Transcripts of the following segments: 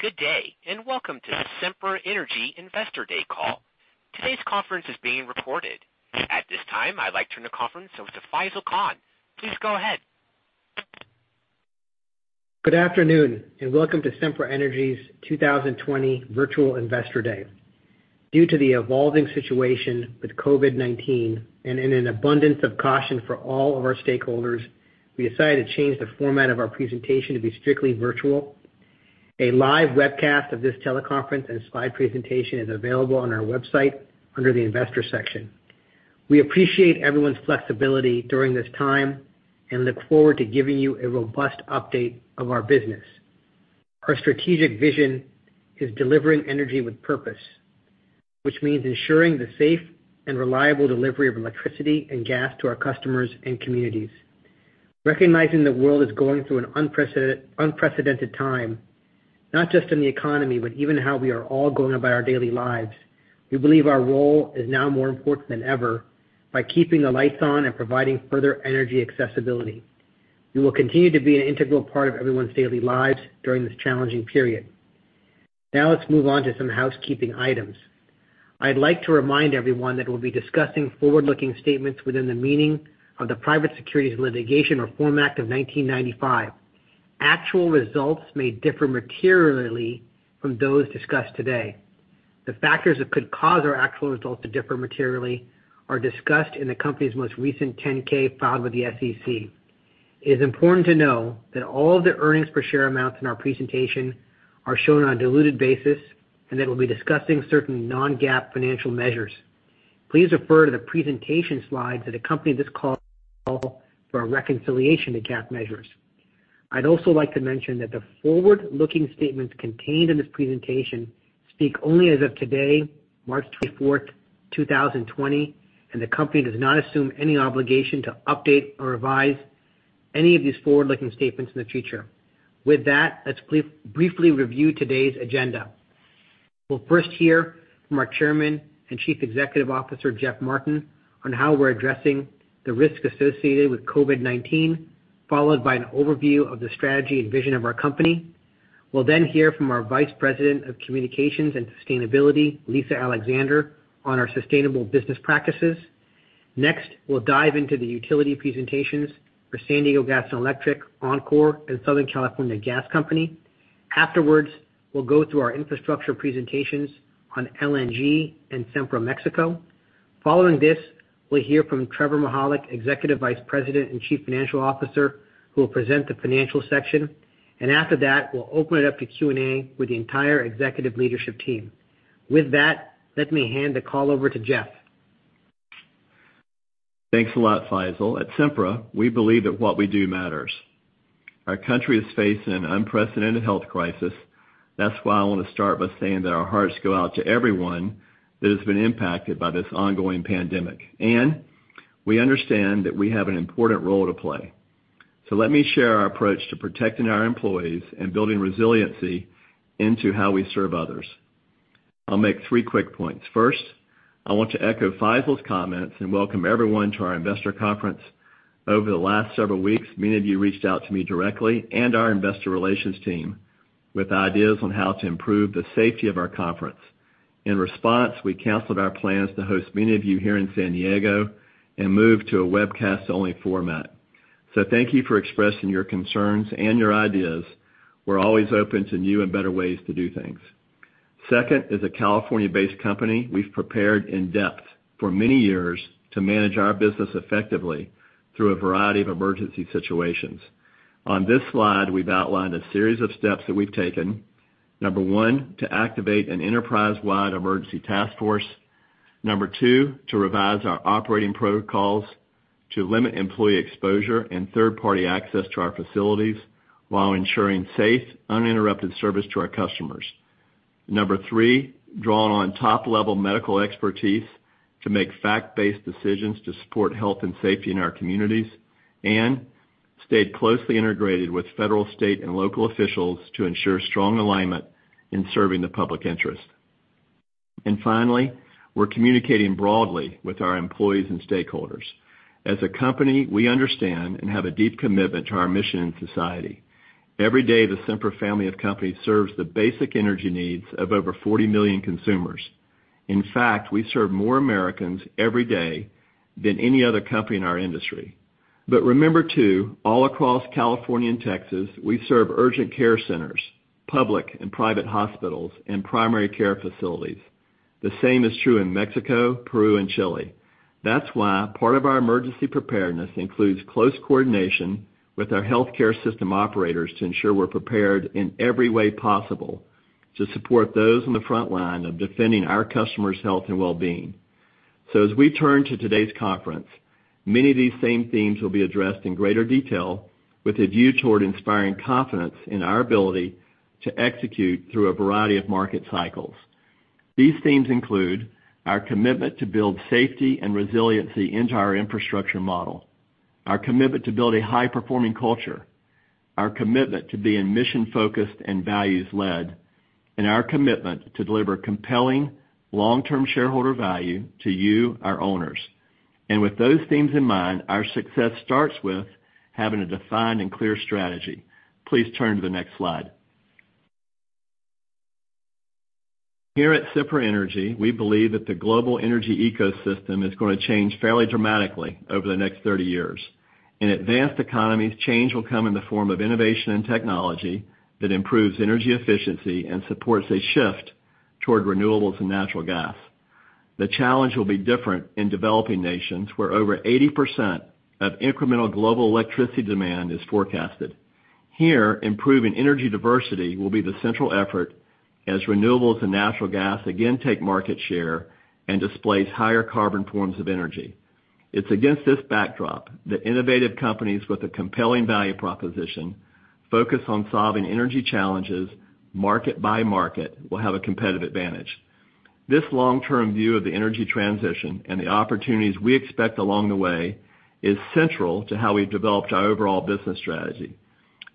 Good day, welcome to the Sempra Energy Investor Day call. Today's conference is being recorded. At this time, I'd like to turn the conference over to Faisel Khan. Please go ahead. Good afternoon, welcome to Sempra Energy's 2020 Virtual Investor Day. Due to the evolving situation with COVID-19 and in an abundance of caution for all of our stakeholders, we decided to change the format of our presentation to be strictly virtual. A live webcast of this teleconference and slide presentation is available on our website under the investor section. We appreciate everyone's flexibility during this time and look forward to giving you a robust update of our business. Our strategic vision is delivering energy with purpose, which means ensuring the safe and reliable delivery of electricity and gas to our customers and communities. Recognizing the world is going through an unprecedented time, not just in the economy, but even how we are all going about our daily lives, we believe our role is now more important than ever by keeping the lights on and providing further energy accessibility. We will continue to be an integral part of everyone's daily lives during this challenging period. Now let's move on to some housekeeping items. I'd like to remind everyone that we'll be discussing forward-looking statements within the meaning of the Private Securities Litigation Reform Act of 1995. Actual results may differ materially from those discussed today. The factors that could cause our actual results to differ materially are discussed in the company's most recent 10-K filed with the SEC. It is important to know that all of the earnings per share amounts in our presentation are shown on a diluted basis and that we'll be discussing certain non-GAAP financial measures. Please refer to the presentation slides that accompany this call for a reconciliation to GAAP measures. I'd also like to mention that the forward-looking statements contained in this presentation speak only as of today, March 24, 2020, and the company does not assume any obligation to update or revise any of these forward-looking statements in the future. With that, let's briefly review today's agenda. We'll first hear from our Chairman and Chief Executive Officer, Jeff Martin, on how we're addressing the risks associated with COVID-19, followed by an overview of the strategy and vision of our company. We'll then hear from our Vice President of Communications and Sustainability, Lisa Alexander, on our sustainable business practices. Next, we'll dive into the utility presentations for San Diego Gas & Electric, Oncor, and Southern California Gas Company. Afterwards, we'll go through our infrastructure presentations on LNG and Sempra Mexico. Following this, we'll hear from Trevor Mihalik, Executive Vice President and Chief Financial Officer, who will present the financial section. After that, we'll open it up to Q&A with the entire executive leadership team. With that, let me hand the call over to Jeff. Thanks a lot, Faisel. At Sempra, we believe that what we do matters. Our country is facing an unprecedented health crisis. I want to start by saying that our hearts go out to everyone that has been impacted by this ongoing pandemic, and we understand that we have an important role to play. Let me share our approach to protecting our employees and building resiliency into how we serve others. I'll make three quick points. First, I want to echo Faisel's comments and welcome everyone to our investor conference. Over the last several weeks, many of you reached out to me directly and our investor relations team with ideas on how to improve the safety of our conference. In response, we canceled our plans to host many of you here in San Diego and moved to a webcast-only format. Thank you for expressing your concerns and your ideas. We're always open to new and better ways to do things. Second is a California-based company. We've prepared in-depth for many years to manage our business effectively through a variety of emergency situations. On this slide, we've outlined a series of steps that we've taken. Number 1, to activate an enterprise-wide emergency task force. Number 2, to revise our operating protocols to limit employee exposure and third-party access to our facilities while ensuring safe, uninterrupted service to our customers. Number 3, drawn on top-level medical expertise to make fact-based decisions to support health and safety in our communities. Stayed closely integrated with federal, state, and local officials to ensure strong alignment in serving the public interest. Finally, we're communicating broadly with our employees and stakeholders. As a company, we understand and have a deep commitment to our mission and society. Every day, the Sempra family of companies serves the basic energy needs of over 40 million consumers. In fact, we serve more Americans every day than any other company in our industry. Remember too, all across California and Texas, we serve urgent care centers, public and private hospitals, and primary care facilities. The same is true in Mexico, Peru, and Chile. That's why part of our emergency preparedness includes close coordination with our healthcare system operators to ensure we're prepared in every way possible to support those on the front line of defending our customers' health and well-being. As we turn to today's conference, many of these same themes will be addressed in greater detail with a view toward inspiring confidence in our ability to execute through a variety of market cycles. These themes include our commitment to build safety and resiliency into our infrastructure model, our commitment to build a high-performing culture, our commitment to being mission-focused and values-led, and our commitment to deliver compelling long-term shareholder value to you, our owners. With those themes in mind, our success starts with having a defined and clear strategy. Please turn to the next slide. Here at Sempra Energy, we believe that the global energy ecosystem is going to change fairly dramatically over the next 30 years. In advanced economies, change will come in the form of innovation and technology that improves energy efficiency and supports a shift toward renewables and natural gas. The challenge will be different in developing nations, where over 80% of incremental global electricity demand is forecasted. Here, improving energy diversity will be the central effort as renewables and natural gas again take market share and displace higher carbon forms of energy. It's against this backdrop that innovative companies with a compelling value proposition, focused on solving energy challenges, market by market, will have a competitive advantage. This long-term view of the energy transition and the opportunities we expect along the way is central to how we've developed our overall business strategy.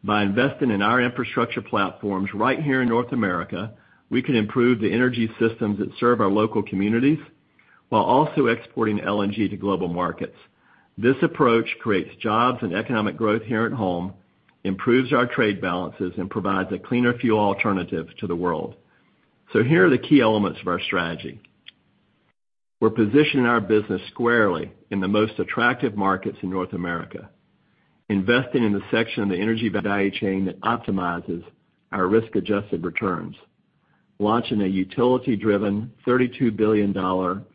By investing in our infrastructure platforms right here in North America, we can improve the energy systems that serve our local communities, while also exporting LNG to global markets. This approach creates jobs and economic growth here at home, improves our trade balances, and provides a cleaner fuel alternative to the world. Here are the key elements of our strategy. We're positioning our business squarely in the most attractive markets in North America, investing in the section of the energy value chain that optimizes our risk-adjusted returns, launching a utility-driven $32 billion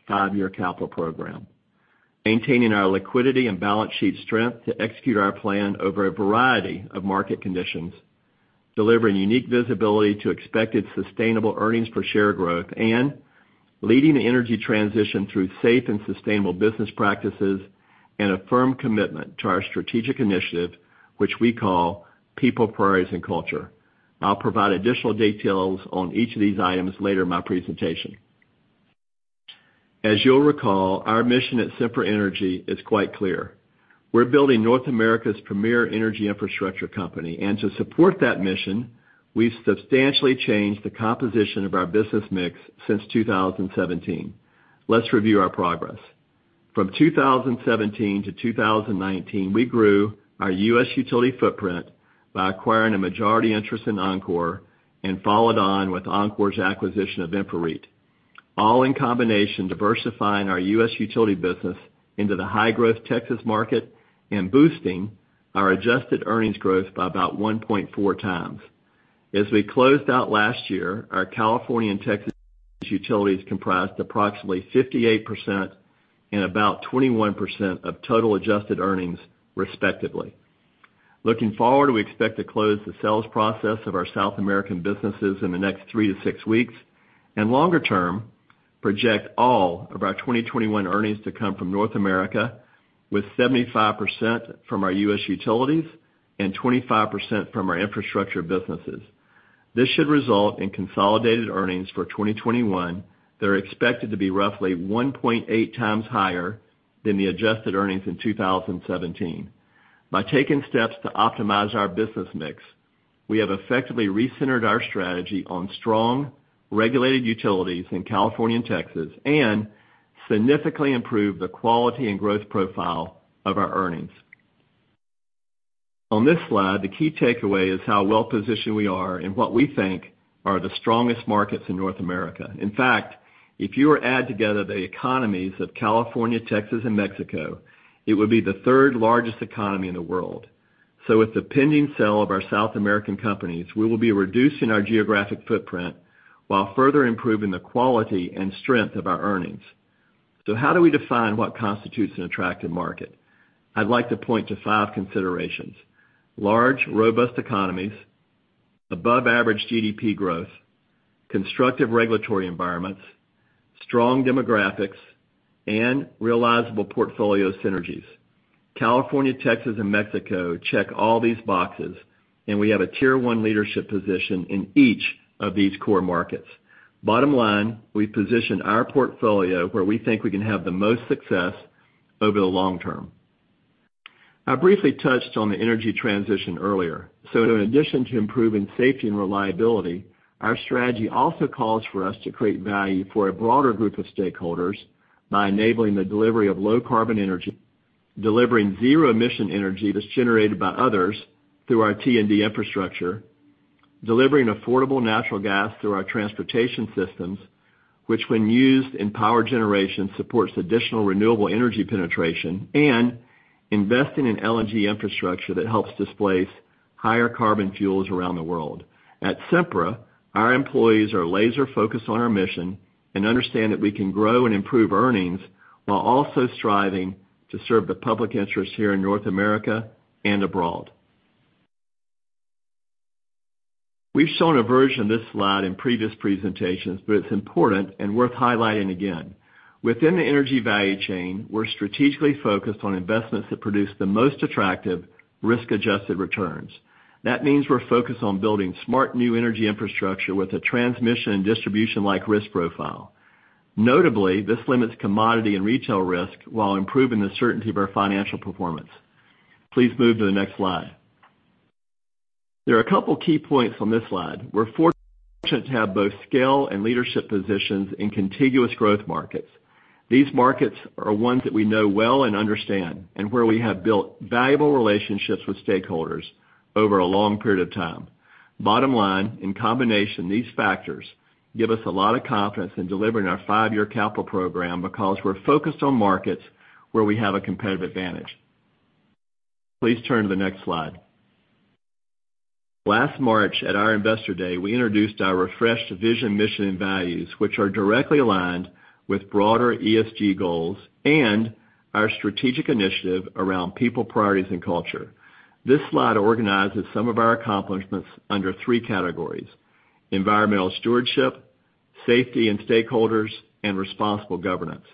five year capital program, maintaining our liquidity and balance sheet strength to execute our plan over a variety of market conditions, delivering unique visibility to expected sustainable earnings per share growth, and leading the energy transition through safe and sustainable business practices and a firm commitment to our strategic initiative, which we call People, Priorities, and Culture. I'll provide additional details on each of these items later in my presentation. As you'll recall, our mission at Sempra Energy is quite clear. We're building North America's premier energy infrastructure company. To support that mission, we've substantially changed the composition of our business mix since 2017. Let's review our progress. From 2017 to 2019, we grew our U.S. utility footprint by acquiring a majority interest in Oncor and followed on with Oncor's acquisition of InfraREIT. All in combination, diversifying our U.S. utility business into the high-growth Texas market and boosting our adjusted earnings growth by about 1.4 times. As we closed out last year, our California and Texas utilities comprised approximately 58% and about 21% of total adjusted earnings, respectively. Looking forward, we expect to close the sales process of our South American businesses in the next three to six weeks, longer term, project all of our 2021 earnings to come from North America, with 75% from our U.S. utilities and 25% from our infrastructure businesses. This should result in consolidated earnings for 2021 that are expected to be roughly 1.8x higher than the adjusted earnings in 2017. By taking steps to optimize our business mix, we have effectively recentered our strategy on strong, regulated utilities in California and Texas and significantly improved the quality and growth profile of our earnings. On this slide, the key takeaway is how well-positioned we are in what we think are the strongest markets in North America. In fact, if you were to add together the economies of California, Texas, and Mexico, it would be the third-largest economy in the world. With the pending sale of our South American companies, we will be reducing our geographic footprint while further improving the quality and strength of our earnings. How do we define what constitutes an attractive market? I'd like to point to five considerations: large, robust economies, above-average GDP growth, constructive regulatory environments, strong demographics, and realizable portfolio synergies. California, Texas, and Mexico check all these boxes, and we have a tier 1 leadership position in each of these core markets. Bottom line, we position our portfolio where we think we can have the most success over the long term. I briefly touched on the energy transition earlier. In addition to improving safety and reliability, our strategy also calls for us to create value for a broader group of stakeholders by enabling the delivery of low-carbon energy, delivering zero-emission energy that's generated by others through our T&D infrastructure, delivering affordable natural gas through our transportation systems, which when used in power generation, supports additional renewable energy penetration, and investing in LNG infrastructure that helps displace higher carbon fuels around the world. At Sempra, our employees are laser-focused on our mission and understand that we can grow and improve earnings while also striving to serve the public interest here in North America and abroad. We've shown a version of this slide in previous presentations, but it's important and worth highlighting again. Within the energy value chain, we're strategically focused on investments that produce the most attractive risk-adjusted returns. That means we're focused on building smart new energy infrastructure with a transmission and distribution-like risk profile. Notably, this limits commodity and retail risk while improving the certainty of our financial performance. Please move to the next slide. There are a couple key points on this slide. We're fortunate to have both scale and leadership positions in contiguous growth markets. These markets are ones that we know well and understand, and where we have built valuable relationships with stakeholders over a long period of time. Bottom line, in combination, these factors give us a lot of confidence in delivering our five-year capital program because we're focused on markets where we have a competitive advantage. Please turn to the next slide. Last March at our investor day, we introduced our refreshed vision, mission, and values, which are directly aligned with broader ESG goals and our strategic initiative around people, priorities, and culture. This slide organizes some of our accomplishments under three categories: environmental stewardship, safety and stakeholders, and responsible governance.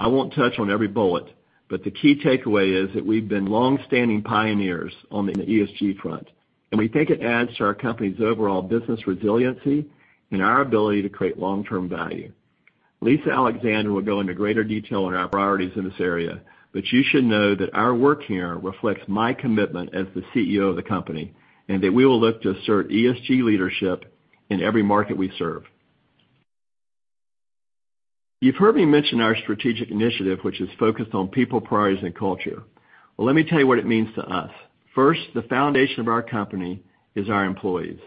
I won't touch on every bullet. The key takeaway is that we've been longstanding pioneers on the ESG front. We think it adds to our company's overall business resiliency and our ability to create long-term value. Lisa Alexander will go into greater detail on our priorities in this area, but you should know that our work here reflects my commitment as the CEO of the company, and that we will look to assert ESG leadership in every market we serve. You've heard me mention our strategic initiative, which is focused on people, priorities, and culture. Well, let me tell you what it means to us. First, the foundation of our company is our employees.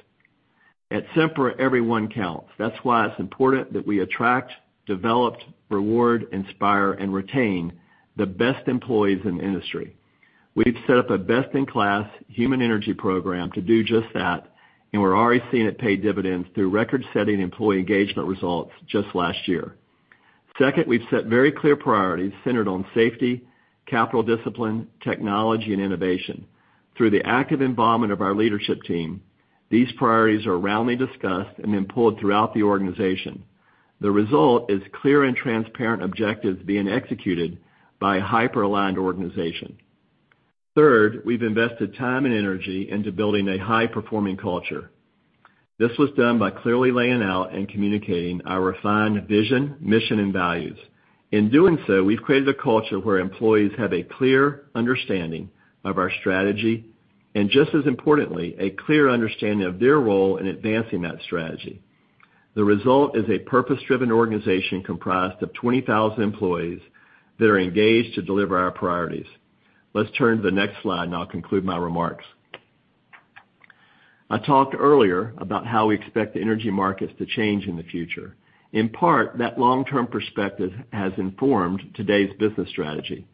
At Sempra, everyone counts. That's why it's important that we attract, develop, reward, inspire, and retain the best employees in the industry. We've set up a best-in-class human energy program to do just that, and we're already seeing it pay dividends through record-setting employee engagement results just last year. Second, we've set very clear priorities centered on safety, capital discipline, technology, and innovation. Through the active involvement of our leadership team, these priorities are roundly discussed and then pulled throughout the organization. The result is clear and transparent objectives being executed by a hyper-aligned organization. Third, we've invested time and energy into building a high-performing culture. This was done by clearly laying out and communicating our refined vision, mission, and values. In doing so, we've created a culture where employees have a clear understanding of our strategy, and just as importantly, a clear understanding of their role in advancing that strategy. The result is a purpose-driven organization comprised of 20,000 employees that are engaged to deliver our priorities. Let's turn to the next slide and I'll conclude my remarks. I talked earlier about how we expect the energy markets to change in the future. In part, that long-term perspective has informed today's business strategy.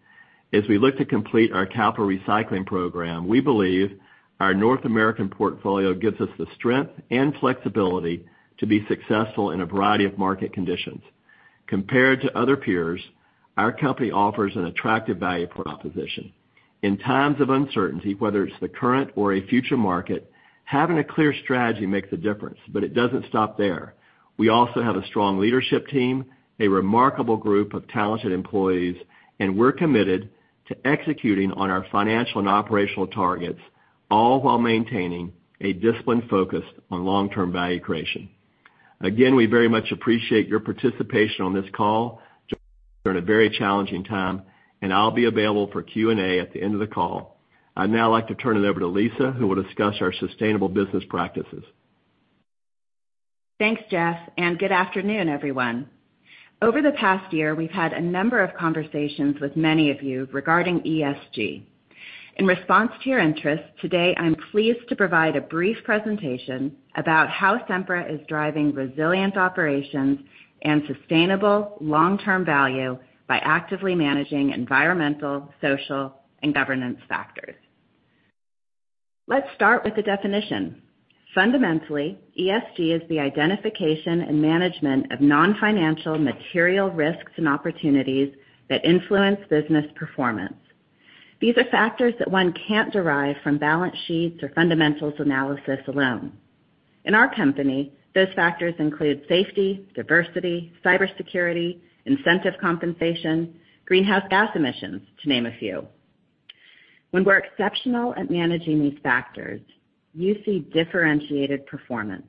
As we look to complete our capital recycling program, we believe our North American portfolio gives us the strength and flexibility to be successful in a variety of market conditions. Compared to other peers, our company offers an attractive value proposition. In times of uncertainty, whether it's the current or a future market, having a clear strategy makes a difference. It doesn't stop there. We also have a strong leadership team, a remarkable group of talented employees, and we're committed to executing on our financial and operational targets, all while maintaining a disciplined focus on long-term value creation. Again, we very much appreciate your participation on this call during a very challenging time, and I'll be available for Q&A at the end of the call. I'd now like to turn it over to Lisa, who will discuss our sustainable business practices. Thanks, Jeff. Good afternoon, everyone. Over the past year, we've had a number of conversations with many of you regarding ESG. In response to your interest, today I'm pleased to provide a brief presentation about how Sempra is driving resilient operations and sustainable long-term value by actively managing environmental, social, and governance factors. Let's start with a definition. Fundamentally, ESG is the identification and management of non-financial material risks and opportunities that influence business performance. These are factors that one can't derive from balance sheets or fundamentals analysis alone. In our company, those factors include safety, diversity, cybersecurity, incentive compensation, greenhouse gas emissions, to name a few. When we're exceptional at managing these factors, you see differentiated performance.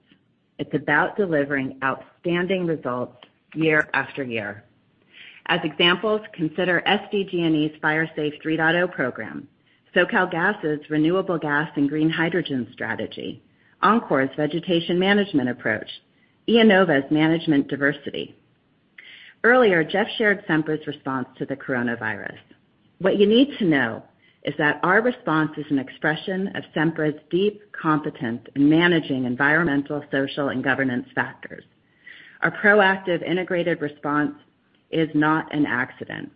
It's about delivering outstanding results year after year. As examples, consider SDG&E's Fire Safe 3.0 program, SoCalGas's renewable gas and green hydrogen strategy, Oncor's vegetation management approach, IEnova's management diversity. Earlier, Jeff shared Sempra's response to the coronavirus. What you need to know is that our response is an expression of Sempra's deep competence in managing environmental, social, and governance factors. Our proactive, integrated response is not an accident.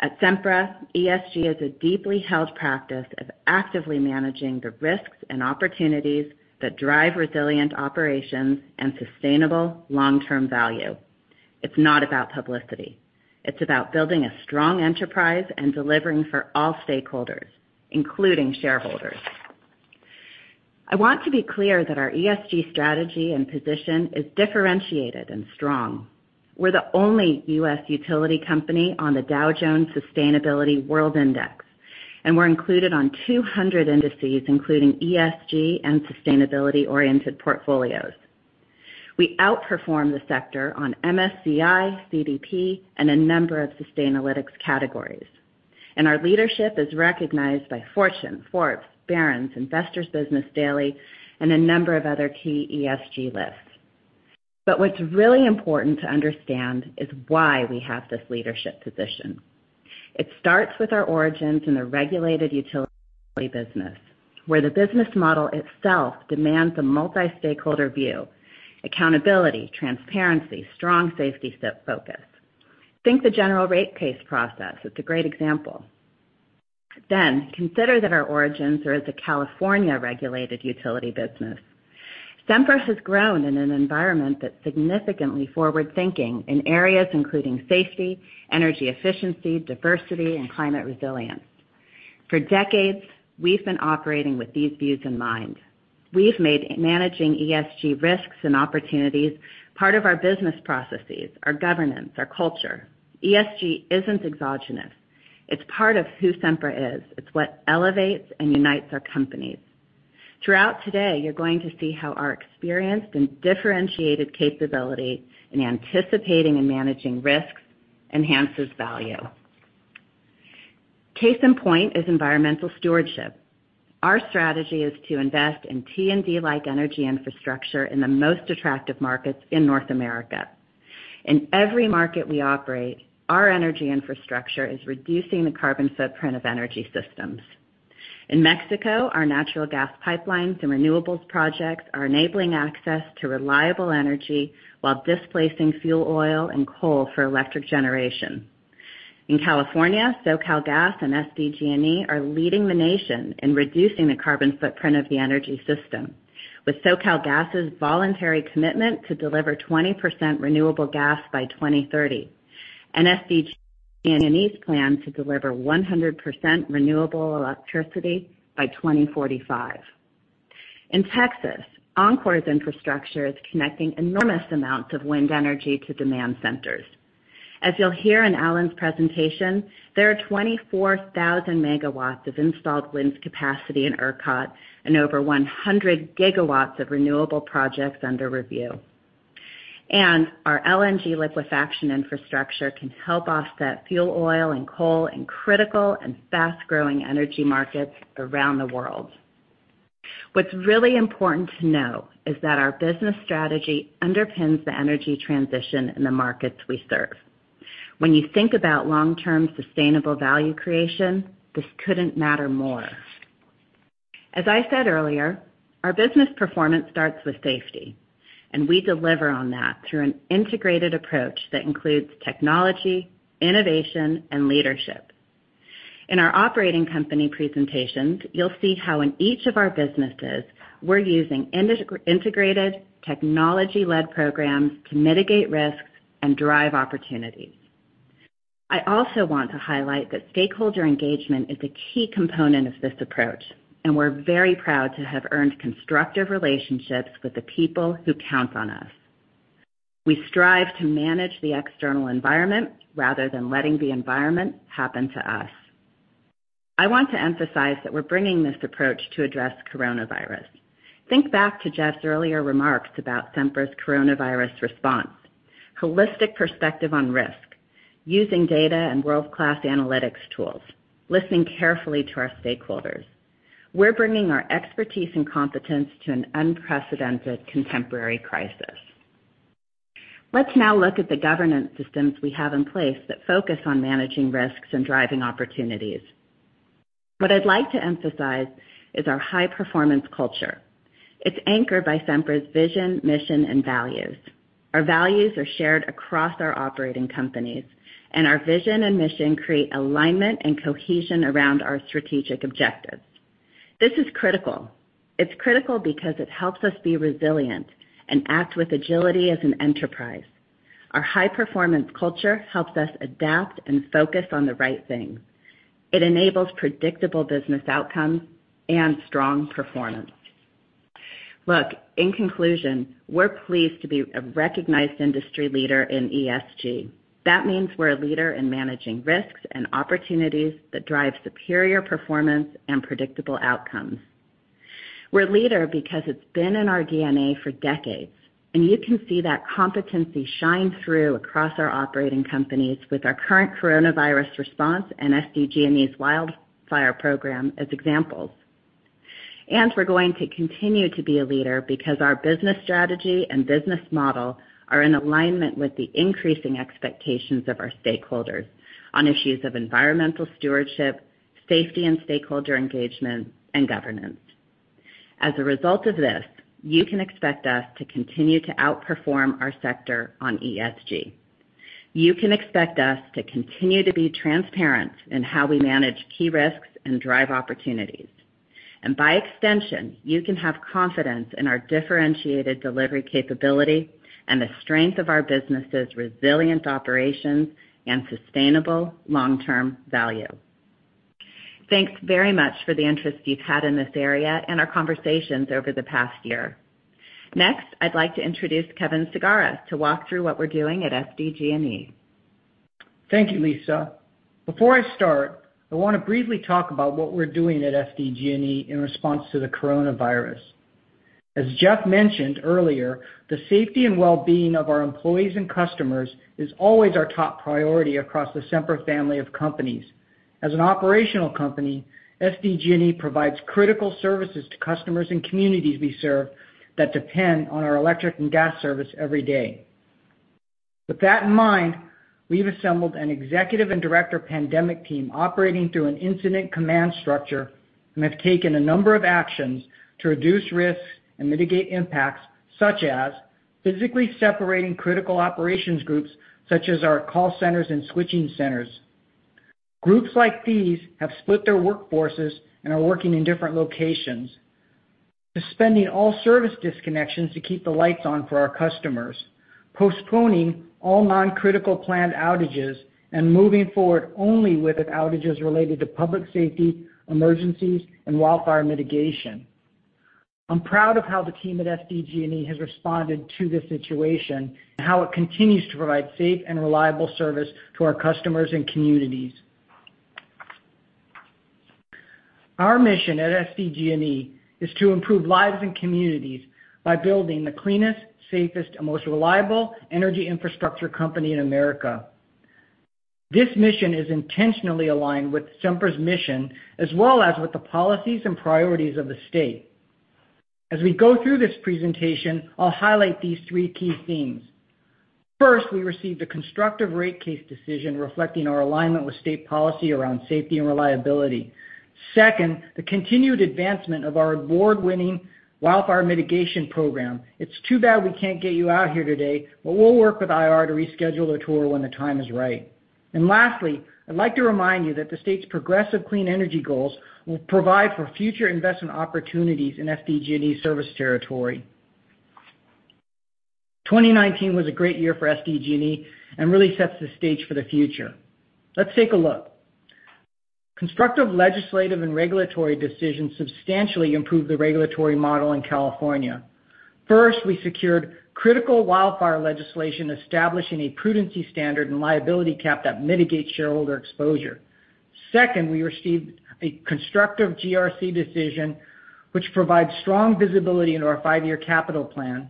At Sempra, ESG is a deeply held practice of actively managing the risks and opportunities that drive resilient operations and sustainable long-term value. It's not about publicity. It's about building a strong enterprise and delivering for all stakeholders, including shareholders. I want to be clear that our ESG strategy and position is differentiated and strong. We're the only U.S. utility company on the Dow Jones Sustainability World Index, and we're included on 200 indices, including ESG and sustainability-oriented portfolios. We outperform the sector on MSCI, CDP, and a number of Sustainalytics categories. Our leadership is recognized by Fortune, Forbes, Barron's, Investor's Business Daily, and a number of other key ESG lists. What's really important to understand is why we have this leadership position. It starts with our origins in the regulated utility business, where the business model itself demands a multi-stakeholder view, accountability, transparency, strong safety step focus. Think the general rate case process. It's a great example. Consider that our origins are as a California-regulated utility business. Sempra has grown in an environment that's significantly forward-thinking in areas including safety, energy efficiency, diversity, and climate resilience. For decades, we've been operating with these views in mind. We've made managing ESG risks and opportunities part of our business processes, our governance, our culture. ESG isn't exogenous. It's part of who Sempra is. It's what elevates and unites our companies. Throughout today, you're going to see how our experienced and differentiated capability in anticipating and managing risks enhances value. Case in point is environmental stewardship. Our strategy is to invest in T&D-like energy infrastructure in the most attractive markets in North America. In every market we operate, our energy infrastructure is reducing the carbon footprint of energy systems. In Mexico, our natural gas pipelines and renewables projects are enabling access to reliable energy while displacing fuel oil and coal for electric generation. In California, SoCalGas and SDG&E are leading the nation in reducing the carbon footprint of the energy system with SoCalGas's voluntary commitment to deliver 20% renewable gas by 2030 and SDG&E's plan to deliver 100% renewable electricity by 2045. In Texas, Oncor's infrastructure is connecting enormous amounts of wind energy to demand centers. As you'll hear in Allen's presentation, there are 24,000 MW of installed wind capacity in ERCOT and over 100 GW of renewable projects under review. Our LNG liquefaction infrastructure can help offset fuel oil and coal in critical and fast-growing energy markets around the world. What's really important to know is that our business strategy underpins the energy transition in the markets we serve. When you think about long-term sustainable value creation, this couldn't matter more. As I said earlier, our business performance starts with safety, and we deliver on that through an integrated approach that includes technology, innovation, and leadership. In our operating company presentations, you'll see how in each of our businesses, we're using integrated technology-led programs to mitigate risks and drive opportunities. I also want to highlight that stakeholder engagement is a key component of this approach, and we're very proud to have earned constructive relationships with the people who count on us. We strive to manage the external environment rather than letting the environment happen to us. I want to emphasize that we're bringing this approach to address coronavirus. Think back to Jeff's earlier remarks about Sempra's coronavirus response. Holistic perspective on risk, using data and world-class analytics tools, listening carefully to our stakeholders. We're bringing our expertise and competence to an unprecedented contemporary crisis. Let's now look at the governance systems we have in place that focus on managing risks and driving opportunities. What I'd like to emphasize is our high-performance culture. It's anchored by Sempra's vision, mission, and values. Our values are shared across our operating companies, and our vision and mission create alignment and cohesion around our strategic objectives. This is critical. It's critical because it helps us be resilient and act with agility as an enterprise. Our high-performance culture helps us adapt and focus on the right things. It enables predictable business outcomes and strong performance. Look, in conclusion, we're pleased to be a recognized industry leader in ESG. That means we're a leader in managing risks and opportunities that drive superior performance and predictable outcomes. We're a leader because it's been in our DNA for decades, and you can see that competency shine through across our operating companies with our current coronavirus response and SDG&E's wildfire program as examples. We're going to continue to be a leader because our business strategy and business model are in alignment with the increasing expectations of our stakeholders on issues of environmental stewardship, safety and stakeholder engagement, and governance. As a result of this, you can expect us to continue to outperform our sector on ESG. You can expect us to continue to be transparent in how we manage key risks and drive opportunities. By extension, you can have confidence in our differentiated delivery capability and the strength of our businesses' resilient operations and sustainable long-term value. Thanks very much for the interest you've had in this area and our conversations over the past year. Next, I'd like to introduce Kevin Sagara to walk through what we're doing at SDG&E. Thank you, Lisa. Before I start, I want to briefly talk about what we're doing at SDG&E in response to the coronavirus. As Jeff mentioned earlier, the safety and wellbeing of our employees and customers is always our top priority across the Sempra family of companies. As an operational company, SDG&E provides critical services to customers and communities we serve that depend on our electric and gas service every day. With that in mind, we've assembled an executive and director pandemic team operating through an incident command structure and have taken a number of actions to reduce risks and mitigate impacts, such as physically separating critical operations groups, such as our call centers and switching centers. Groups like these have split their workforces and are working in different locations. Suspending all service disconnections to keep the lights on for our customers. Postponing all non-critical planned outages and moving forward only with outages related to public safety, emergencies, and wildfire mitigation. I'm proud of how the team at SDG&E has responded to this situation and how it continues to provide safe and reliable service to our customers and communities. Our mission at SDG&E is to improve lives and communities by building the cleanest, safest, and most reliable energy infrastructure company in America. This mission is intentionally aligned with Sempra's mission as well as with the policies and priorities of the state. As we go through this presentation, I'll highlight these three key themes. First, we received a constructive rate case decision reflecting our alignment with state policy around safety and reliability. Second, the continued advancement of our award-winning wildfire mitigation program. It's too bad we can't get you out here today, but we'll work with IR to reschedule the tour when the time is right. Lastly, I'd like to remind you that the state's progressive clean energy goals will provide for future investment opportunities in SDG&E service territory. 2019 was a great year for SDG&E and really sets the stage for the future. Let's take a look. Constructive legislative and regulatory decisions substantially improved the regulatory model in California. First, we secured critical wildfire legislation establishing a prudency standard and liability cap that mitigates shareholder exposure. Second, we received a constructive GRC decision, which provides strong visibility into our five-year capital plan.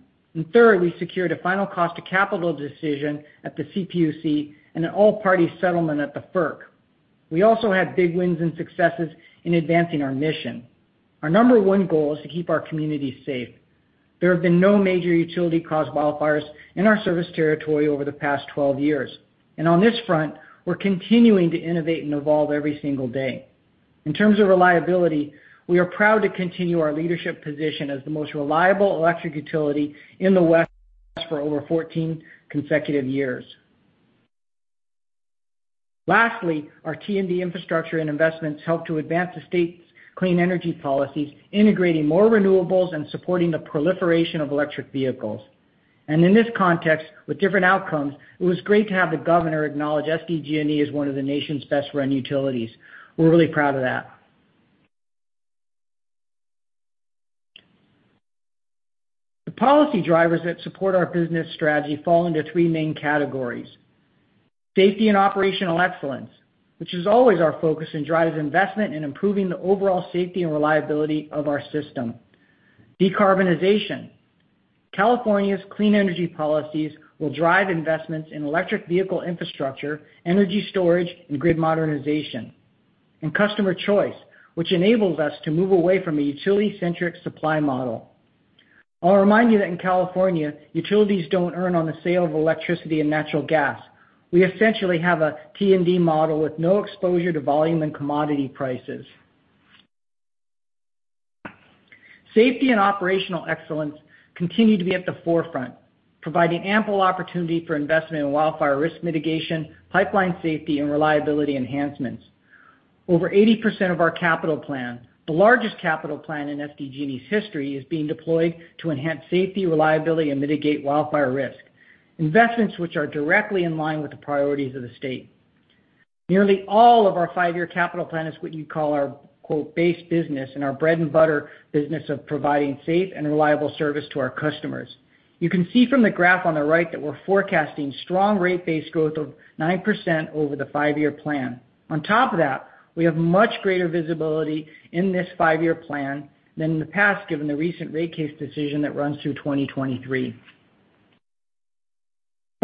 Third, we secured a final cost of capital decision at the CPUC and an all-party settlement at the FERC. We also had big wins and successes in advancing our mission. Our number one goal is to keep our community safe. There have been no major utility-caused wildfires in our service territory over the past 12 years. On this front, we're continuing to innovate and evolve every single day. In terms of reliability, we are proud to continue our leadership position as the most reliable electric utility in the West for over 14 consecutive years. Lastly, our T&D infrastructure and investments help to advance the state's clean energy policies, integrating more renewables and supporting the proliferation of electric vehicles. In this context, with different outcomes, it was great to have the Governor acknowledge SDG&E as one of the nation's best-run utilities. We're really proud of that. The policy drivers that support our business strategy fall into three main categories. Safety and operational excellence, which is always our focus and drives investment in improving the overall safety and reliability of our system. Decarbonization. California's clean energy policies will drive investments in electric vehicle infrastructure, energy storage, and grid modernization. Customer choice, which enables us to move away from a utility-centric supply model. I'll remind you that in California, utilities don't earn on the sale of electricity and natural gas. We essentially have a T&D model with no exposure to volume and commodity prices. Safety and operational excellence continue to be at the forefront, providing ample opportunity for investment in wildfire risk mitigation, pipeline safety, and reliability enhancements. Over 80% of our capital plan, the largest capital plan in SDG&E's history, is being deployed to enhance safety, reliability, and mitigate wildfire risk. Investments which are directly in line with the priorities of the state. Nearly all of our five-year capital plan is what you'd call our "base business" and our bread-and-butter business of providing safe and reliable service to our customers. You can see from the graph on the right that we're forecasting strong rate base growth of 9% over the five-year plan. On top of that, we have much greater visibility in this five-year plan than in the past given the recent rate case decision that runs through 2023.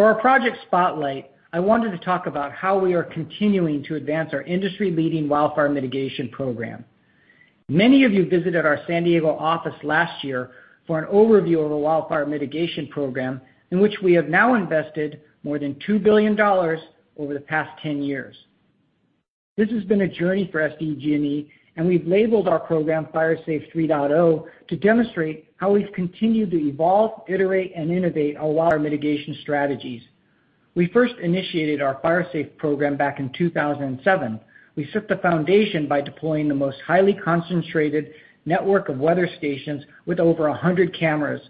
For our project spotlight, I wanted to talk about how we are continuing to advance our industry-leading wildfire mitigation program. Many of you visited our San Diego office last year for an overview of the wildfire mitigation program, in which we have now invested more than $2 billion over the past 10 years. This has been a journey for SDG&E, and we've labeled our program Fire Safe 3.0 to demonstrate how we've continued to evolve, iterate, and innovate a lot of our mitigation strategies. We first initiated our Fire Safe program back in 2007. We set the foundation by deploying the most highly concentrated network of weather stations with over 100 cameras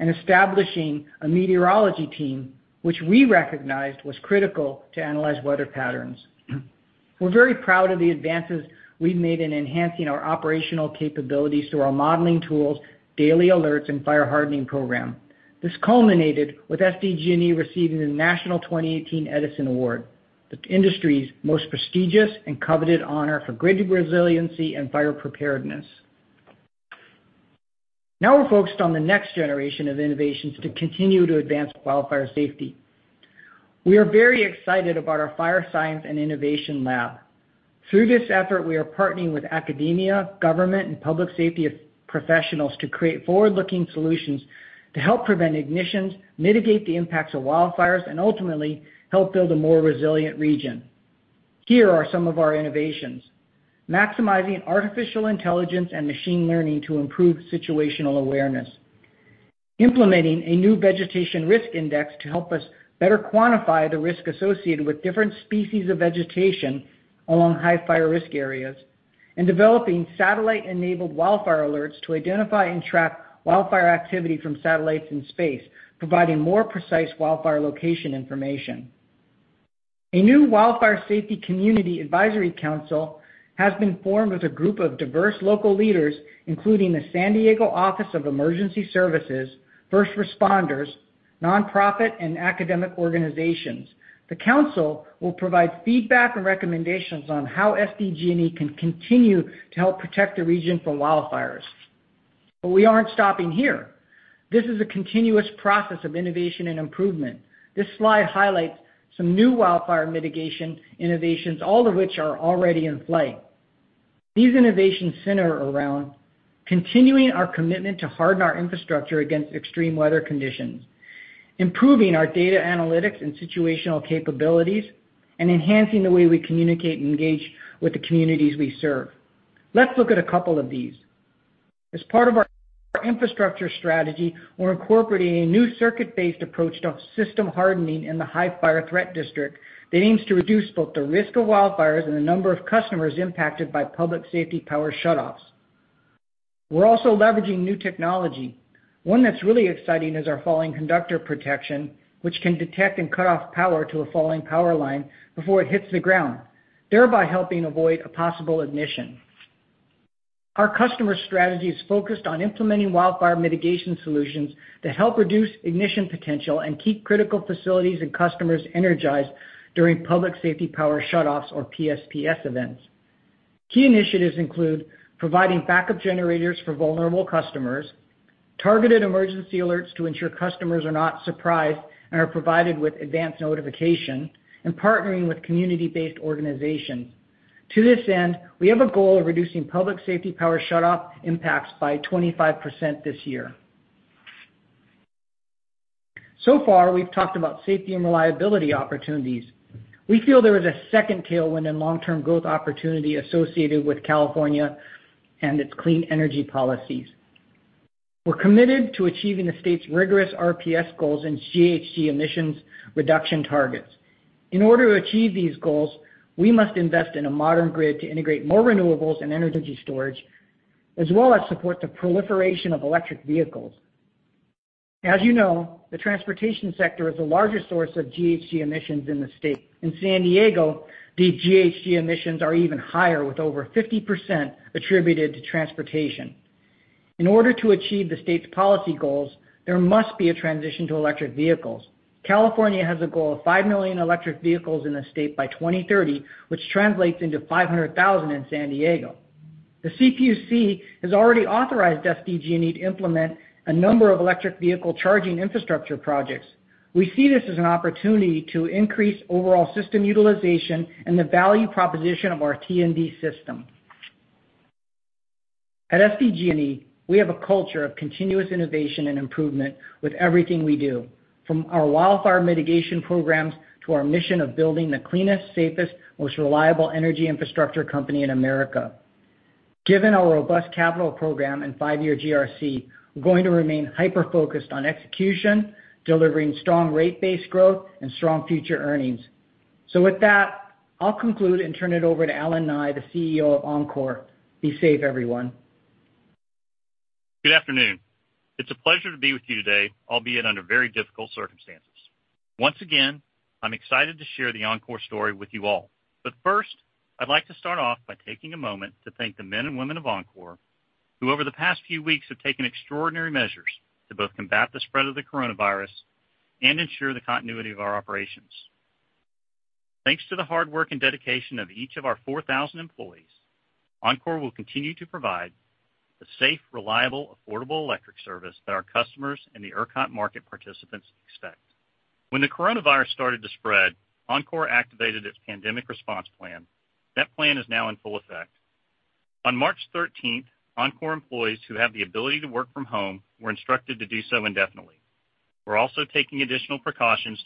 and establishing a meteorology team, which we recognized was critical to analyze weather patterns. We're very proud of the advances we've made in enhancing our operational capabilities through our modeling tools, daily alerts, and fire hardening program. This culminated with SDG&E receiving the National 2018 Edison Award, the industry's most prestigious and coveted honor for grid resiliency and fire preparedness. Now we're focused on the next generation of innovations to continue to advance wildfire safety. We are very excited about our fire science and innovation lab. Through this effort, we are partnering with academia, government, and public safety professionals to create forward-looking solutions to help prevent ignitions, mitigate the impacts of wildfires, and ultimately help build a more resilient region. Here are some of our innovations. Maximizing artificial intelligence and machine learning to improve situational awareness, implementing a new vegetation risk index to help us better quantify the risk associated with different species of vegetation along high fire risk areas, and developing satellite-enabled wildfire alerts to identify and track wildfire activity from satellites in space, providing more precise wildfire location information. A new Wildfire Safety Community Advisory Council has been formed with a group of diverse local leaders, including the San Diego Office of Emergency Services, first responders, nonprofit, and academic organizations. The council will provide feedback and recommendations on how SDG&E can continue to help protect the region from wildfires. We aren't stopping here. This is a continuous process of innovation and improvement. This slide highlights some new wildfire mitigation innovations, all of which are already in play. These innovations center around continuing our commitment to harden our infrastructure against extreme weather conditions, improving our data analytics and situational capabilities, and enhancing the way we communicate and engage with the communities we serve. Let's look at a couple of these. As part of our infrastructure strategy, we're incorporating a new circuit-based approach to system hardening in the high fire threat district that aims to reduce both the risk of wildfires and the number of customers impacted by public safety power shutoffs. We're also leveraging new technology. One that's really exciting is our falling conductor protection, which can detect and cut off power to a falling power line before it hits the ground, thereby helping avoid a possible ignition. Our customer strategy is focused on implementing wildfire mitigation solutions to help reduce ignition potential and keep critical facilities and customers energized during public safety power shutoffs or PSPS events. Key initiatives include providing backup generators for vulnerable customers, targeted emergency alerts to ensure customers are not surprised and are provided with advance notification, and partnering with community-based organizations. To this end, we have a goal of reducing public safety power shutoff impacts by 25% this year. So far, we've talked about safety and reliability opportunities. We feel there is a second tailwind in long-term growth opportunity associated with California and its clean energy policies. We're committed to achieving the state's rigorous RPS goals and GHG emissions reduction targets. In order to achieve these goals, we must invest in a modern grid to integrate more renewables and energy storage, as well as support the proliferation of electric vehicles. As you know, the transportation sector is the largest source of GHG emissions in the state. In San Diego, the GHG emissions are even higher, with over 50% attributed to transportation. In order to achieve the state's policy goals, there must be a transition to electric vehicles. California has a goal of 5 million electric vehicles in the state by 2030, which translates into 500,000 in San Diego. The CPUC has already authorized SDG&E to implement a number of electric vehicle charging infrastructure projects. We see this as an opportunity to increase overall system utilization and the value proposition of our T&D system. At SDG&E, we have a culture of continuous innovation and improvement with everything we do, from our wildfire mitigation programs to our mission of building the cleanest, safest, most reliable energy infrastructure company in America. Given our robust capital program and five-year GRC, we're going to remain hyper-focused on execution, delivering strong rate-based growth and strong future earnings. With that, I'll conclude and turn it over to Allen Nye, the CEO of Oncor. Be safe, everyone. Good afternoon. It's a pleasure to be with you today, albeit under very difficult circumstances. Once again, I'm excited to share the Oncor story with you all. First, I'd like to start off by taking a moment to thank the men and women of Oncor, who over the past few weeks have taken extraordinary measures to both combat the spread of the coronavirus and ensure the continuity of our operations. Thanks to the hard work and dedication of each of our 4,000 employees, Oncor will continue to provide the safe, reliable, affordable electric service that our customers and the ERCOT market participants expect. When the coronavirus started to spread, Oncor activated its pandemic response plan. That plan is now in full effect. On March 13th, Oncor employees who have the ability to work from home were instructed to do so indefinitely. We're also taking additional precautions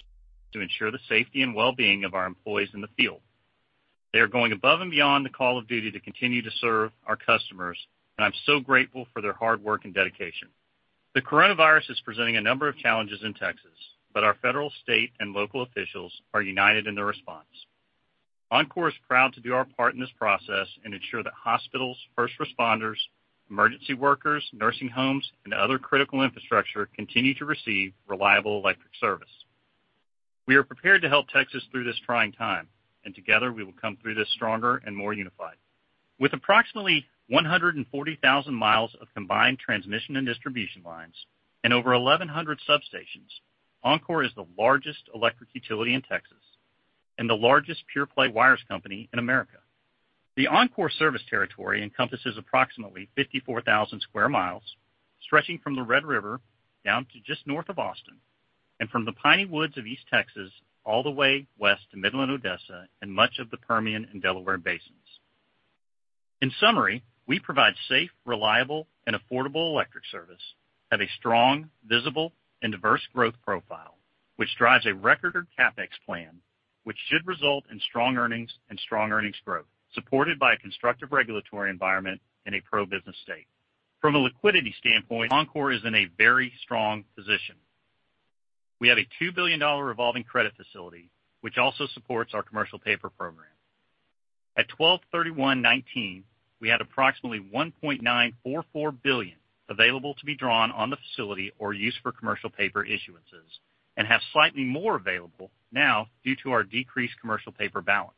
to ensure the safety and well-being of our employees in the field. They are going above and beyond the call of duty to continue to serve our customers, and I'm so grateful for their hard work and dedication. The coronavirus is presenting a number of challenges in Texas. Our federal, state, and local officials are united in their response. Oncor is proud to do our part in this process and ensure that hospitals, first responders, emergency workers, nursing homes, and other critical infrastructure continue to receive reliable electric service. We are prepared to help Texas through this trying time, and together we will come through this stronger and more unified. With approximately 140,000 mi of combined transmission and distribution lines and over 1,100 substations, Oncor is the largest electric utility in Texas and the largest pure-play wires company in America. The Oncor service territory encompasses approximately 54,000 sq mi, stretching from the Red River down to just north of Austin, and from the Piney Woods of East Texas all the way west to Midland, Odessa, and much of the Permian and Delaware Basins. In summary, we provide safe, reliable, and affordable electric service, have a strong, visible, and diverse growth profile, which drives a record CapEx plan, which should result in strong earnings and strong earnings growth, supported by a constructive regulatory environment in a pro-business state. From a liquidity standpoint, Oncor is in a very strong position. We have a $2 billion revolving credit facility, which also supports our commercial paper program. At 12/31/19, we had approximately $1.944 billion available to be drawn on the facility or used for commercial paper issuances and have slightly more available now due to our decreased commercial paper balance.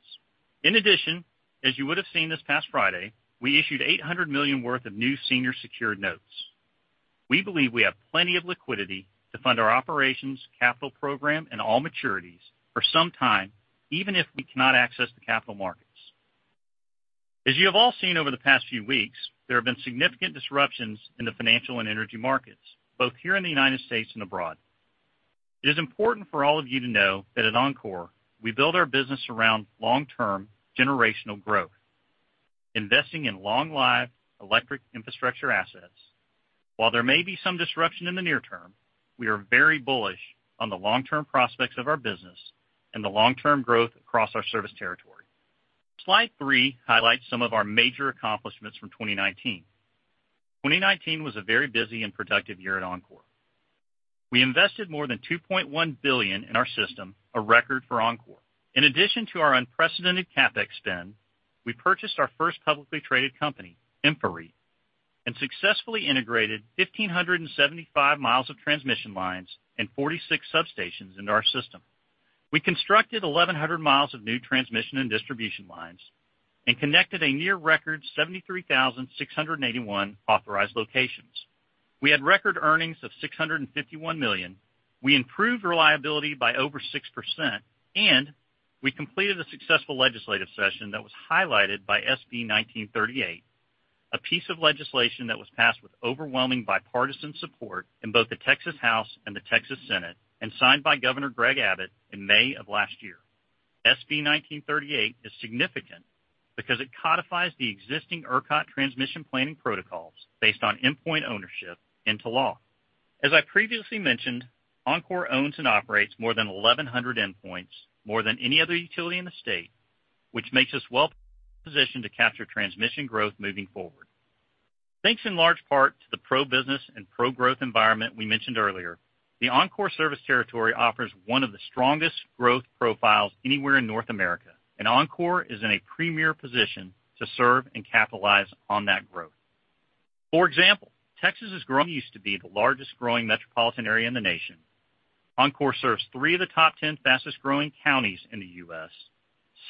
In addition, as you would have seen this past Friday, we issued $800 million worth of new senior secured notes. We believe we have plenty of liquidity to fund our operations, capital program, and all maturities for some time, even if we cannot access the capital markets. As you have all seen over the past few weeks, there have been significant disruptions in the financial and energy markets, both here in the U.S. and abroad. It is important for all of you to know that at Oncor, we build our business around long-term generational growth, investing in long-live electric infrastructure assets. While there may be some disruption in the near term, we are very bullish on the long-term prospects of our business and the long-term growth across our service territory. Slide three highlights some of our major accomplishments from 2019. 2019 was a very busy and productive year at Oncor. We invested more than $2.1 billion in our system, a record for Oncor. In addition to our unprecedented CapEx spend, we purchased our first publicly traded company, InfraREIT, and successfully integrated 1,575 mi of transmission lines and 46 substations into our system. We constructed 1,100 miles of new transmission and distribution lines and connected a near-record 73,681 authorized locations. We had record earnings of $651 million, we improved reliability by over 6%, and we completed a successful legislative session that was highlighted by SB 1938, a piece of legislation that was passed with overwhelming bipartisan support in both the Texas House and the Texas Senate and signed by Governor Greg Abbott in May of last year. SB 1938 is significant because it codifies the existing ERCOT transmission planning protocols based on endpoint ownership into law. As I previously mentioned, Oncor owns and operates more than 1,100 endpoints, more than any other utility in the state, which makes us well-positioned to capture transmission growth moving forward. Thanks in large part to the pro-business and pro-growth environment we mentioned earlier, the Oncor service territory offers one of the strongest growth profiles anywhere in North America, and Oncor is in a premier position to serve and capitalize on that growth. For example, Texas is growing. It used to be the largest growing metropolitan area in the nation. Oncor serves three of the top 10 fastest-growing counties in the U.S.,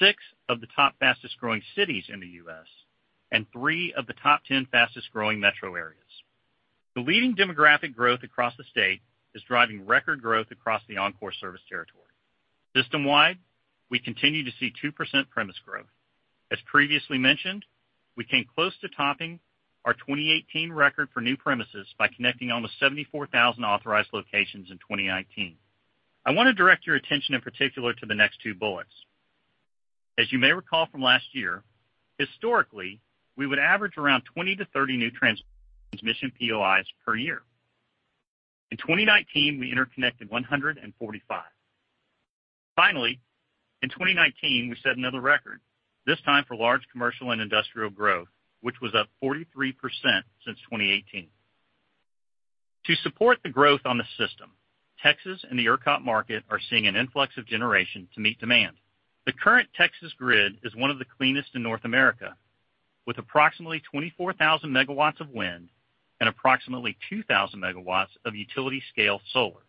six of the top fastest-growing cities in the U.S., and three of the top 10 fastest-growing metro areas. The leading demographic growth across the state is driving record growth across the Oncor service territory. System-wide, we continue to see 2% premise growth. As previously mentioned, we came close to topping our 2018 record for new premises by connecting almost 74,000 authorized locations in 2019. I want to direct your attention in particular to the next two bullets. As you may recall from last year, historically, we would average around 20-30 new transmission POIs per year. In 2019, we interconnected 145. Finally, in 2019, we set another record, this time for large commercial and industrial growth, which was up 43% since 2018. To support the growth on the system, Texas and the ERCOT market are seeing an influx of generation to meet demand. The current Texas grid is one of the cleanest in North America, with approximately 24,000 MW of wind and approximately 2,000 MW of utility-scale solar.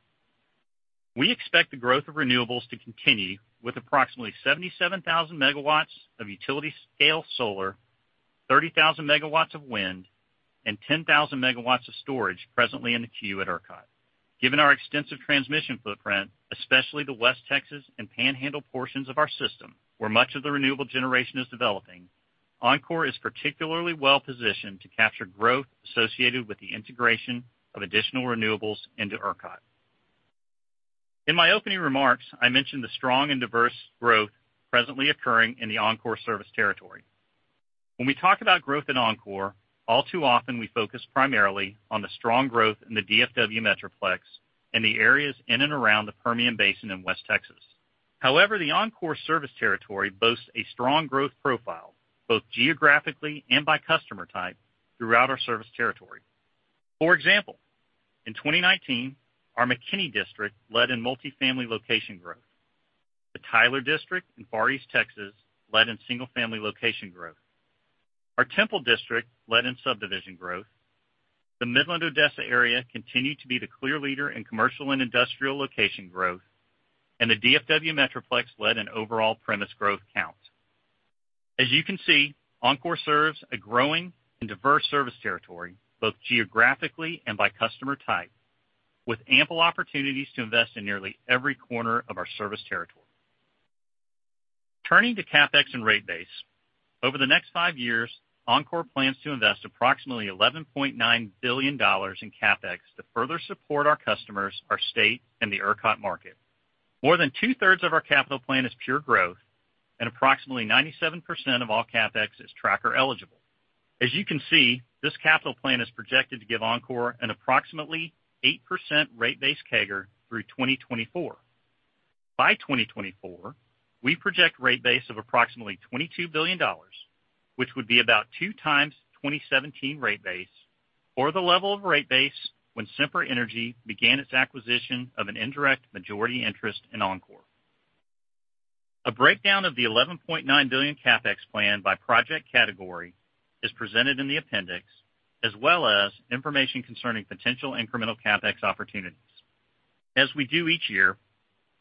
We expect the growth of renewables to continue with approximately 77,000 MW of utility-scale solar, 30,000 MW of wind, and 10,000 MW of storage presently in the queue at ERCOT. Given our extensive transmission footprint, especially the West Texas and Panhandle portions of our system, where much of the renewable generation is developing, Oncor is particularly well-positioned to capture growth associated with the integration of additional renewables into ERCOT. In my opening remarks, I mentioned the strong and diverse growth presently occurring in the Oncor service territory. When we talk about growth at Oncor, all too often we focus primarily on the strong growth in the DFW Metroplex and the areas in and around the Permian Basin in West Texas. However, the Oncor service territory boasts a strong growth profile, both geographically and by customer type, throughout our service territory. For example, in 2019, our McKinney district led in multifamily location growth. The Tyler district in Far East Texas led in single-family location growth. Our Temple district led in subdivision growth. The Midland-Odessa area continued to be the clear leader in commercial and industrial location growth, and the DFW Metroplex led in overall premise growth count. As you can see, Oncor serves a growing and diverse service territory, both geographically and by customer type, with ample opportunities to invest in nearly every corner of our service territory. Turning to CapEx and rate base. Over the next five years, Oncor plans to invest approximately $11.9 billion in CapEx to further support our customers, our state, and the ERCOT market. More than two-thirds of our capital plan is pure growth, and approximately 97% of all CapEx is tracker eligible. As you can see, this capital plan is projected to give Oncor an approximately 8% rate base CAGR through 2024. By 2024, we project rate base of approximately $22 billion, which would be about two times the 2017 rate base, or the level of rate base when Sempra Energy began its acquisition of an indirect majority interest in Oncor. A breakdown of the $11.9 billion CapEx plan by project category is presented in the appendix, as well as information concerning potential incremental CapEx opportunities. As we do each year,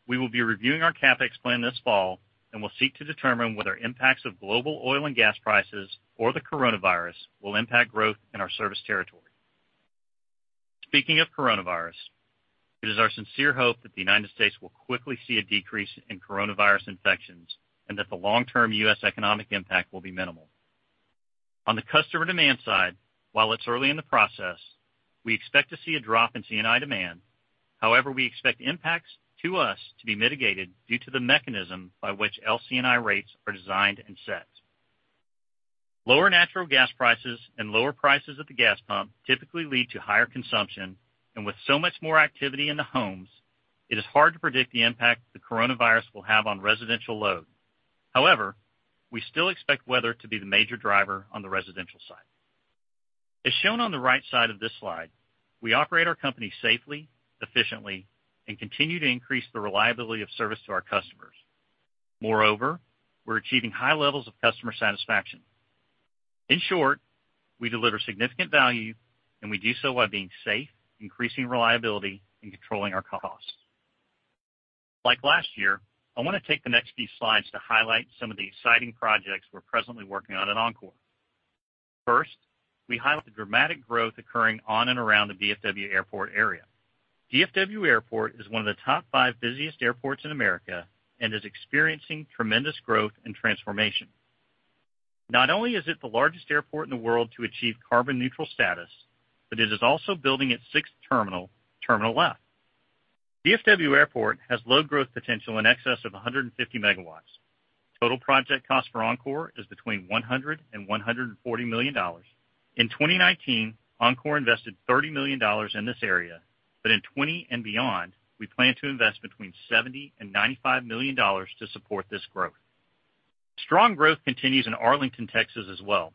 we will be reviewing our CapEx plan this fall and will seek to determine whether impacts of global oil and gas prices or the coronavirus will impact growth in our service territory. Speaking of coronavirus, it is our sincere hope that the United States will quickly see a decrease in coronavirus infections and that the long-term U.S. economic impact will be minimal. On the customer demand side, while it's early in the process, we expect to see a drop in C&I demand. However, we expect impacts to us to be mitigated due to the mechanism by which LC&I rates are designed and set. Lower natural gas prices and lower prices at the gas pump typically lead to higher consumption, and with so much more activity in the homes, it is hard to predict the impact the coronavirus will have on residential load. However, we still expect weather to be the major driver on the residential side. As shown on the right side of this slide, we operate our company safely, efficiently, and continue to increase the reliability of service to our customers. Moreover, we're achieving high levels of customer satisfaction. In short, we deliver significant value, and we do so while being safe, increasing reliability, and controlling our costs. Like last year, I want to take the next few slides to highlight some of the exciting projects we're presently working on at Oncor. First, we highlight the dramatic growth occurring on and around the DFW Airport area. DFW Airport is one of the top five busiest airports in America and is experiencing tremendous growth and transformation. Not only is it the largest airport in the world to achieve carbon neutral status, but it is also building its sixth terminal, [Terminal F]. DFW Airport has load growth potential in excess of 150 MW. Total project cost for Oncor is between $100 million and $140 million. In 2019, Oncor invested $30 million in this area. In 2020 and beyond, we plan to invest between $70 million and $95 million to support this growth. Strong growth continues in Arlington, Texas, as well.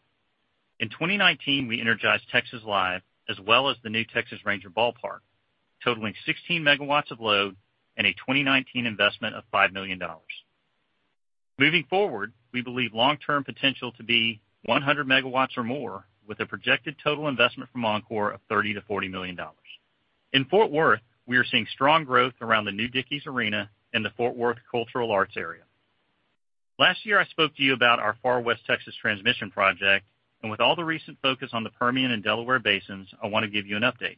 In 2019, we energized Texas Live, as well as the new Texas Ranger ballpark, totaling 16 MW of load and a 2019 investment of $5 million. Moving forward, we believe long-term potential to be 100 MW or more, with a projected total investment from Oncor of $30 million-$40 million. In Fort Worth, we are seeing strong growth around the new Dickies Arena and the Fort Worth Cultural Arts area. Last year, I spoke to you about our Far West Texas transmission project. With all the recent focus on the Permian and Delaware basins, I want to give you an update.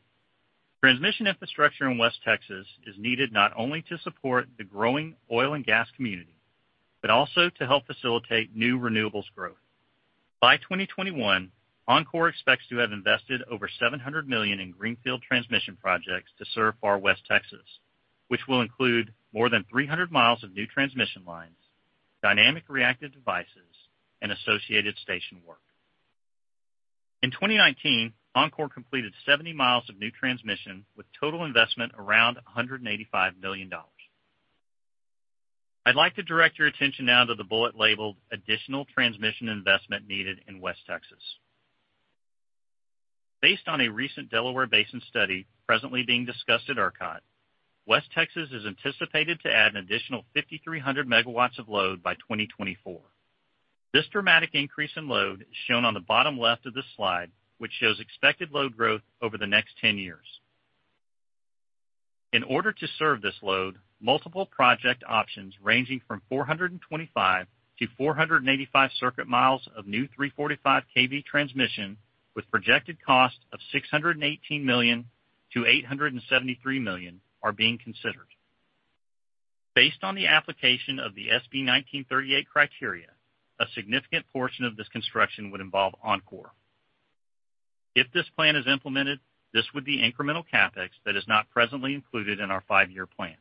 Transmission infrastructure in West Texas is needed not only to support the growing oil and gas community, but also to help facilitate new renewables growth. By 2021, Oncor expects to have invested over $700 million in greenfield transmission projects to serve Far West Texas, which will include more than 300 miles of new transmission lines, dynamic reactive devices, and associated station work. In 2019, Oncor completed 70 miles of new transmission, with total investment around $185 million. I'd like to direct your attention now to the bullet labeled Additional Transmission Investment Needed in West Texas. Based on a recent Delaware Basin study presently being discussed at ERCOT, West Texas is anticipated to add an additional 5,300 MW of load by 2024. This dramatic increase in load is shown on the bottom left of this slide, which shows expected load growth over the next 10 years. In order to serve this load, multiple project options ranging from 425 to 485 circuit miles of new 345 kV transmission, with projected cost of $618 million-$873 million, are being considered. Based on the application of the SB 1938 criteria, a significant portion of this construction would involve Oncor. If this plan is implemented, this would be incremental CapEx that is not presently included in our five-year plan.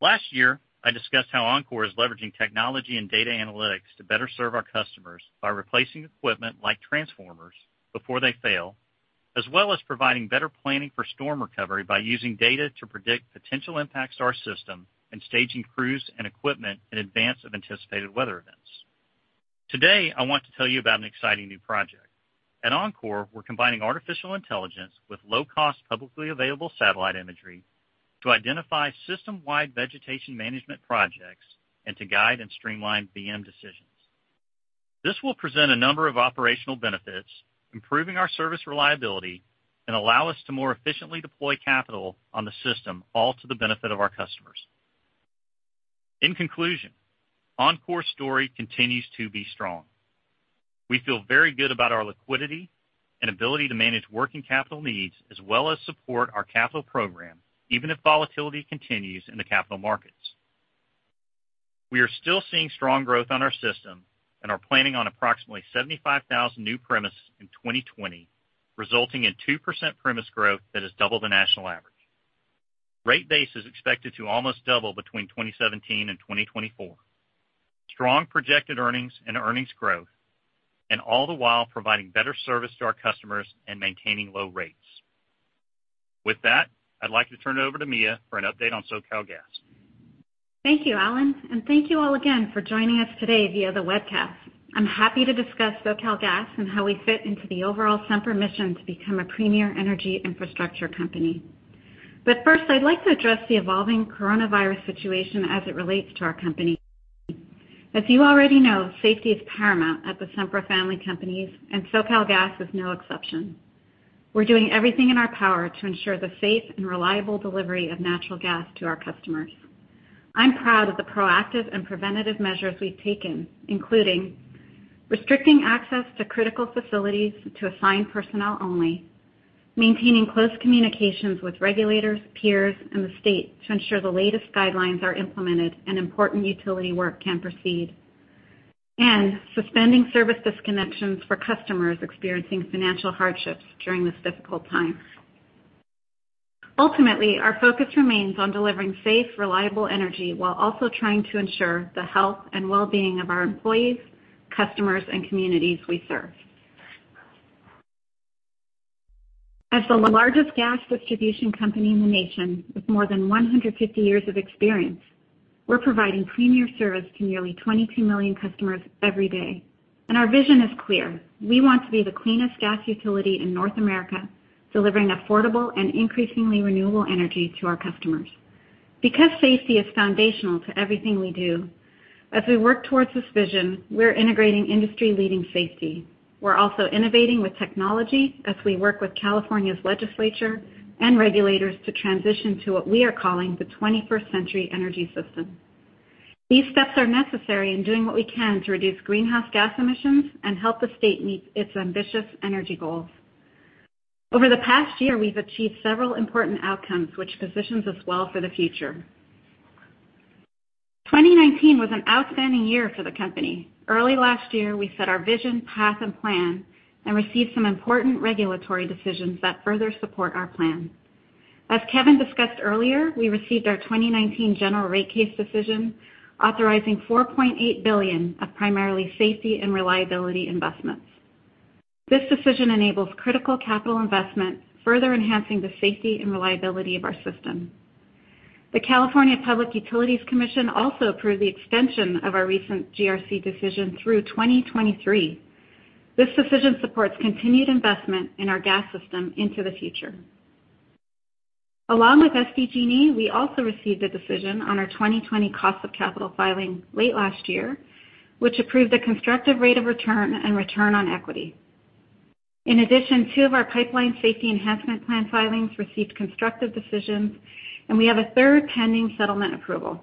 Last year, I discussed how Oncor is leveraging technology and data analytics to better serve our customers by replacing equipment like transformers before they fail, as well as providing better planning for storm recovery by using data to predict potential impacts to our system and staging crews and equipment in advance of anticipated weather events. Today, I want to tell you about an exciting new project. At Oncor, we're combining artificial intelligence with low-cost, publicly available satellite imagery to identify system-wide vegetation management projects and to guide and streamline VM decisions. This will present a number of operational benefits, improving our service reliability, and allow us to more efficiently deploy capital on the system, all to the benefit of our customers. In conclusion, Oncor's story continues to be strong. We feel very good about our liquidity and ability to manage working capital needs, as well as support our capital program, even if volatility continues in the capital markets. We are still seeing strong growth on our system and are planning on approximately 75,000 new premises in 2020, resulting in 2% premise growth that is double the national average. Rate base is expected to almost double between 2017 and 2024. Strong projected earnings and earnings growth, all the while providing better service to our customers and maintaining low rates. With that, I'd like to turn it over to[Mia] for an update on SoCalGas. Thank you, Allen, and thank you all again for joining us today via the webcast. I'm happy to discuss SoCalGas and how we fit into the overall Sempra mission to become a premier energy infrastructure company. First, I'd like to address the evolving coronavirus situation as it relates to our company. As you already know, safety is paramount at the Sempra family companies, and SoCalGas is no exception. We're doing everything in our power to ensure the safe and reliable delivery of natural gas to our customers. I'm proud of the proactive and preventative measures we've taken, including restricting access to critical facilities to assigned personnel only, maintaining close communications with regulators, peers, and the state to ensure the latest guidelines are implemented and important utility work can proceed, and suspending service disconnections for customers experiencing financial hardships during this difficult time. Ultimately, our focus remains on delivering safe, reliable energy while also trying to ensure the health and well-being of our employees, customers, and communities we serve. As the largest gas distribution company in the nation, with more than 150 years of experience, we're providing premier service to nearly 22 million customers every day. Our vision is clear. We want to be the cleanest gas utility in North America, delivering affordable and increasingly renewable energy to our customers. Safety is foundational to everything we do, as we work towards this vision, we're integrating industry-leading safety. We're also innovating with technology as we work with California's legislature and regulators to transition to what we are calling the 21st Century Energy System. These steps are necessary in doing what we can to reduce greenhouse gas emissions and help the state meet its ambitious energy goals. Over the past year, we've achieved several important outcomes, which positions us well for the future. 2019 was an outstanding year for the company. Early last year, we set our vision, path, and plan and received some important regulatory decisions that further support our plan. As Kevin discussed earlier, we received our 2019 general rate case decision authorizing $4.8 billion of primarily safety and reliability investments. This decision enables critical capital investment, further enhancing the safety and reliability of our system. The California Public Utilities Commission also approved the extension of our recent GRC decision through 2023. This decision supports continued investment in our gas system into the future. Along with SDG&E, we also received a decision on our 2020 cost of capital filing late last year, which approved the constructive rate of return and return on equity. In addition, two of our Pipeline Safety Enhancement Plan filings received constructive decisions, and we have a third pending settlement approval.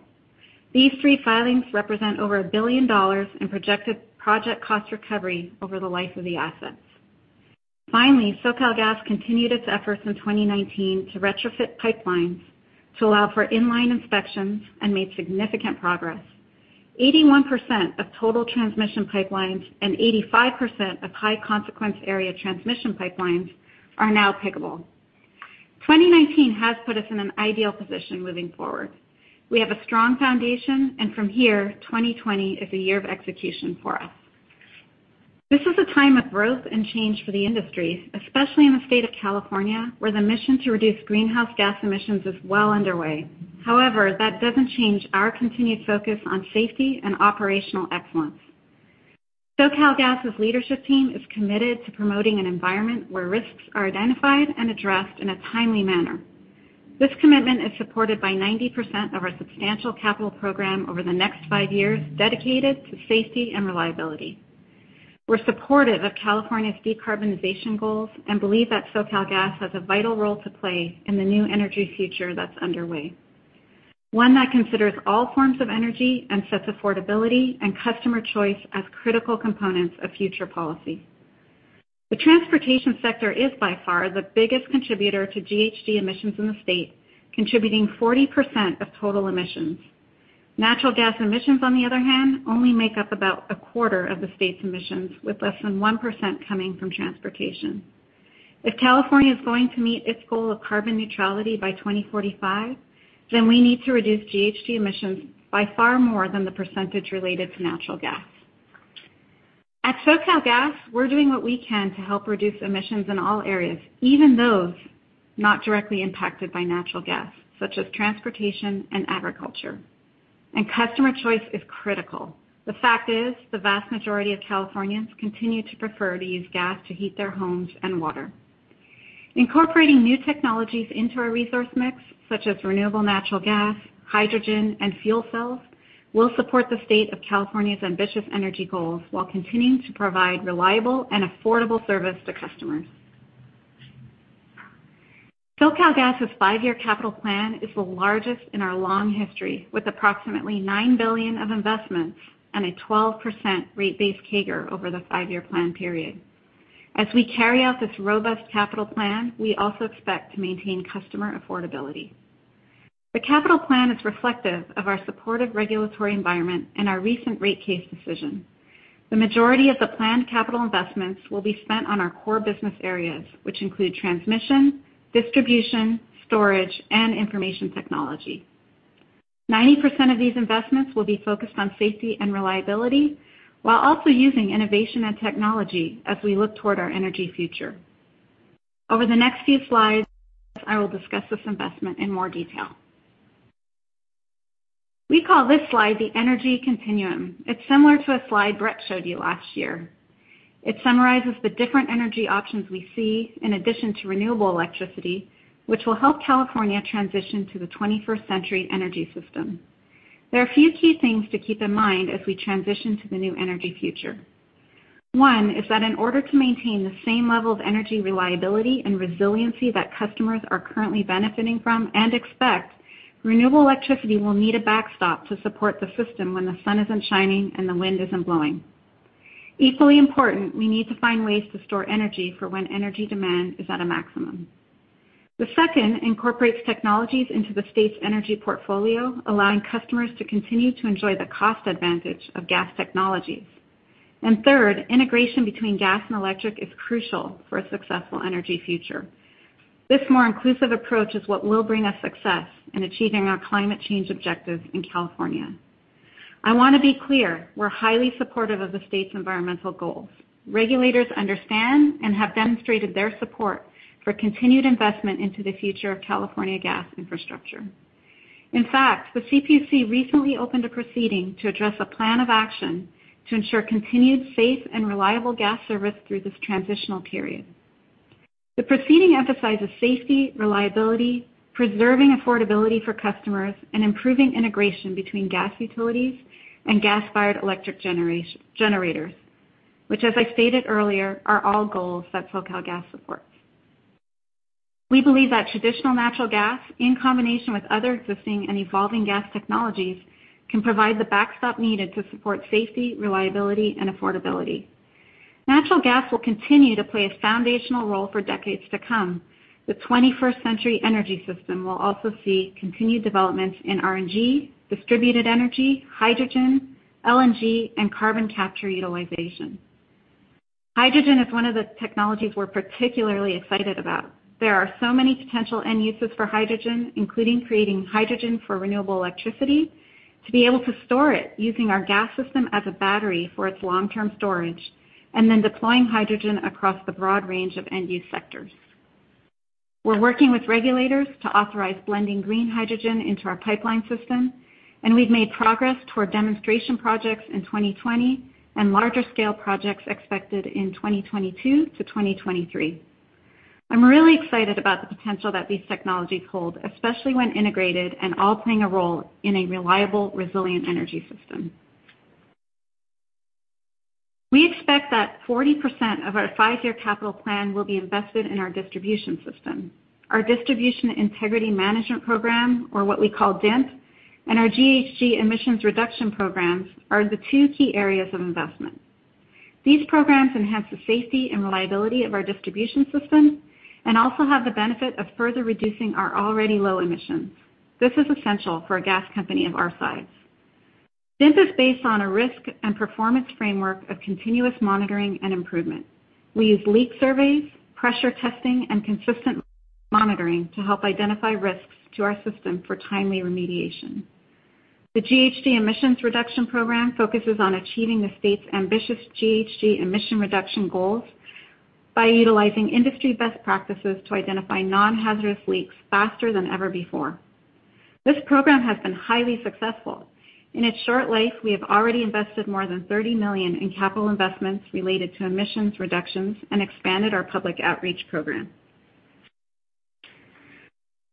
These three filings represent over $1 billion in projected project cost recovery over the life of the assets. Finally, SoCalGas continued its efforts in 2019 to retrofit pipelines to allow for in-line inspections and made significant progress. 81% of total transmission pipelines and 85% of high-consequence area transmission pipelines are now [piggable]. 2019 has put us in an ideal position moving forward. We have a strong foundation, and from here, 2020 is a year of execution for us. This is a time of growth and change for the industry, especially in the state of California, where the mission to reduce greenhouse gas emissions is well underway. However, that doesn't change our continued focus on safety and operational excellence. SoCalGas's leadership team is committed to promoting an environment where risks are identified and addressed in a timely manner. This commitment is supported by 90% of our substantial capital program over the next five years dedicated to safety and reliability. We're supportive of California's decarbonization goals and believe that SoCalGas has a vital role to play in the new energy future that's underway. One that considers all forms of energy and sets affordability and customer choice as critical components of future policy. The transportation sector is by far the biggest contributor to GHG emissions in the state, contributing 40% of total emissions. Natural gas emissions, on the other hand, only make up about a quarter of the state's emissions, with less than 1% coming from transportation. California is going to meet its goal of carbon neutrality by 2045, we need to reduce GHG emissions by far more than the percentage related to natural gas. At SoCalGas, we're doing what we can to help reduce emissions in all areas, even those not directly impacted by natural gas, such as transportation and agriculture. Customer choice is critical. The fact is, the vast majority of Californians continue to prefer to use gas to heat their homes and water. Incorporating new technologies into our resource mix, such as renewable natural gas, hydrogen, and fuel cells, will support the state of California's ambitious energy goals while continuing to provide reliable and affordable service to customers. SoCalGas' five-year capital plan is the largest in our long history, with approximately $9 billion of investments and a 12% rate base CAGR over the five-year plan period. As we carry out this robust capital plan, we also expect to maintain customer affordability. The capital plan is reflective of our supportive regulatory environment and our recent rate case decision. The majority of the planned capital investments will be spent on our core business areas, which include transmission, distribution, storage, and information technology. 90% of these investments will be focused on safety and reliability, while also using innovation and technology as we look toward our energy future. Over the next few slides, I will discuss this investment in more detail. We call this slide the energy continuum. It's similar to a slide Bret showed you last year. It summarizes the different energy options we see in addition to renewable electricity, which will help California transition to the 21st century energy system. There are a few key things to keep in mind as we transition to the new energy future. One is that in order to maintain the same level of energy reliability and resiliency that customers are currently benefiting from and expect, renewable electricity will need a backstop to support the system when the sun isn't shining and the wind isn't blowing. Equally important, we need to find ways to store energy for when energy demand is at a maximum. The second incorporates technologies into the state's energy portfolio, allowing customers to continue to enjoy the cost advantage of gas technologies. Third, integration between gas and electric is crucial for a successful energy future. This more inclusive approach is what will bring us success in achieving our climate change objectives in California. I want to be clear, we're highly supportive of the state's environmental goals. Regulators understand and have demonstrated their support for continued investment into the future of California gas infrastructure. In fact, the CPUC recently opened a proceeding to address a plan of action to ensure continued safe and reliable gas service through this transitional period. The proceeding emphasizes safety, reliability, preserving affordability for customers, and improving integration between gas utilities and gas-fired electric generators, which as I stated earlier, are all goals that SoCalGas supports. We believe that traditional natural gas, in combination with other existing and evolving gas technologies, can provide the backstop needed to support safety, reliability, and affordability. Natural gas will continue to play a foundational role for decades to come. The 21st century energy system will also see continued developments in RNG, distributed energy, hydrogen, LNG, and carbon capture utilization. Hydrogen is one of the technologies we're particularly excited about. There are so many potential end uses for hydrogen, including creating hydrogen for renewable electricity, to be able to store it using our gas system as a battery for its long-term storage, and then deploying hydrogen across the broad range of end-use sectors. We're working with regulators to authorize blending green hydrogen into our pipeline system, and we've made progress toward demonstration projects in 2020 and larger scale projects expected in 2022 to 2023. I'm really excited about the potential that these technologies hold, especially when integrated and all playing a role in a reliable, resilient energy system. We expect that 40% of our five-year capital plan will be invested in our distribution system. Our Distribution Integrity Management Program or what we call DIMP, and our GHG emissions reduction programs are the two key areas of investment. These programs enhance the safety and reliability of our distribution system and also have the benefit of further reducing our already low emissions. This is essential for a gas company of our size. DIMP is based on a risk and performance framework of continuous monitoring and improvement. We use leak surveys, pressure testing, and consistent monitoring to help identify risks to our system for timely remediation. The GHG Emission Reduction Program focuses on achieving the state's ambitious GHG emission reduction goals by utilizing industry best practices to identify non-hazardous leaks faster than ever before. This program has been highly successful. In its short life, we have already invested more than $30 million in capital investments related to emissions reductions and expanded our public outreach program.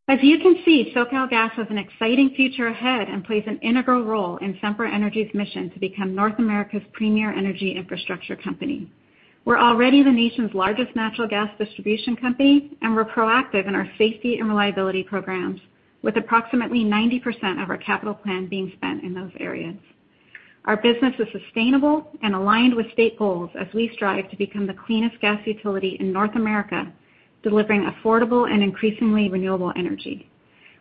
As you can see, SoCalGas has an exciting future ahead and plays an integral role in Sempra Energy's mission to become North America's premier energy infrastructure company. We're already the nation's largest natural gas distribution company. We're proactive in our safety and reliability programs, with approximately 90% of our capital plan being spent in those areas. Our business is sustainable and aligned with state goals as we strive to become the cleanest gas utility in North America, delivering affordable and increasingly renewable energy.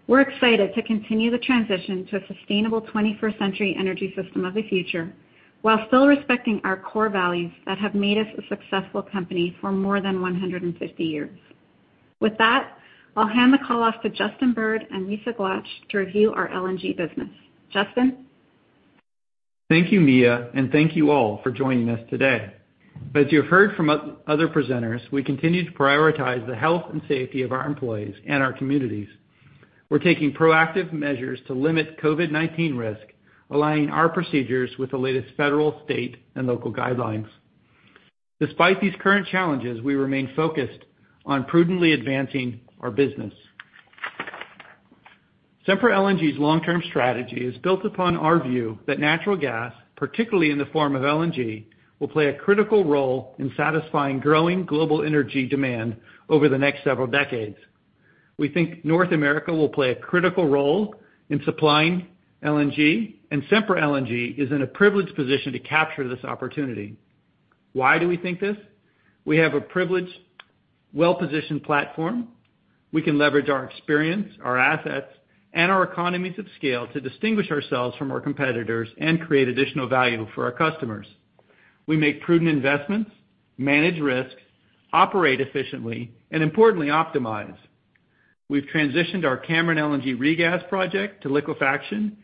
We're excited to continue the transition to a sustainable 21st century energy system of the future, while still respecting our core values that have made us a successful company for more than 150 years. With that, I'll hand the call off to Justin Bird and Lisa Glatch to review our LNG business. Justin? Thank you, Mia, and thank you all for joining us today. As you have heard from other presenters, we continue to prioritize the health and safety of our employees and our communities. We're taking proactive measures to limit COVID-19 risk, aligning our procedures with the latest federal, state, and local guidelines. Despite these current challenges, we remain focused on prudently advancing our business. Sempra LNG's long-term strategy is built upon our view that natural gas, particularly in the form of LNG, will play a critical role in satisfying growing global energy demand over the next several decades. We think North America will play a critical role in supplying LNG, and Sempra LNG is in a privileged position to capture this opportunity. Why do we think this? We have a privileged, well-positioned platform. We can leverage our experience, our assets, and our economies of scale to distinguish ourselves from our competitors and create additional value for our customers. We make prudent investments, manage risks, operate efficiently, and importantly, optimize. We've transitioned our Cameron LNG regas project to liquefaction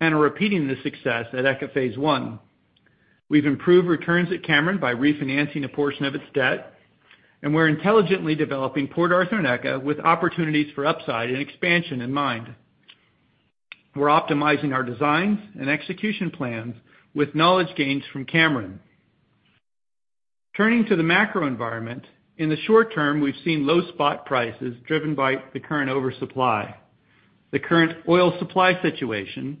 and are repeating this success at ECA Phase 1. We've improved returns at Cameron by refinancing a portion of its debt, and we're intelligently developing Port Arthur and ECA with opportunities for upside and expansion in mind. We're optimizing our designs and execution plans with knowledge gains from Cameron. Turning to the macro environment, in the short term, we've seen low spot prices driven by the current oversupply, the current oil supply situation,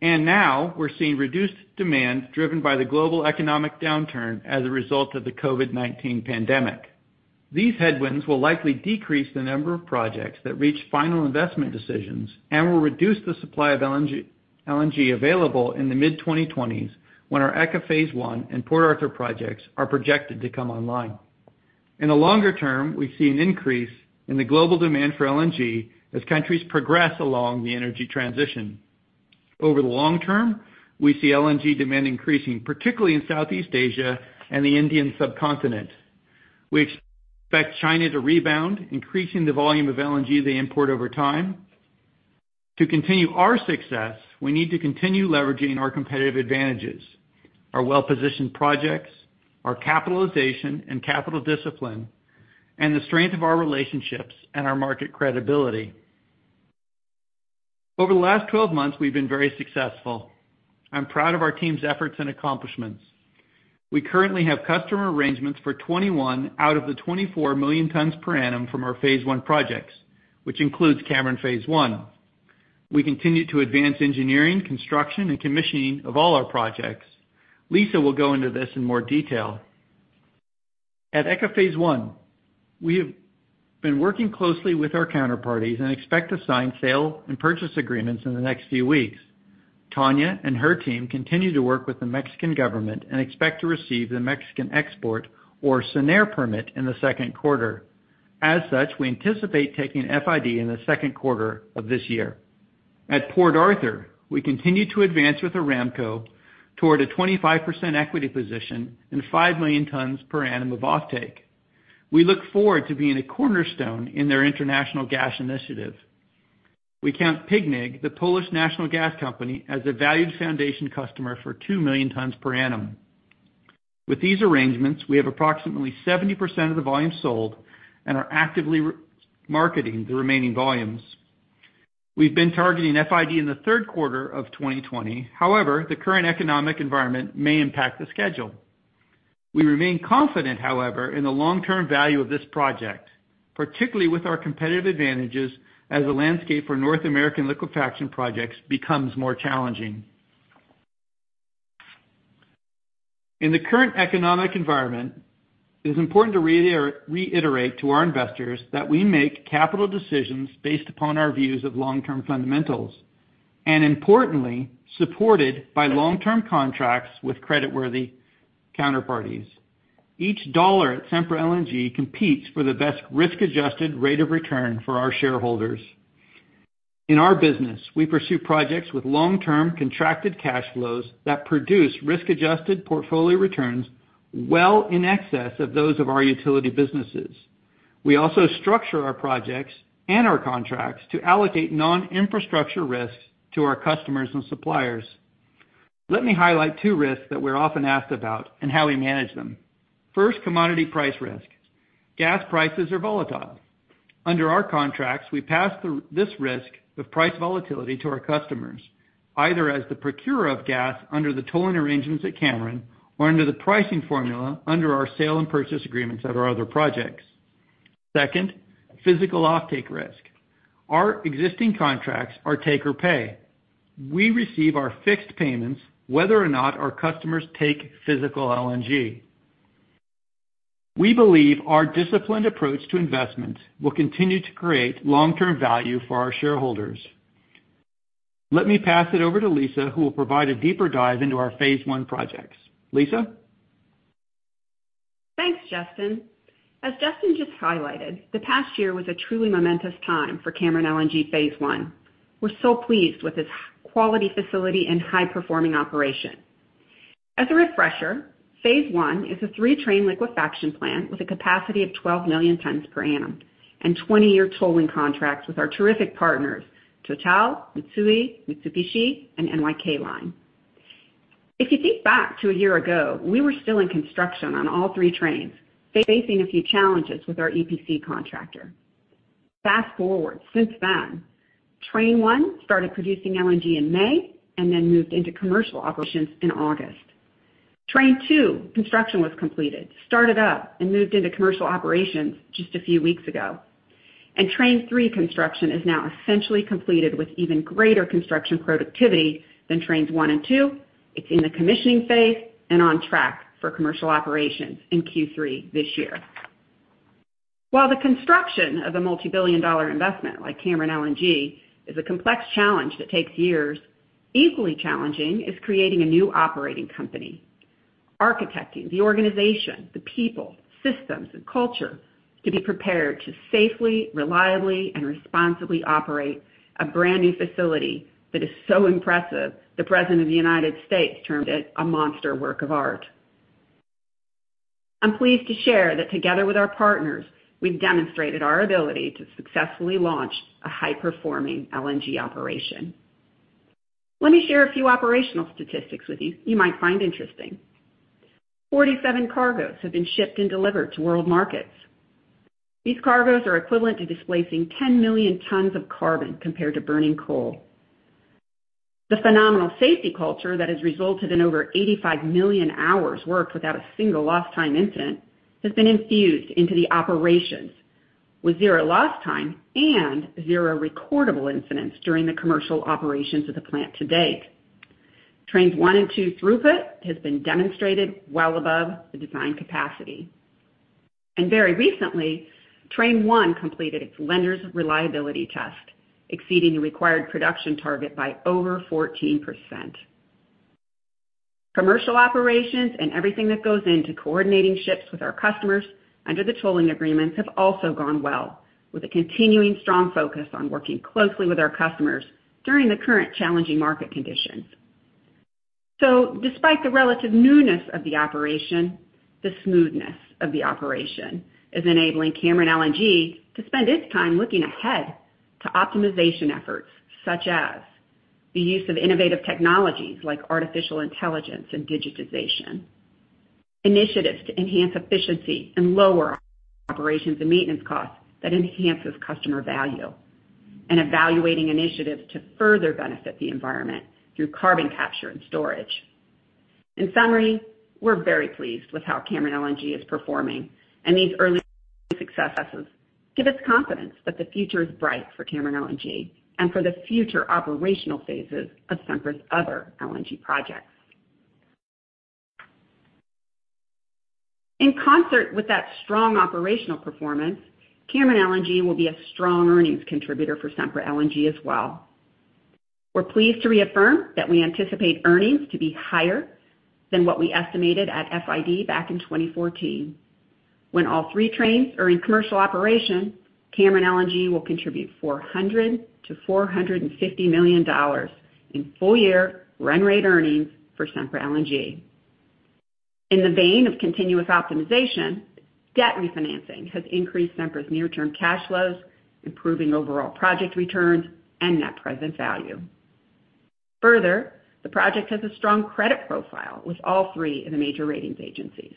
and now we're seeing reduced demand driven by the global economic downturn as a result of the COVID-19 pandemic. These headwinds will likely decrease the number of projects that reach final investment decisions and will reduce the supply of LNG available in the mid-2020s, when our ECA Phase 1 and Port Arthur projects are projected to come online. In the longer term, we see an increase in the global demand for LNG as countries progress along the energy transition. Over the long term, we see LNG demand increasing, particularly in Southeast Asia and the Indian subcontinent. We expect China to rebound, increasing the volume of LNG they import over time. To continue our success, we need to continue leveraging our competitive advantages, our well-positioned projects, our capitalization and capital discipline, and the strength of our relationships and our market credibility. Over the last 12 months, we've been very successful. I'm proud of our team's efforts and accomplishments. We currently have customer arrangements for 21 out of the 24 million tons per annum from our Phase 1 projects, which includes Cameron Phase 1. We continue to advance engineering, construction, and commissioning of all our projects. Lisa will go into this in more detail. At ECA Phase 1, we have been working closely with our counterparties and expect to sign sale and purchase agreements in the next few weeks. Tania and her team continue to work with the Mexican government and expect to receive the Mexican export or SENER permit in the second quarter. We anticipate taking FID in the second quarter of this year. At Port Arthur, we continue to advance with Aramco toward a 25% equity position and five million tons per annum of offtake. We look forward to being a cornerstone in their international gas initiative. We count PGNiG, the Polish national gas company, as a valued foundation customer for 2 million tons per annum. With these arrangements, we have approximately 70% of the volume sold and are actively marketing the remaining volumes. We've been targeting FID in the third quarter of 2020. However, the current economic environment may impact the schedule. We remain confident, however, in the long-term value of this project, particularly with our competitive advantages as the landscape for North American liquefaction projects becomes more challenging. In the current economic environment, it is important to reiterate to our investors that we make capital decisions based upon our views of long-term fundamentals, and importantly, supported by long-term contracts with creditworthy counterparties. Each dollar at Sempra LNG competes for the best risk-adjusted rate of return for our shareholders. In our business, we pursue projects with long-term contracted cash flows that produce risk-adjusted portfolio returns well in excess of those of our utility businesses. We also structure our projects and our contracts to allocate non-infrastructure risks to our customers and suppliers. Let me highlight two risks that we're often asked about and how we manage them. First, commodity price risk. Gas prices are volatile. Under our contracts, we pass this risk of price volatility to our customers, either as the procurer of gas under the tolling arrangements at Cameron, or under the pricing formula under our sale and purchase agreements at our other projects. Second, physical offtake risk. Our existing contracts are take or pay. We receive our fixed payments whether or not our customers take physical LNG. We believe our disciplined approach to investments will continue to create long-term value for our shareholders. Let me pass it over to Lisa, who will provide a deeper dive into our Phase 1 projects. Lisa? Thanks, Justin. As Justin just highlighted, the past year was a truly momentous time for Cameron LNG Phase 1. We're so pleased with this quality facility and high-performing operation. As a refresher, Phase 1 is a three-train liquefaction plant with a capacity of 12 million tons per annum and 20-year tolling contracts with our terrific partners, Total, Mitsui, Mitsubishi, and NYK Line. If you think back to a year ago, we were still in construction on all three trains, facing a few challenges with our EPC contractor. Fast-forward, since then, Train 1 started producing LNG in May then moved into commercial operations in August. Train 2 construction was completed, started up and moved into commercial operations just a few weeks ago. Train 3 construction is now essentially completed with even greater construction productivity than trains one and two. It's in the commissioning phase and on track for commercial operations in Q3 this year. While the construction of a multi-billion-dollar investment like Cameron LNG is a complex challenge that takes years, equally challenging is creating a new operating company. Architecting the organization, the people, systems, and culture to be prepared to safely, reliably, and responsibly operate a brand-new facility that is so impressive, the President of the United States termed it a monster work of art. I'm pleased to share that together with our partners, we've demonstrated our ability to successfully launch a high-performing LNG operation. Let me share a few operational statistics with you might find interesting. 47 cargoes have been shipped and delivered to world markets. These cargoes are equivalent to displacing 10 million tons of carbon compared to burning coal. The phenomenal safety culture that has resulted in over 85 million hours worked without a single lost time incident has been infused into the operations with zero lost time and zero recordable incidents during the commercial operations of the plant to date. Trains one and two throughput has been demonstrated well above the design capacity. Very recently, Train 1 completed its lenders' reliability test, exceeding the required production target by over 14%. Commercial operations and everything that goes into coordinating ships with our customers under the tolling agreements have also gone well, with a continuing strong focus on working closely with our customers during the current challenging market conditions. Despite the relative newness of the operation, the smoothness of the operation is enabling Cameron LNG to spend its time looking ahead to optimization efforts such as the use of innovative technologies like artificial intelligence and digitization. Initiatives to enhance efficiency and lower operations and maintenance costs that enhances customer value. Evaluating initiatives to further benefit the environment through carbon capture and storage. In summary, we're very pleased with how Cameron LNG is performing, and these early successes give us confidence that the future is bright for Cameron LNG and for the future operational phases of Sempra's other LNG projects. In concert with that strong operational performance, Cameron LNG will be a strong earnings contributor for Sempra LNG as well. We're pleased to reaffirm that we anticipate earnings to be higher than what we estimated at FID back in 2014. When all three trains are in commercial operation, Cameron LNG will contribute $400 million-$450 million in full-year run rate earnings for Sempra LNG. In the vein of continuous optimization, debt refinancing has increased Sempra's near-term cash flows, improving overall project returns and net present value. Further, the project has a strong credit profile with all three of the major ratings agencies.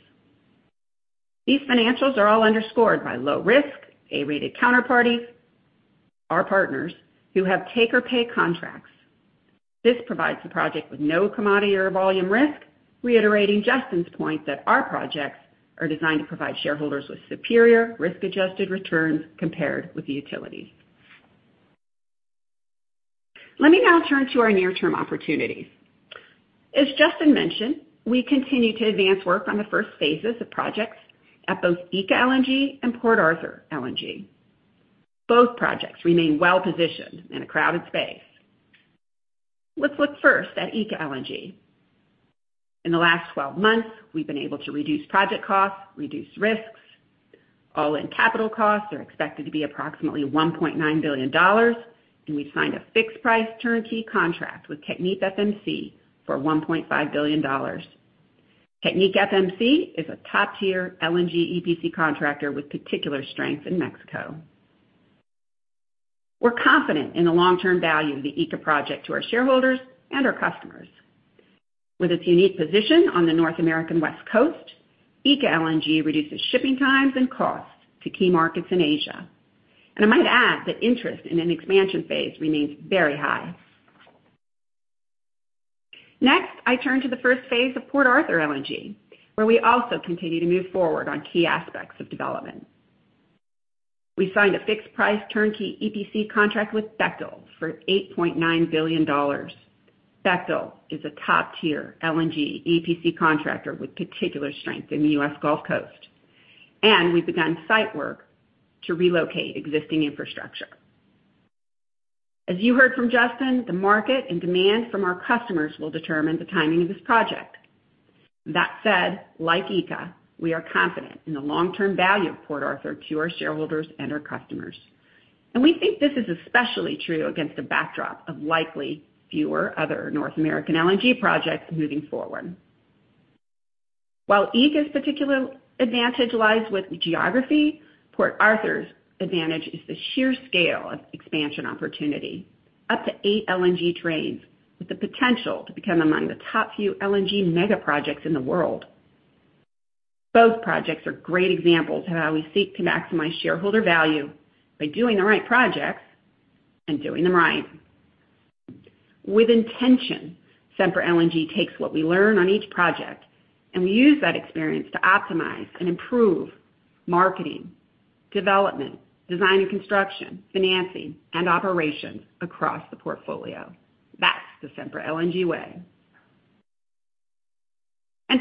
These financials are all underscored by low risk, A-rated counterparties, our partners who have take or pay contracts. This provides the project with no commodity or volume risk, reiterating Justin's point that our projects are designed to provide shareholders with superior risk-adjusted returns compared with the utilities. Let me now turn to our near-term opportunities. As Justin mentioned, we continue to advance work on the first phases of projects at both ECA LNG and Port Arthur LNG. Both projects remain well-positioned in a crowded space. Let's look first at ECA LNG. In the last 12 months, we've been able to reduce project costs, reduce risks. All-in capital costs are expected to be approximately $1.9 billion, and we've signed a fixed-price turnkey contract with TechnipFMC for $1.5 billion. TechnipFMC is a top-tier LNG EPC contractor with particular strength in Mexico. We're confident in the long-term value of the ECA project to our shareholders and our customers. With its unique position on the North American West Coast, ECA LNG reduces shipping times and costs to key markets in Asia. I might add that interest in an expansion phase remains very high. Next, I turn to the first phase of Port Arthur LNG, where we also continue to move forward on key aspects of development. We signed a fixed-price turnkey EPC contract with Bechtel for $8.9 billion. Bechtel is a top-tier LNG EPC contractor with particular strength in the U.S. Gulf Coast, and we've begun site work to relocate existing infrastructure. As you heard from Justin, the market and demand from our customers will determine the timing of this project. That said, like ECA, we are confident in the long-term value of Port Arthur to our shareholders and our customers. We think this is especially true against a backdrop of likely fewer other North American LNG projects moving forward. While ECA's particular advantage lies with geography, Port Arthur's advantage is the sheer scale of expansion opportunity. Up to eight LNG trains with the potential to become among the top few LNG mega projects in the world. Both projects are great examples of how we seek to maximize shareholder value by doing the right projects and doing them right. With intention, Sempra LNG takes what we learn on each project, and we use that experience to optimize and improve marketing, development, design and construction, financing and operations across the portfolio. That's the Sempra LNG way.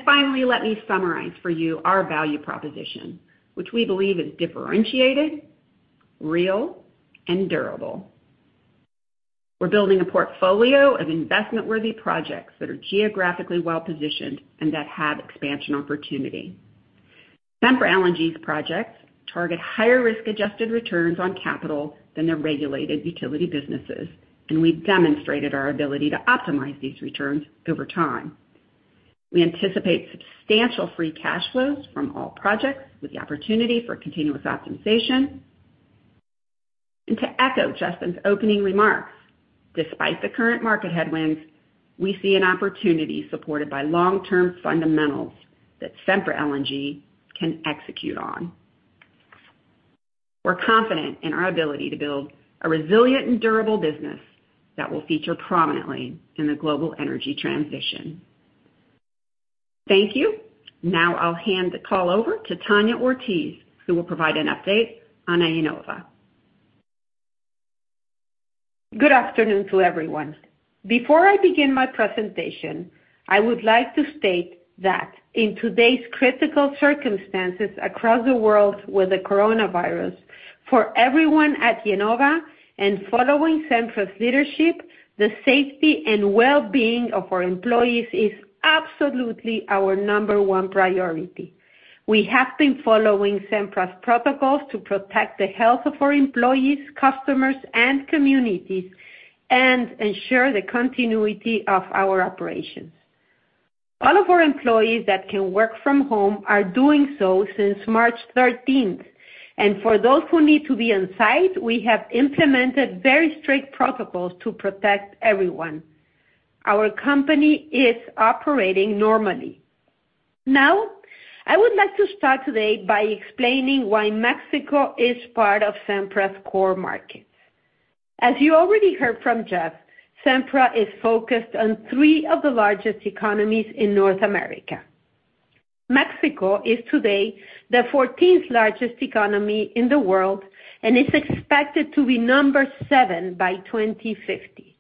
Finally, let me summarize for you our value proposition, which we believe is differentiated, real, and durable. We're building a portfolio of investment-worthy projects that are geographically well-positioned and that have expansion opportunity. Sempra LNG's projects target higher risk-adjusted returns on capital than their regulated utility businesses, and we've demonstrated our ability to optimize these returns over time. We anticipate substantial free cash flows from all projects with the opportunity for continuous optimization. To echo Justin's opening remarks, despite the current market headwinds, we see an opportunity supported by long-term fundamentals that Sempra LNG can execute on. We're confident in our ability to build a resilient and durable business that will feature prominently in the global energy transition. Thank you. I'll hand the call over to Tania Ortiz, who will provide an update on IEnova. Good afternoon to everyone. Before I begin my presentation, I would like to state that in today's critical circumstances across the world with the coronavirus, for everyone at IEnova, and following Sempra's leadership, the safety and wellbeing of our employees is absolutely our number one priority. We have been following Sempra's protocols to protect the health of our employees, customers, and communities and ensure the continuity of our operations. All of our employees that can work from home are doing so since March 13th. For those who need to be on-site, we have implemented very strict protocols to protect everyone. Our company is operating normally. I would like to start today by explaining why Mexico is part of Sempra's core markets. As you already heard from Jeff, Sempra is focused on three of the largest economies in North America. Mexico is today the 14th largest economy in the world and is expected to be number 7 by 2050.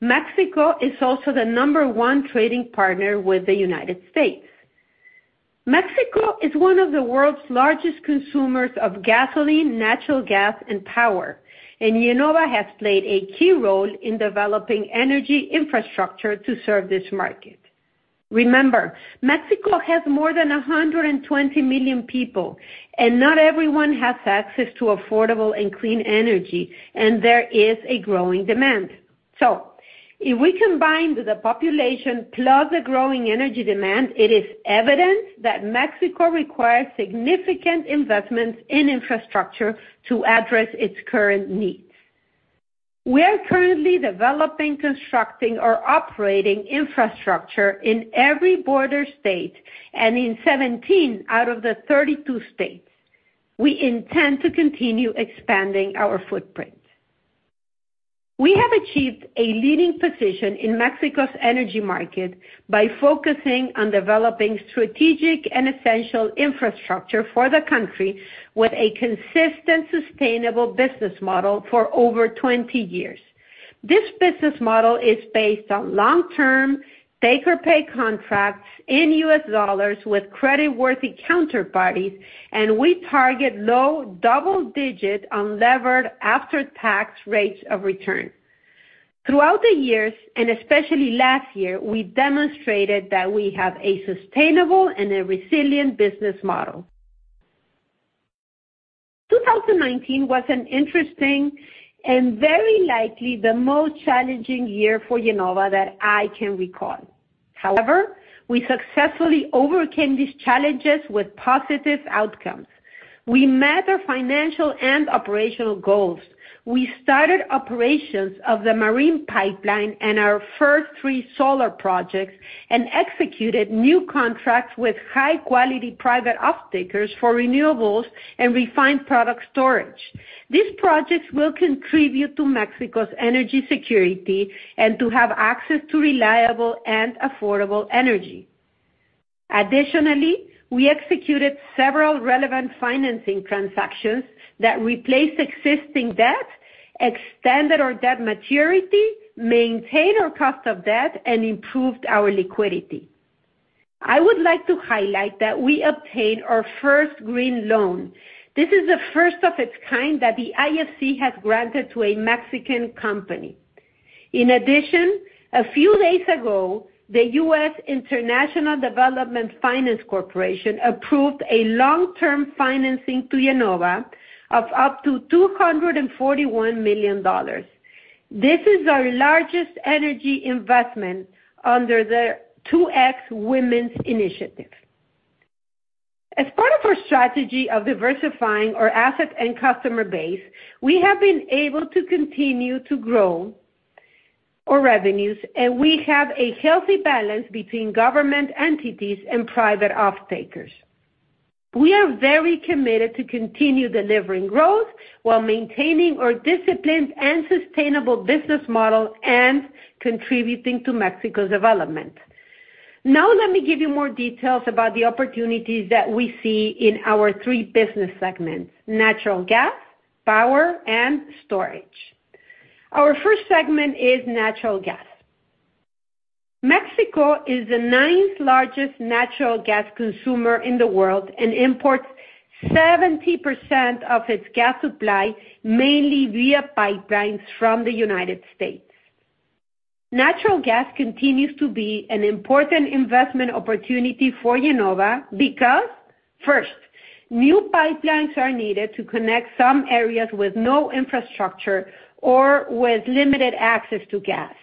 Mexico is also the number 1 trading partner with the United States. Mexico is one of the world's largest consumers of gasoline, natural gas, and power, and IEnova has played a key role in developing energy infrastructure to serve this market. Remember, Mexico has more than 120 million people, and not everyone has access to affordable and clean energy, and there is a growing demand. If we combine the population plus the growing energy demand, it is evident that Mexico requires significant investments in infrastructure to address its current needs. We are currently developing, constructing, or operating infrastructure in every border state and in 17 out of the 32 states. We intend to continue expanding our footprint. We have achieved a leading position in Mexico's energy market by focusing on developing strategic and essential infrastructure for the country with a consistent, sustainable business model for over 20 years. This business model is based on long-term take-or-pay contracts in US dollars with credit-worthy counterparties. We target low double-digit unlevered after-tax rates of return. Throughout the years, especially last year, we demonstrated that we have a sustainable and a resilient business model. 2019 was an interesting and very likely the most challenging year for IEnova that I can recall. However, we successfully overcame these challenges with positive outcomes. We met our financial and operational goals. We started operations of the marine pipeline and our first three solar projects and executed new contracts with high-quality private off-takers for renewables and refined product storage. These projects will contribute to Mexico's energy security and to have access to reliable and affordable energy. We executed several relevant financing transactions that replaced existing debt, extended our debt maturity, maintained our cost of debt, and improved our liquidity. I would like to highlight that we obtained our first green loan. This is the first of its kind that the IFC has granted to a Mexican company. A few days ago, the U.S. International Development Finance Corporation approved a long-term financing to IEnova of up to $241 million. This is our largest energy investment under the 2X Women's Initiative. As part of our strategy of diversifying our asset and customer base, we have been able to continue to grow our revenues, and we have a healthy balance between government entities and private off-takers. We are very committed to continue delivering growth while maintaining our disciplined and sustainable business model and contributing to Mexico's development. Let me give you more details about the opportunities that we see in our three business segments, natural gas, power, and storage. Our first segment is natural gas. Mexico is the ninth-largest natural gas consumer in the world and imports 70% of its gas supply, mainly via pipelines from the U.S. Natural gas continues to be an important investment opportunity for IEnova because, first, new pipelines are needed to connect some areas with no infrastructure or with limited access to gas.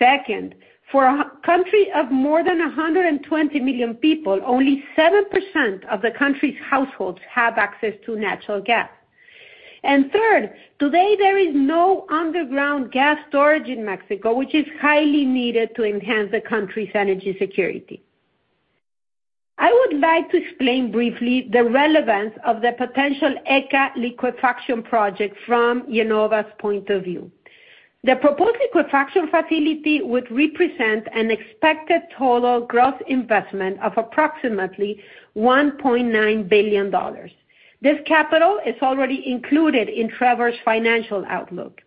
Second, for a country of more than 120 million people, only 7% of the country's households have access to natural gas. Third, today there is no underground gas storage in Mexico, which is highly needed to enhance the country's energy security. I would like to explain briefly the relevance of the potential ECA liquefaction project from IEnova's point of view. The proposed liquefaction facility would represent an expected total gross investment of approximately $1.9 billion. This capital is already included in Trevor's financial outlook.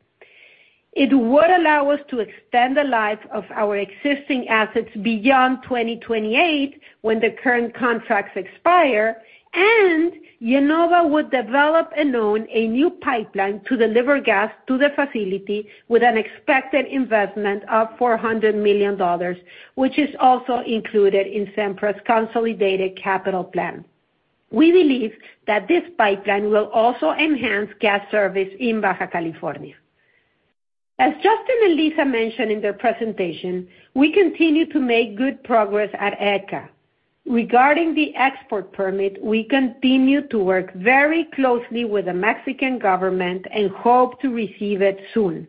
It would allow us to extend the life of our existing assets beyond 2028, when the current contracts expire, and IEnova would develop and own a new pipeline to deliver gas to the facility with an expected investment of $400 million, which is also included in Sempra's consolidated capital plan. We believe that this pipeline will also enhance gas service in [Baja] California. As Justin and Lisa mentioned in their presentation, we continue to make good progress at ECA. Regarding the export permit, we continue to work very closely with the Mexican government and hope to receive it soon.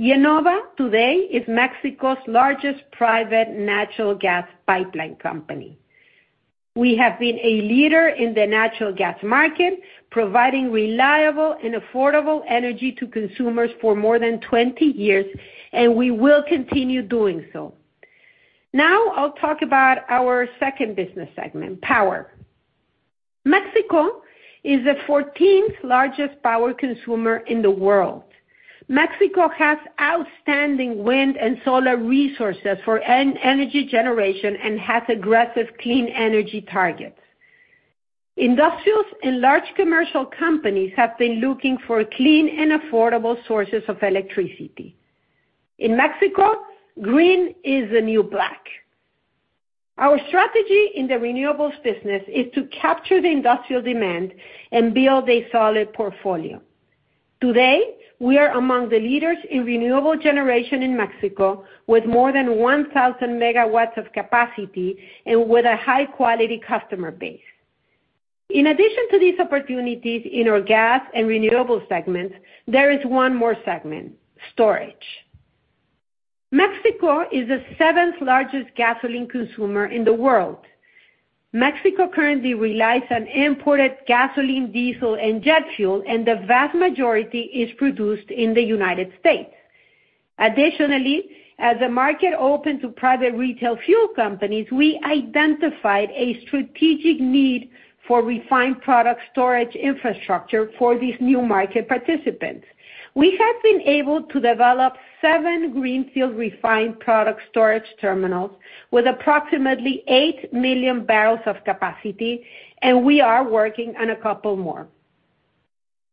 IEnova today is Mexico's largest private natural gas pipeline company. We have been a leader in the natural gas market, providing reliable and affordable energy to consumers for more than 20 years. We will continue doing so. I'll talk about our second business segment, power. Mexico is the 14th largest power consumer in the world. Mexico has outstanding wind and solar resources for energy generation and has aggressive clean energy targets. Industrials and large commercial companies have been looking for clean and affordable sources of electricity. In Mexico, green is the new black. Our strategy in the renewables business is to capture the industrial demand and build a solid portfolio. Today, we are among the leaders in renewable generation in Mexico, with more than 1,000 MW of capacity and with a high-quality customer base. In addition to these opportunities in our gas and renewable segments, there is one more segment, storage. Mexico is the seventh-largest gasoline consumer in the world. Mexico currently relies on imported gasoline, diesel, and jet fuel, and the vast majority is produced in the United States. Additionally, as the market opened to private retail fuel companies, we identified a strategic need for refined product storage infrastructure for these new market participants. We have been able to develop seven greenfield refined product storage terminals with approximately 8 million barrels of capacity, and we are working on a couple more.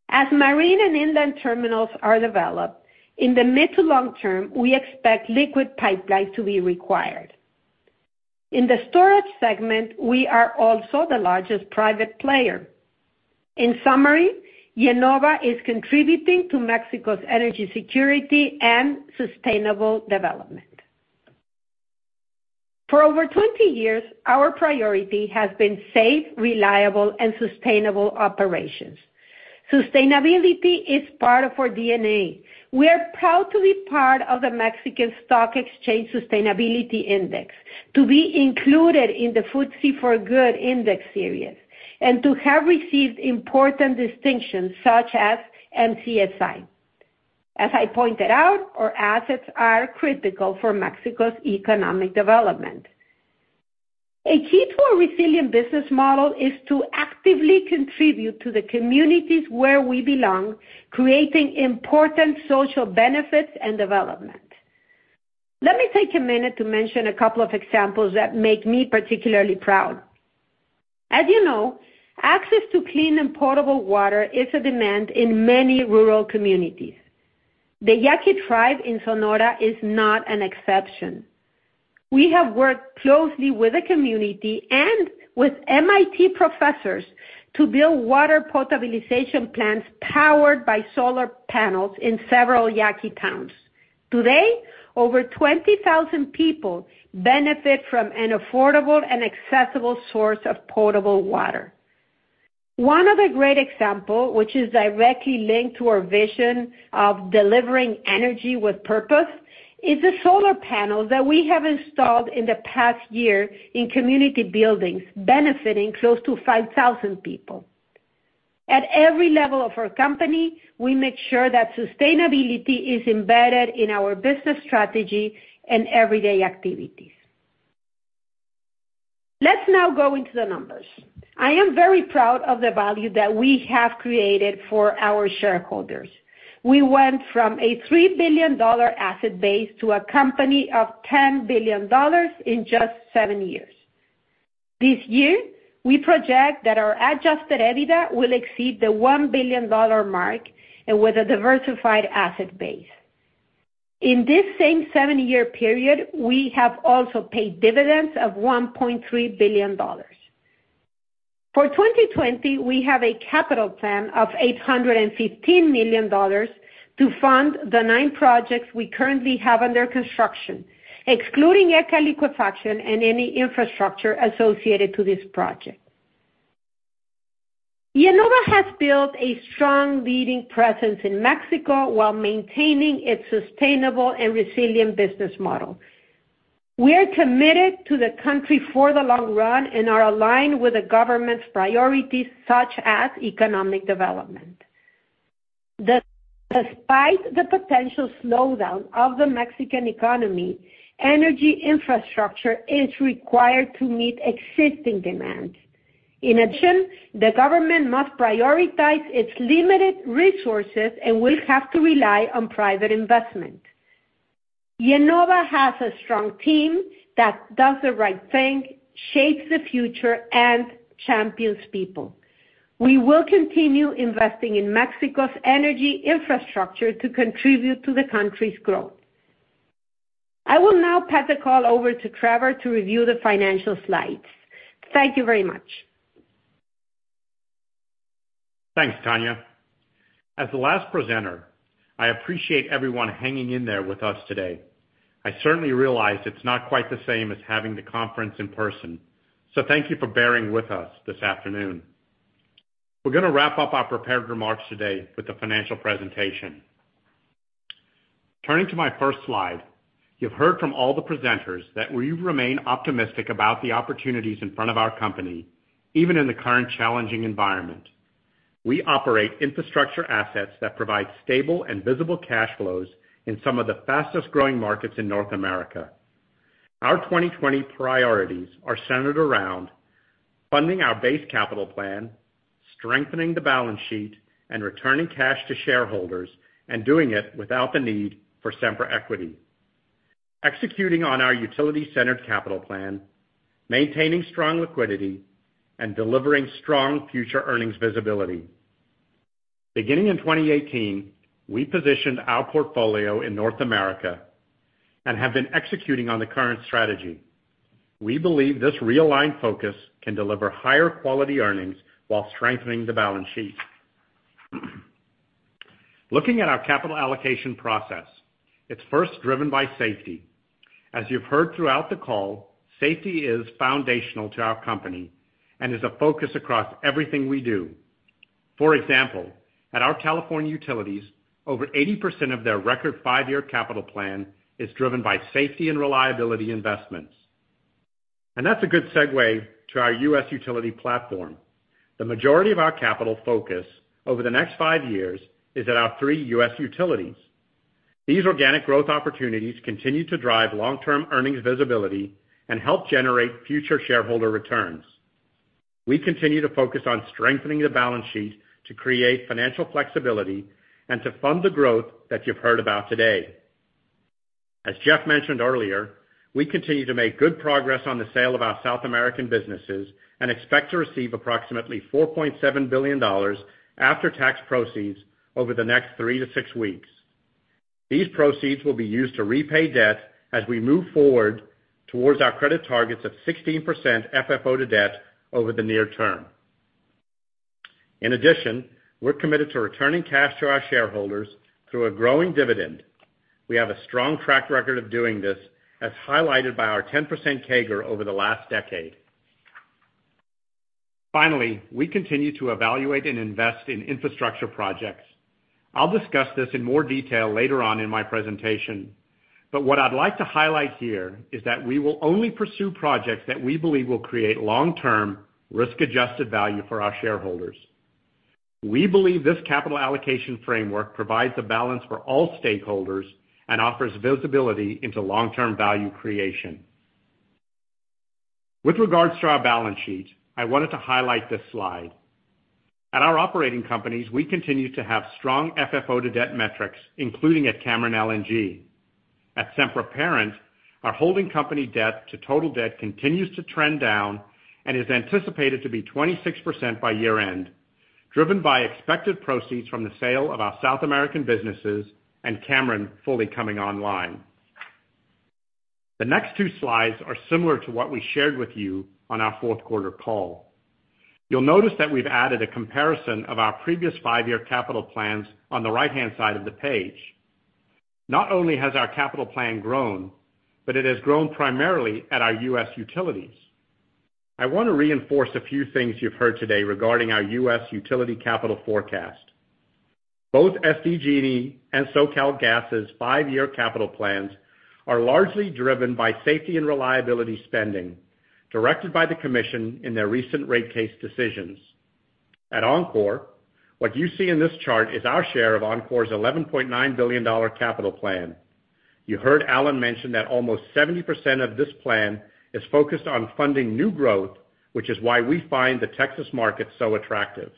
As marine and inland terminals are developed, in the mid to long term, we expect liquid pipelines to be required. In the storage segment, we are also the largest private player. In summary, IEnova is contributing to Mexico's energy security and sustainable development. For over 20 years, our priority has been safe, reliable, and sustainable operations. Sustainability is part of our DNA. We are proud to be part of the Mexican Stock Exchange Sustainability Index, to be included in the FTSE4Good Index Series, and to have received important distinctions such as MSCI. As I pointed out, our assets are critical for Mexico's economic development. A key to a resilient business model is to actively contribute to the communities where we belong, creating important social benefits and development. Let me take a minute to mention a couple of examples that make me particularly proud. As you know, access to clean and potable water is a demand in many rural communities. The Yaqui tribe in Sonora is not an exception. We have worked closely with the community and with MIT professors to build water potabilization plants powered by solar panels in several Yaqui towns. Today, over 20,000 people benefit from an affordable and accessible source of potable water. One other great example, which is directly linked to our vision of delivering energy with purpose, is the solar panels that we have installed in the past year in community buildings, benefiting close to 5,000 people. At every level of our company, we make sure that sustainability is embedded in our business strategy and everyday activities. Let's now go into the numbers. I am very proud of the value that we have created for our shareholders. We went from a $3 billion asset base to a company of $10 billion in just seven years. This year, we project that our adjusted EBITDA will exceed the $1 billion mark, and with a diversified asset base. In this same seven-year period, we have also paid dividends of $1.3 billion. For 2020, we have a capital plan of $815 million to fund the nine projects we currently have under construction, excluding ECA liquefaction and any infrastructure associated to this project. IEnova has built a strong leading presence in Mexico while maintaining its sustainable and resilient business model. We are committed to the country for the long run, and are aligned with the government's priorities, such as economic development. Despite the potential slowdown of the Mexican economy, energy infrastructure is required to meet existing demands. In addition, the government must prioritize its limited resources and will have to rely on private investment. IEnova has a strong team that does the right thing, shapes the future, and champions people. We will continue investing in Mexico's energy infrastructure to contribute to the country's growth. I will now pass the call over to Trevor to review the financial slides. Thank you very much. Thanks, Tania. As the last presenter, I appreciate everyone hanging in there with us today. I certainly realize it's not quite the same as having the conference in person, so thank you for bearing with us this afternoon. We're going to wrap up our prepared remarks today with the financial presentation. Turning to my first slide. You've heard from all the presenters that we remain optimistic about the opportunities in front of our company, even in the current challenging environment. We operate infrastructure assets that provide stable and visible cash flows in some of the fastest-growing markets in North America. Our 2020 priorities are centered around funding our base capital plan, strengthening the balance sheet, and returning cash to shareholders, doing it without the need for Sempra equity. Executing on our utility-centered capital plan, maintaining strong liquidity, and delivering strong future earnings visibility. Beginning in 2018, we positioned our portfolio in North America and have been executing on the current strategy. We believe this realigned focus can deliver higher quality earnings while strengthening the balance sheet. Looking at our capital allocation process, it's first driven by safety. As you've heard throughout the call, safety is foundational to our company and is a focus across everything we do. For example, at our California utilities, over 80% of their record five-year capital plan is driven by safety and reliability investments. That's a good segue to our U.S. utility platform. The majority of our capital focus over the next five years is at our three U.S. utilities. These organic growth opportunities continue to drive long-term earnings visibility and help generate future shareholder returns. We continue to focus on strengthening the balance sheet to create financial flexibility and to fund the growth that you've heard about today. As Jeff mentioned earlier, we continue to make good progress on the sale of our South American businesses, and expect to receive approximately $4.7 billion after-tax proceeds over the next three to six weeks. These proceeds will be used to repay debt as we move forward towards our credit targets of 16% FFO to debt over the near term. In addition, we're committed to returning cash to our shareholders through a growing dividend. We have a strong track record of doing this, as highlighted by our 10% CAGR over the last decade. Finally, we continue to evaluate and invest in infrastructure projects. I'll discuss this in more detail later on in my presentation, but what I'd like to highlight here is that we will only pursue projects that we believe will create long-term risk-adjusted value for our shareholders. We believe this capital allocation framework provides a balance for all stakeholders and offers visibility into long-term value creation. With regards to our balance sheet, I wanted to highlight this slide. At our operating companies, we continue to have strong FFO to debt metrics, including at Cameron LNG. At Sempra Parent, our holding company debt to total debt continues to trend down and is anticipated to be 26% by year-end, driven by expected proceeds from the sale of our South American businesses and Cameron fully coming online. The next two slides are similar to what we shared with you on our fourth quarter call. You'll notice that we've added a comparison of our previous five-year capital plans on the right-hand side of the page. Not only has our capital plan grown, but it has grown primarily at our U.S. utilities. I want to reinforce a few things you've heard today regarding our U.S. utility capital forecast. Both SDG&E and SoCalGas's five-year capital plans are largely driven by safety and reliability spending, directed by the commission in their recent rate case decisions. At Oncor, what you see in this chart is our share of Oncor's $11.9 billion capital plan. You heard Allen mention that almost 70% of this plan is focused on funding new growth, which is why we find the Texas market so attractive.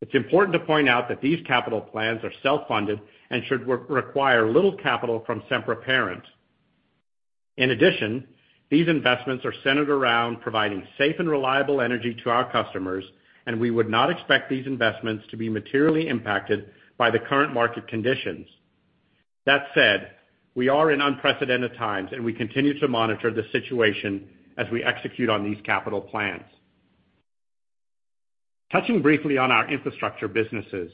It's important to point out that these capital plans are self-funded and should require little capital from Sempra Parent. In addition, these investments are centered around providing safe and reliable energy to our customers, and we would not expect these investments to be materially impacted by the current market conditions. That said, we are in unprecedented times, and we continue to monitor the situation as we execute on these capital plans. Touching briefly on our infrastructure businesses.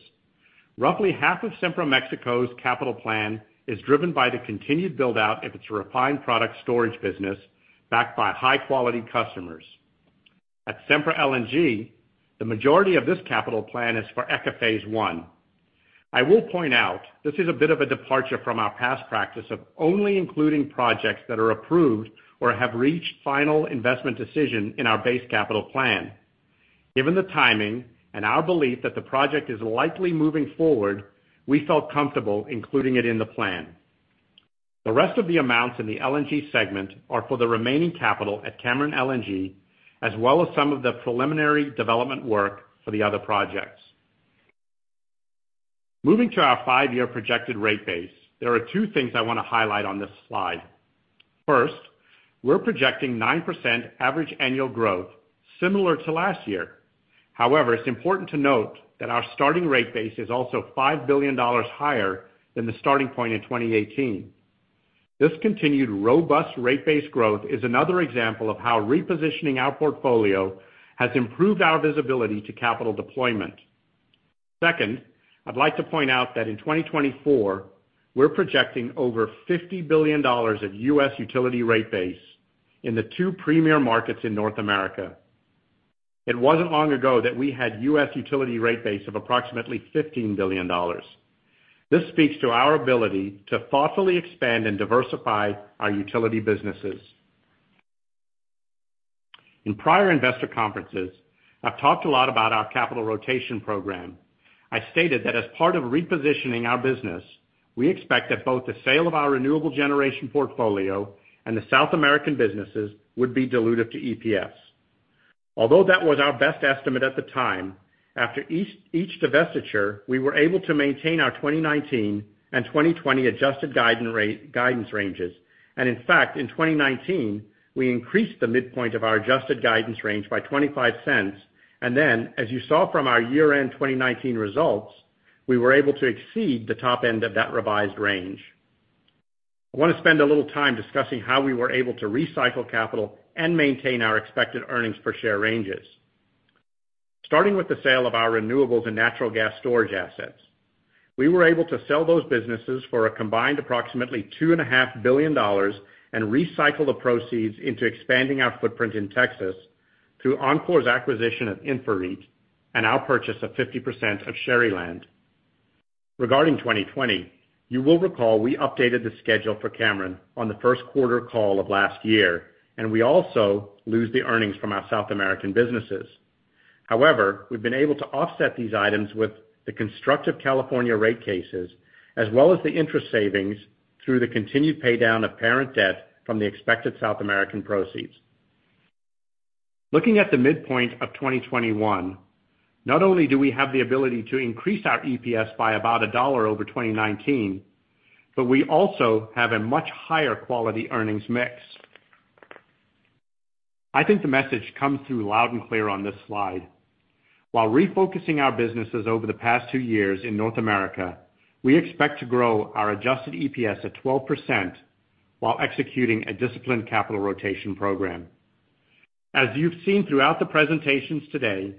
Roughly half of Sempra Mexico's capital plan is driven by the continued build-out of its refined product storage business, backed by high-quality customers. At Sempra LNG, the majority of this capital plan is for ECA Phase 1. I will point out this is a bit of a departure from our past practice of only including projects that are approved or have reached final investment decision in our base capital plan. Given the timing and our belief that the project is likely moving forward, we felt comfortable including it in the plan. The rest of the amounts in the LNG segment are for the remaining capital at Cameron LNG, as well as some of the preliminary development work for the other projects. Moving to our five-year projected rate base, there are two things I want to highlight on this slide. First, we're projecting 9% average annual growth similar to last year. However, it's important to note that our starting rate base is also $5 billion higher than the starting point in 2018. This continued robust rate-based growth is another example of how repositioning our portfolio has improved our visibility to capital deployment. Second, I'd like to point out that in 2024, we're projecting over $50 billion of U.S. utility rate base in the two premier markets in North America. It wasn't long ago that we had U.S. utility rate base of approximately $15 billion. This speaks to our ability to thoughtfully expand and diversify our utility businesses. In prior investor conferences, I've talked a lot about our capital rotation program. I stated that as part of repositioning our business, we expect that both the sale of our renewable generation portfolio and the South American businesses would be dilutive to EPS. Although that was our best estimate at the time, after each divestiture, we were able to maintain our 2019 and 2020 adjusted guidance ranges. In fact, in 2019, we increased the midpoint of our adjusted guidance range by $0.25. As you saw from our year-end 2019 results, we were able to exceed the top end of that revised range. I want to spend a little time discussing how we were able to recycle capital and maintain our expected earnings per share ranges. Starting with the sale of our renewables and natural gas storage assets. We were able to sell those businesses for a combined approximately $2.5 billion and recycle the proceeds into expanding our footprint in Texas through Oncor's acquisition of InfraREIT and our purchase of 50% of Sharyland. Regarding 2020, you will recall we updated the schedule for Cameron on the first quarter call of last year, and we also lose the earnings from our South American businesses. However, we've been able to offset these items with the constructive California rate cases, as well as the interest savings through the continued pay-down of parent debt from the expected South American proceeds. Looking at the midpoint of 2021, not only do we have the ability to increase our EPS by about $1 over 2019, but we also have a much higher quality earnings mix. I think the message comes through loud and clear on this slide. While refocusing our businesses over the past two years in North America, we expect to grow our adjusted EPS at 12% while executing a disciplined capital rotation program. As you've seen throughout the presentations today,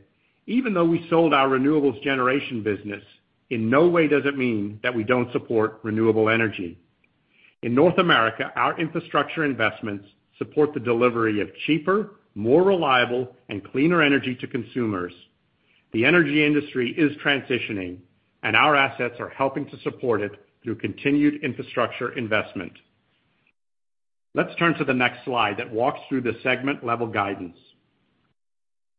even though we sold our renewables generation business, in no way does it mean that we don't support renewable energy. In North America, our infrastructure investments support the delivery of cheaper, more reliable, and cleaner energy to consumers. Our assets are helping to support it through continued infrastructure investment. Let's turn to the next slide that walks through the segment-level guidance.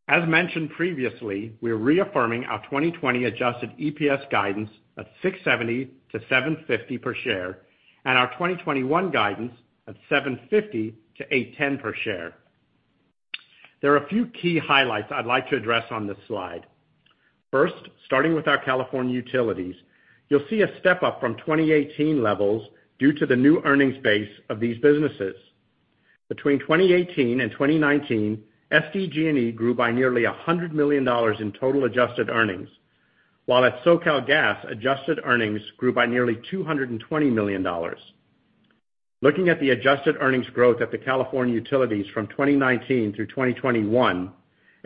As mentioned previously, we are reaffirming our 2020 adjusted EPS guidance of $6.70-$7.50 per share, and our 2021 guidance of $7.50-$8.10 per share. There are a few key highlights I'd like to address on this slide. First, starting with our California utilities, you will see a step-up from 2018 levels due to the new earnings base of these businesses. Between 2018 and 2019, SDG&E grew by nearly $100 million in total adjusted earnings, while at SoCalGas, adjusted earnings grew by nearly $220 million. Looking at the adjusted earnings growth at the California utilities from 2019 through 2021,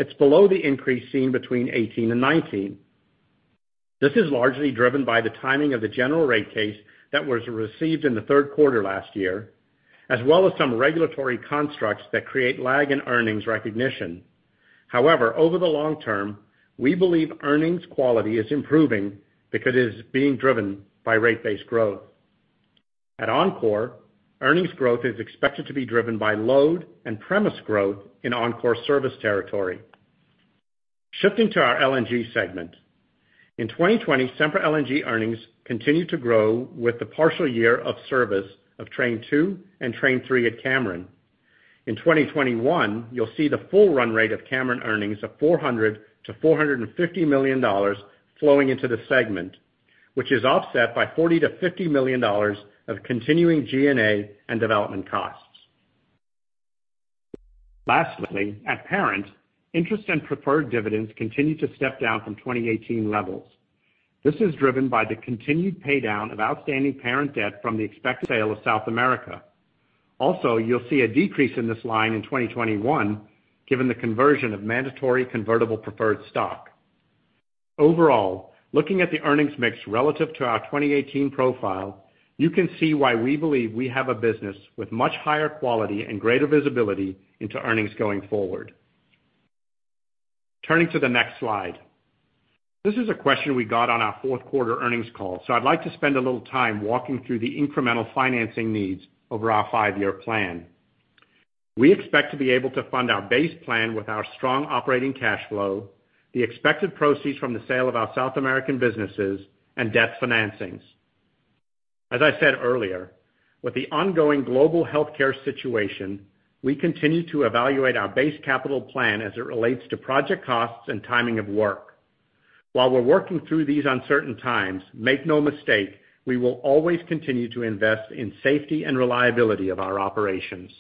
it is below the increase seen between 2018 and 2019. This is largely driven by the timing of the general rate case that was received in the third quarter last year, as well as some regulatory constructs that create lag in earnings recognition. However, over the long term, we believe earnings quality is improving because it is being driven by rate-based growth. At Oncor, earnings growth is expected to be driven by load and premise growth in Oncor service territory. Shifting to our LNG segment. In 2020, Sempra LNG earnings continued to grow with the partial year of service of Train 2 and Train 3 at Cameron. In 2021, you'll see the full run rate of Cameron earnings of $400 million-$450 million flowing into the segment, which is offset by $40 million-$50 million of continuing G&A and development costs. Lastly, at parent, interest and preferred dividends continue to step down from 2018 levels. This is driven by the continued pay-down of outstanding parent debt from the expected sale of South America. Also, you'll see a decrease in this line in 2021 given the conversion of mandatory convertible preferred stock. Overall, looking at the earnings mix relative to our 2018 profile, you can see why we believe we have a business with much higher quality and greater visibility into earnings going forward. Turning to the next slide. This is a question we got on our fourth quarter earnings call, so I'd like to spend a little time walking through the incremental financing needs over our five-year plan. We expect to be able to fund our base plan with our strong operating cash flow, the expected proceeds from the sale of our South American businesses, and debt financings. As I said earlier, with the ongoing global healthcare situation, we continue to evaluate our base capital plan as it relates to project costs and timing of work. While we're working through these uncertain times, make no mistake, we will always continue to invest in safety and reliability of our operations.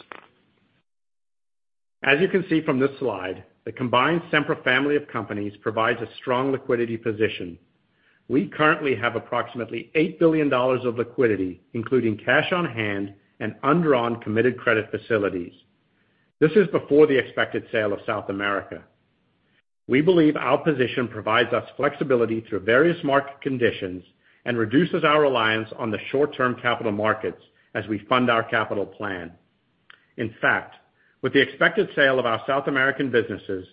As you can see from this slide, the combined Sempra family of companies provides a strong liquidity position. We currently have approximately $8 billion of liquidity, including cash on hand and undrawn committed credit facilities. This is before the expected sale of South America. We believe our position provides us flexibility through various market conditions and reduces our reliance on the short-term capital markets as we fund our capital plan. In fact, with the expected sale of our South American businesses,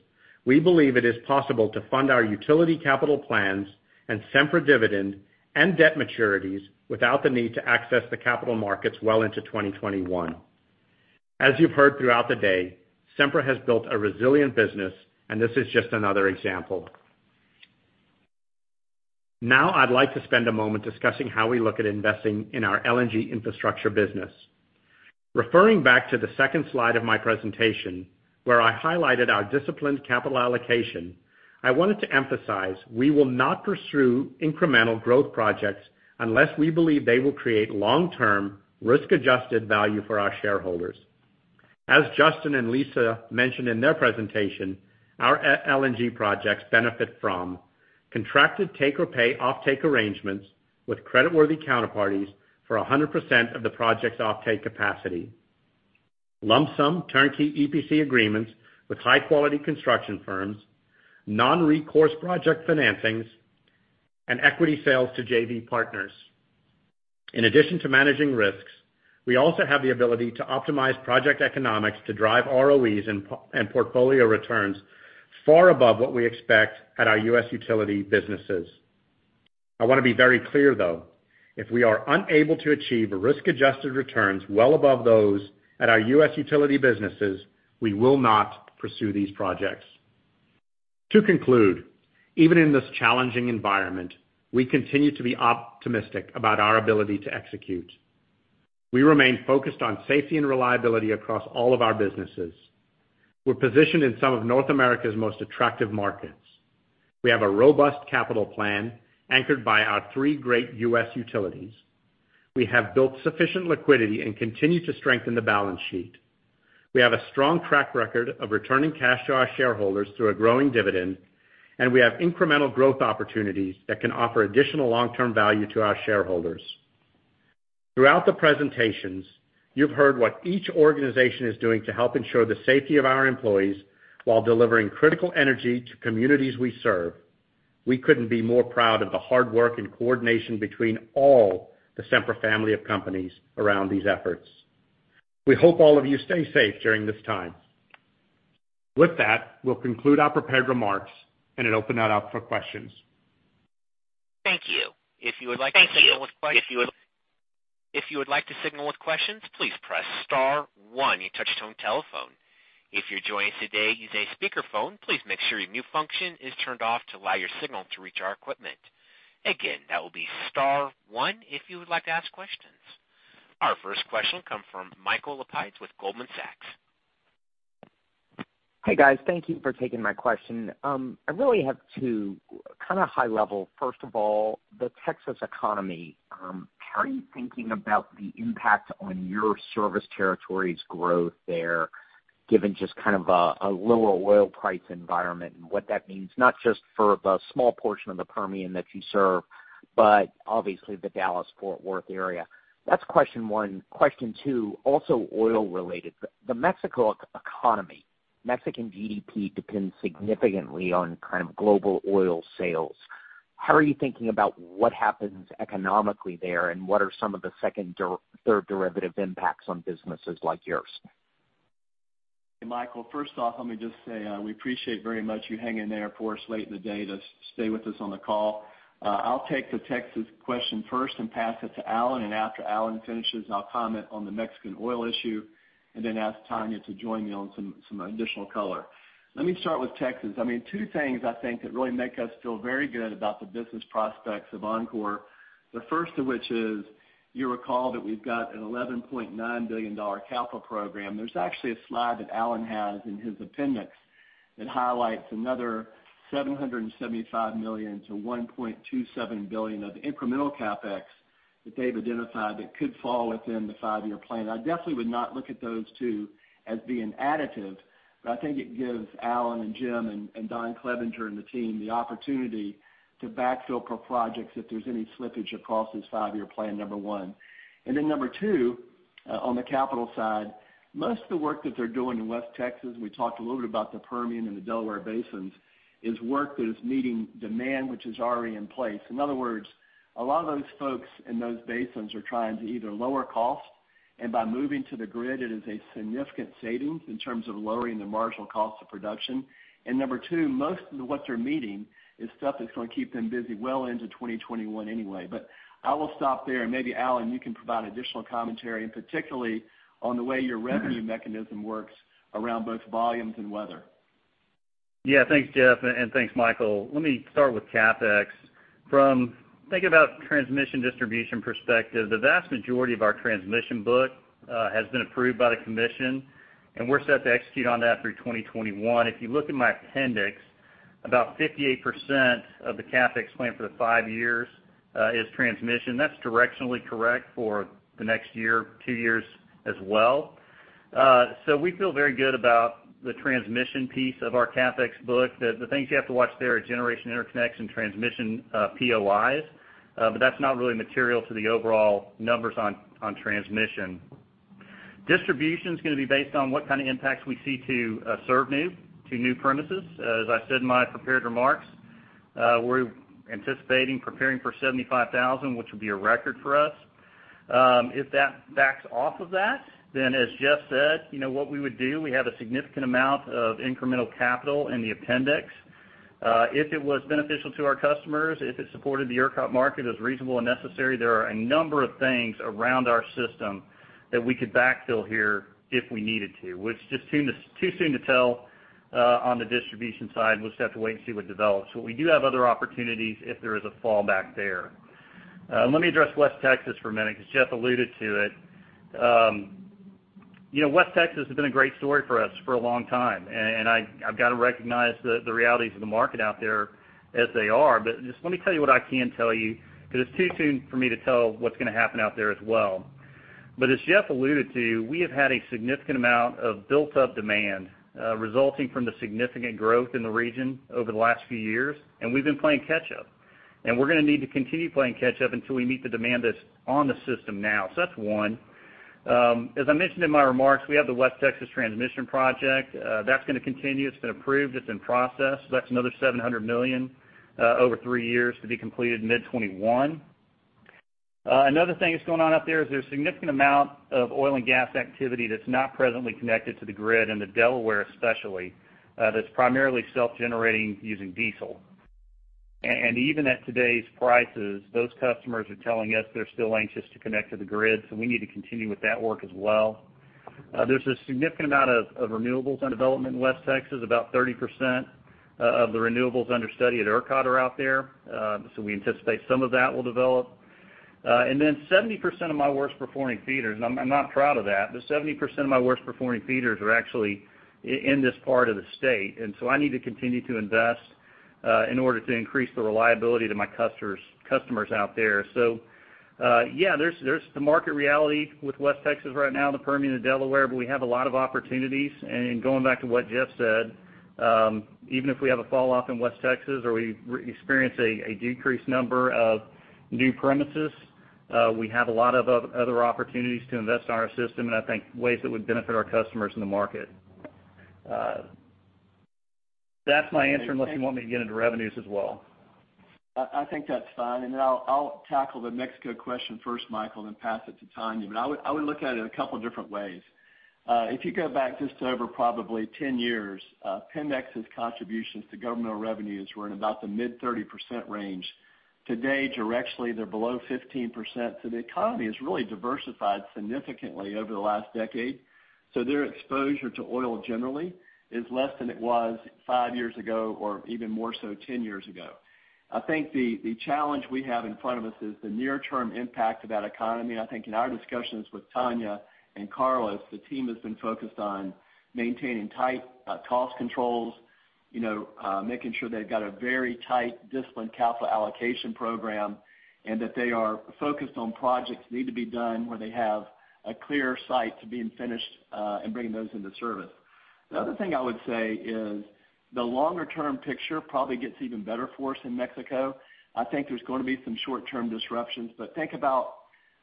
we believe it is possible to fund our utility capital plans and Sempra dividend and debt maturities without the need to access the capital markets well into 2021. As you've heard throughout the day, Sempra has built a resilient business, and this is just another example. Now, I'd like to spend a moment discussing how we look at investing in our LNG infrastructure business. Referring back to the second slide of my presentation, where I highlighted our disciplined capital allocation, I wanted to emphasize we will not pursue incremental growth projects unless we believe they will create long-term, risk-adjusted value for our shareholders. As Justin and Lisa mentioned in their presentation, our LNG projects benefit from contracted take-or-pay offtake arrangements with creditworthy counterparties for 100% of the project's offtake capacity, lump-sum turnkey EPC agreements with high-quality construction firms, non-recourse project financings, and equity sales to JV partners. In addition to managing risks, we also have the ability to optimize project economics to drive ROEs and portfolio returns far above what we expect at our U.S. utility businesses. I want to be very clear, though. If we are unable to achieve risk-adjusted returns well above those at our U.S. utility businesses, we will not pursue these projects. To conclude, even in this challenging environment, we continue to be optimistic about our ability to execute. We remain focused on safety and reliability across all of our businesses. We're positioned in some of North America's most attractive markets. We have a robust capital plan anchored by our three great U.S. utilities. We have built sufficient liquidity and continue to strengthen the balance sheet. We have a strong track record of returning cash to our shareholders through a growing dividend, and we have incremental growth opportunities that can offer additional long-term value to our shareholders. Throughout the presentations, you've heard what each organization is doing to help ensure the safety of our employees while delivering critical energy to communities we serve. We couldn't be more proud of the hard work and coordination between all the Sempra family of companies around these efforts. We hope all of you stay safe during this time. With that, we'll conclude our prepared remarks and open it up for questions. Thank you. If you would like to signal with questions, please press star one on your touch-tone telephone. If you're joining us today using a speakerphone, please make sure your mute function is turned off to allow your signal to reach our equipment. Again, that will be star one if you would like to ask questions. Our first question will come from Michael Lapides with Goldman Sachs. Hey, guys. Thank you for taking my question. I really have two kind of high level. First of all, the Texas economy. How are you thinking about the impact on your service territory's growth there, given just kind of a lower oil price environment and what that means, not just for the small portion of the Permian that you serve, but obviously the Dallas-Fort Worth area? That's question one. Question two, also oil-related. The Mexico economy, Mexican GDP depends significantly on kind of global oil sales. How are you thinking about what happens economically there, and what are some of the second, third derivative impacts on businesses like yours? Hey, Michael. First off, let me just say, we appreciate very much you hanging in there for us late in the day to stay with us on the call. I'll take the Texas question first and pass it to Allen, after Allen finishes, I'll comment on the Mexican oil issue and then ask Tania to join me on some additional color. Let me start with Texas. Two things I think that really make us feel very good about the business prospects of Oncor, the first of which is you recall that we've got an $11.9 billion capital program. There's actually a slide that Allen has in his appendix that highlights another $775 million-$1.27 billion of incremental CapEx that they've identified that could fall within the five-year plan. I definitely would not look at those two as being additive, but I think it gives Allen and Jim and Don Clevenger and the team the opportunity to backfill for projects if there's any slippage across this five-year plan, number one. Then number two, on the capital side, most of the work that they're doing in West Texas, we talked a little bit about the Permian and the Delaware basins, is work that is meeting demand which is already in place. In other words, a lot of those folks in those basins are trying to either lower cost, and by moving to the grid, it is a significant savings in terms of lowering the marginal cost of production. Number two, most of what they're meeting is stuff that's going to keep them busy well into 2021 anyway. I will stop there, and maybe, Allen, you can provide additional commentary, and particularly on the way your revenue mechanism works around both volumes and weather. Yeah. Thanks, Jeff, and thanks, Michael. From thinking about transmission distribution perspective, the vast majority of our transmission book has been approved by the commission, and we're set to execute on that through 2021. If you look at my appendix, about 58% of the CapEx plan for the five years is transmission. That's directionally correct for the next year, two years as well. We feel very good about the transmission piece of our CapEx book. The things you have to watch there are generation interconnection, transmission POIs, but that's not really material to the overall numbers on transmission. Distribution's going to be based on what kind of impacts we see to serve new to new premises. As I said in my prepared remarks, we're anticipating preparing for 75,000, which would be a record for us. If that backs off of that, as Jeff said, what we would do, we have a significant amount of incremental capital in the appendix. If it was beneficial to our customers, if it supported the ERCOT market as reasonable and necessary, there are a number of things around our system that we could backfill here if we needed to, which is just too soon to tell on the distribution side. We'll just have to wait and see what develops. We do have other opportunities if there is a fallback there. Let me address West Texas for a minute because Jeff alluded to it. West Texas has been a great story for us for a long time, I've got to recognize the realities of the market out there as they are. Just let me tell you what I can tell you, because it's too soon for me to tell what's going to happen out there as well. As Jeff alluded to, we have had a significant amount of built-up demand resulting from the significant growth in the region over the last few years, and we've been playing catch up. We're going to need to continue playing catch up until we meet the demand that's on the system now. That's one. As I mentioned in my remarks, we have the West Texas transmission project. That's going to continue. It's been approved. It's in process. That's another $700 million over three years to be completed mid 2021. Another thing that's going on up there is there's a significant amount of oil and gas activity that's not presently connected to the grid, in the Delaware especially, that's primarily self-generating using diesel. Even at today's prices, those customers are telling us they're still anxious to connect to the grid. We need to continue with that work as well. There's a significant amount of renewables under development in West Texas. About 30% of the renewables under study at ERCOT are out there. We anticipate some of that will develop. 70% of my worst-performing feeders. I'm not proud of that, 70% of my worst-performing feeders are actually in this part of the state. I need to continue to invest in order to increase the reliability to my customers out there. Yeah, there's the market reality with West Texas right now, the Permian and Delaware, but we have a lot of opportunities. Going back to what Jeff said, even if we have a fall off in West Texas or we experience a decreased number of new premises, we have a lot of other opportunities to invest in our system and I think ways that would benefit our customers in the market. That's my answer unless you want me to get into revenues as well. I think that's fine. I'll tackle the Mexico question first, Michael, then pass it to Tania. I would look at it a couple different ways. If you go back just over probably 10 years, PEMEX's contributions to governmental revenues were in about the mid 30% range. Today, directionally, they're below 15%, so the economy has really diversified significantly over the last decade. Their exposure to oil generally is less than it was five years ago, or even more so, 10 years ago. I think the challenge we have in front of us is the near-term impact to that economy. I think in our discussions with Tania and Carlos, the team has been focused on maintaining tight cost controls, making sure they've got a very tight, disciplined capital allocation program, and that they are focused on projects that need to be done where they have a clear sight to being finished, and bringing those into service. The other thing I would say is the longer-term picture probably gets even better for us in Mexico. I think there's going to be some short-term disruptions, but think about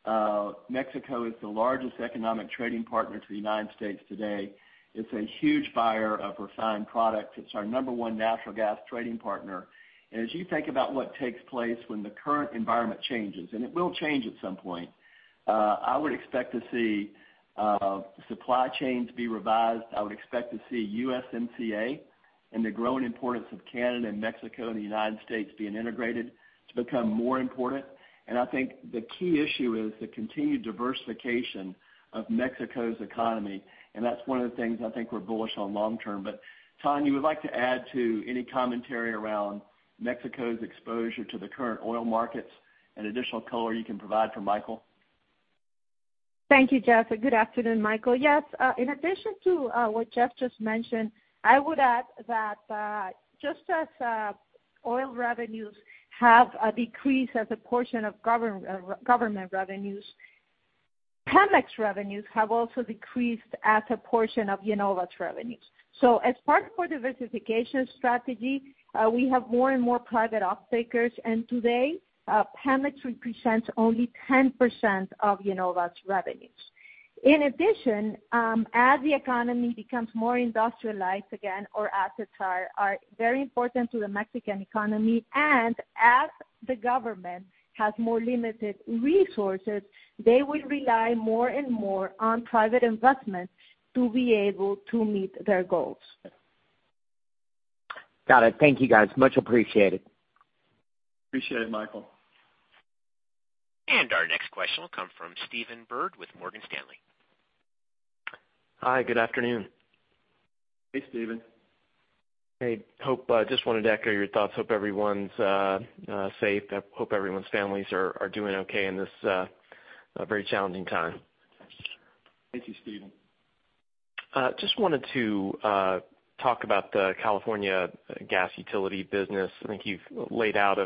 how Mexico is the largest economic trading partner to the United States today. It's a huge buyer of refined product. It's our number one natural gas trading partner. As you think about what takes place when the current environment changes, and it will change at some point, I would expect to see supply chains be revised. I would expect to see USMCA and the growing importance of Canada and Mexico and the United States being integrated to become more important. I think the key issue is the continued diversification of Mexico's economy, and that's one of the things I think we're bullish on long term. Tania, would you like to add any commentary around Mexico's exposure to the current oil markets and additional color you can provide for Michael? Thank you, Jeff. Good afternoon, Michael. Yes. In addition to what Jeff just mentioned, I would add that just as oil revenues have decreased as a portion of government revenues, PEMEX revenues have also decreased as a portion of IEnova's revenues. As part of our diversification strategy, we have more and more private off-takers, and today, PEMEX represents only 10% of IEnova's revenues. In addition, as the economy becomes more industrialized again, our assets are very important to the Mexican economy, and as the government has more limited resources, they will rely more and more on private investments to be able to meet their goals. Got it. Thank you, guys. Much appreciated. Appreciate it, Michael. Our next question will come from Stephen Byrd with Morgan Stanley. Hi, good afternoon. Hey, Stephen. Just wanted to echo your thoughts. Hope everyone's safe. I hope everyone's families are doing okay in this very challenging time. Thank you, Stephen. Just wanted to talk about the California gas utility business. I think you've laid out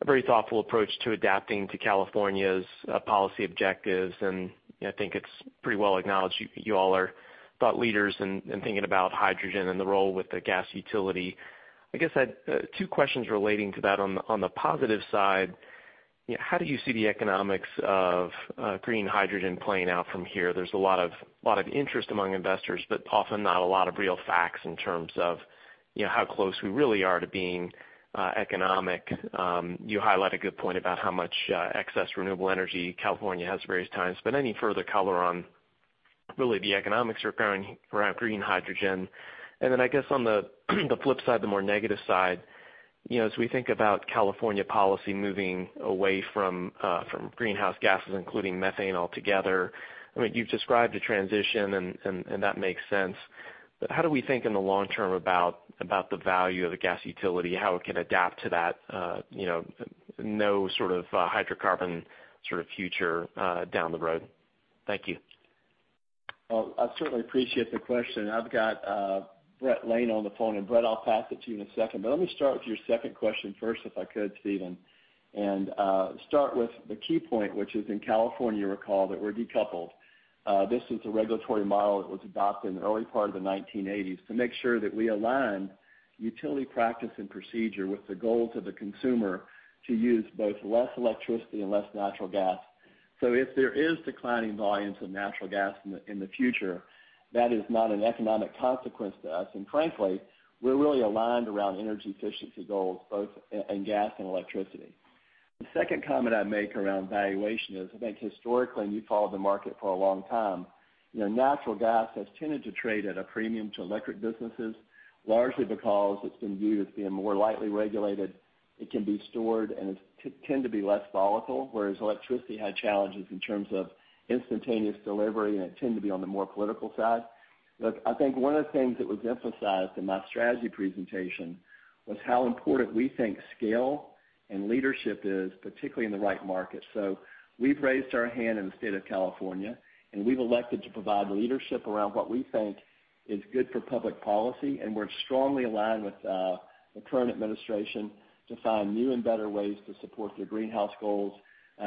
a very thoughtful approach to adapting to California's policy objectives, and I think it's pretty well acknowledged you all are thought leaders in thinking about hydrogen and the role with the gas utility. I guess I had two questions relating to that. On the positive side, how do you see the economics of green hydrogen playing out from here? There's a lot of interest among investors, but often not a lot of real facts in terms of how close we really are to being economic. You highlight a good point about how much excess renewable energy California has at various times, but any further color on really the economics around green hydrogen? I guess on the flip side, the more negative side, as we think about California policy moving away from greenhouse gases, including methane altogether. I mean, you've described a transition and that makes sense, but how do we think in the long term about the value of the gas utility, how it can adapt to that no sort of hydrocarbon sort of future down the road? Thank you. Well, I certainly appreciate the question. I've got Bret Lane on the phone, and Bret, I'll pass it to you in a second. Let me start with your second question first, if I could, Stephen, and start with the key point, which is in California, recall, that we're decoupled. This is a regulatory model that was adopted in the early part of the 1980s to make sure that we align utility practice and procedure with the goals of the consumer to use both less electricity and less natural gas. If there is declining volumes of natural gas in the future, that is not an economic consequence to us, and frankly, we're really aligned around energy efficiency goals both in gas and electricity. The second comment I'd make around valuation is I think historically, and you've followed the market for a long time, natural gas has tended to trade at a premium to electric businesses, largely because it's been viewed as being more lightly regulated. It can be stored, and it tends to be less volatile, whereas electricity had challenges in terms of instantaneous delivery, and it tended to be on the more political side. Look, I think one of the things that was emphasized in my strategy presentation was how important we think scale and leadership is, particularly in the right market. We've raised our hand in the state of California, and we've elected to provide leadership around what we think is good for public policy, and we're strongly aligned with the current administration to find new and better ways to support their greenhouse goals.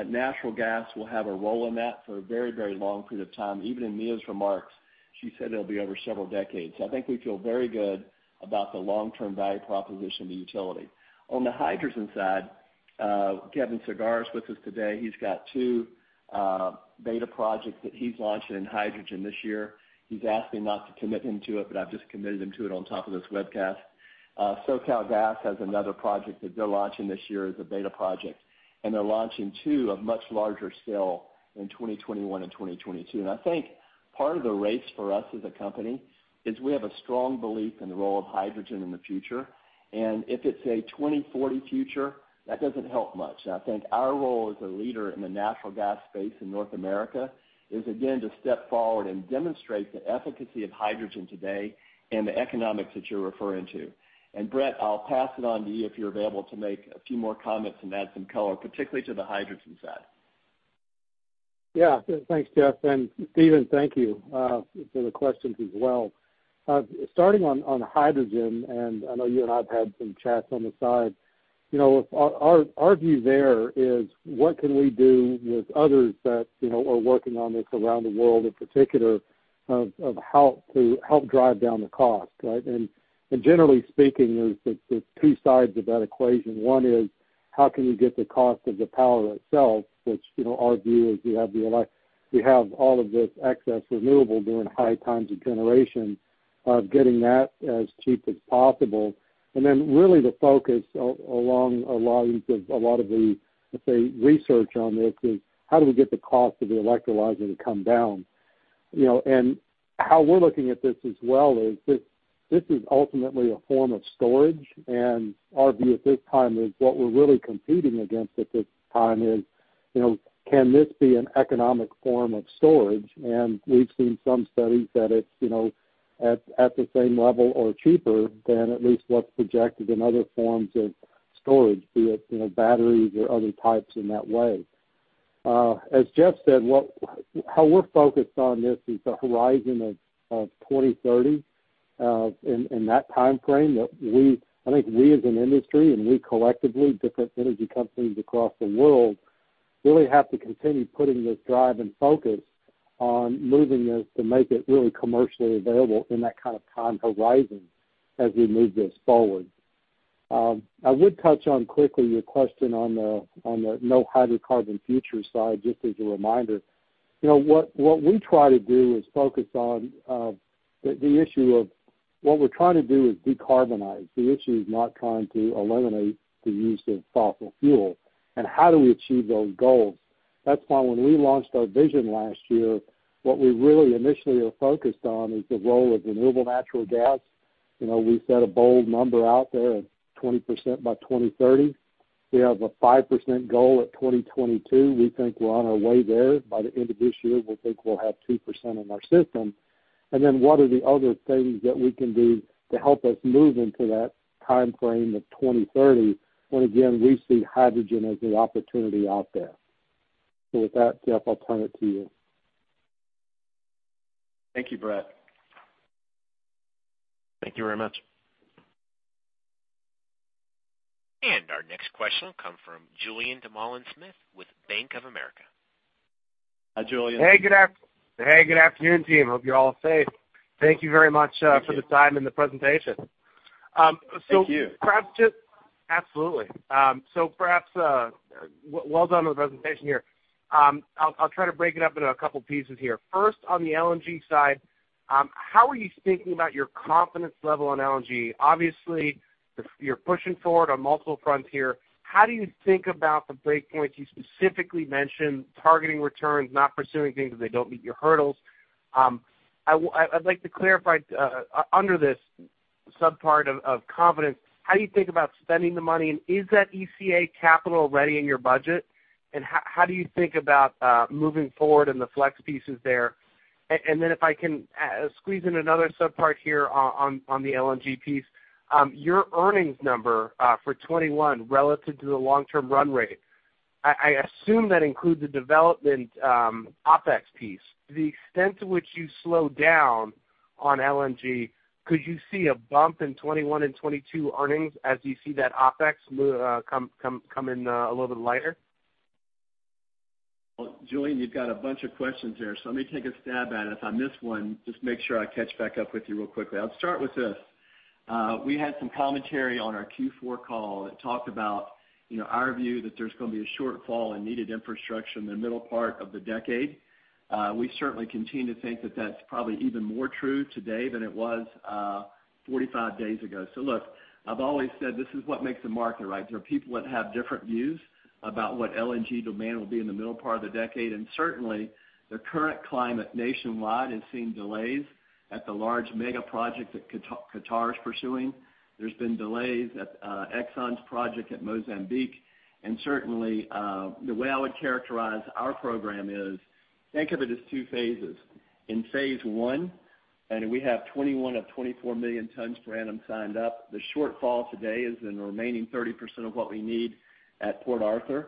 Natural gas will have a role in that for a very, very long period of time. Even in [Mia's] remarks, she said it'll be over several decades. I think we feel very good about the long-term value proposition of the utility. On the hydrogen side, Kevin Sagara is with us today. He's got two beta projects that he's launching in hydrogen this year. He's asked me not to commit him to it, but I've just committed him to it on top of this webcast. SoCalGas has another project that they're launching this year as a beta project. They're launching two of much larger scale in 2021 and 2022. Part of the race for us as a company is we have a strong belief in the role of hydrogen in the future. If it's a 2040 future, that doesn't help much. I think our role as a leader in the natural gas space in North America is, again, to step forward and demonstrate the efficacy of hydrogen today and the economics that you're referring to. Bret, I'll pass it on to you if you're available to make a few more comments and add some color, particularly to the hydrogen side. Yeah. Thanks, Jeff. Stephen, thank you for the questions as well. Starting on hydrogen, and I know you and I have had some chats on the side. Our view there is what can we do with others that are working on this around the world, in particular, of how to help drive down the cost, right? Generally speaking, there's two sides of that equation. One is how can you get the cost of the power itself, which our view is we have all of this excess renewable during high times of generation, of getting that as cheap as possible. Really the focus along a lot of the, let's say, research on this is how do we get the cost of the electrolyzer to come down. How we're looking at this as well is this is ultimately a form of storage, and our view at this time is what we're really competing against at this time is, can this be an economic form of storage? We've seen some studies that it's at the same level or cheaper than at least what's projected in other forms of storage, be it batteries or other types in that way. As Jeff said, how we're focused on this is a horizon of 2030, in that timeframe that we as an industry and we collectively, different energy companies across the world, really have to continue putting this drive and focus on moving this to make it really commercially available in that kind of time horizon as we move this forward. I would touch on quickly your question on the no hydrocarbon future side, just as a reminder. What we try to do is focus on the issue of what we're trying to do is decarbonize. The issue is not trying to eliminate the use of fossil fuel. How do we achieve those goals? That's why when we launched our vision last year, what we really initially are focused on is the role of renewable natural gas. We set a bold number out there of 20% by 2030. We have a 5% goal at 2022. We think we're on our way there. By the end of this year, we think we'll have 2% in our system. Then what are the other things that we can do to help us move into that timeframe of 2030, when again, we see hydrogen as the opportunity out there. With that, Jeff, I'll turn it to you. Thank you, Bret. Thank you very much. Our next question will come from Julien Dumoulin-Smith with Bank of America. Hi, Julien. Hey, good afternoon, team. Hope you're all safe. Thank you very much- Thank you. for the time and the presentation. Thank you. Absolutely. Well done on the presentation here. I'll try to break it up into a couple pieces here. First, on the LNG side, how are you thinking about your confidence level on LNG? You're pushing forward on multiple fronts here. How do you think about the break points? You specifically mentioned targeting returns, not pursuing things if they don't meet your hurdles. I'd like to clarify, under this sub-part of confidence, how do you think about spending the money, and is that ECA capital ready in your budget? How do you think about moving forward and the flex pieces there? If I can squeeze in another sub-part here on the LNG piece. Your earnings number for 2021 relative to the long-term run rate, I assume that includes the development OpEx piece. The extent to which you slow down on LNG, could you see a bump in 2021 and 2022 earnings as you see that OpEx come in a little bit lighter? Julien, you've got a bunch of questions there. Let me take a stab at it. If I miss one, just make sure I catch back up with you real quickly. I'll start with this. We had some commentary on our Q4 call that talked about our view that there's going to be a shortfall in needed infrastructure in the middle part of the decade. We certainly continue to think that that's probably even more true today than it was 45 days ago. Look, I've always said this is what makes a market, right? There are people that have different views about what LNG demand will be in the middle part of the decade, and certainly the current climate nationwide has seen delays at the large mega project that Qatar is pursuing. There's been delays at ExxonMobil's project at Mozambique. Certainly, the way I would characterize our program is, think of it as 2 phases. In phase 1, we have 21 of 24 million tons per annum signed up, the shortfall today is in the remaining 30% of what we need at Port Arthur.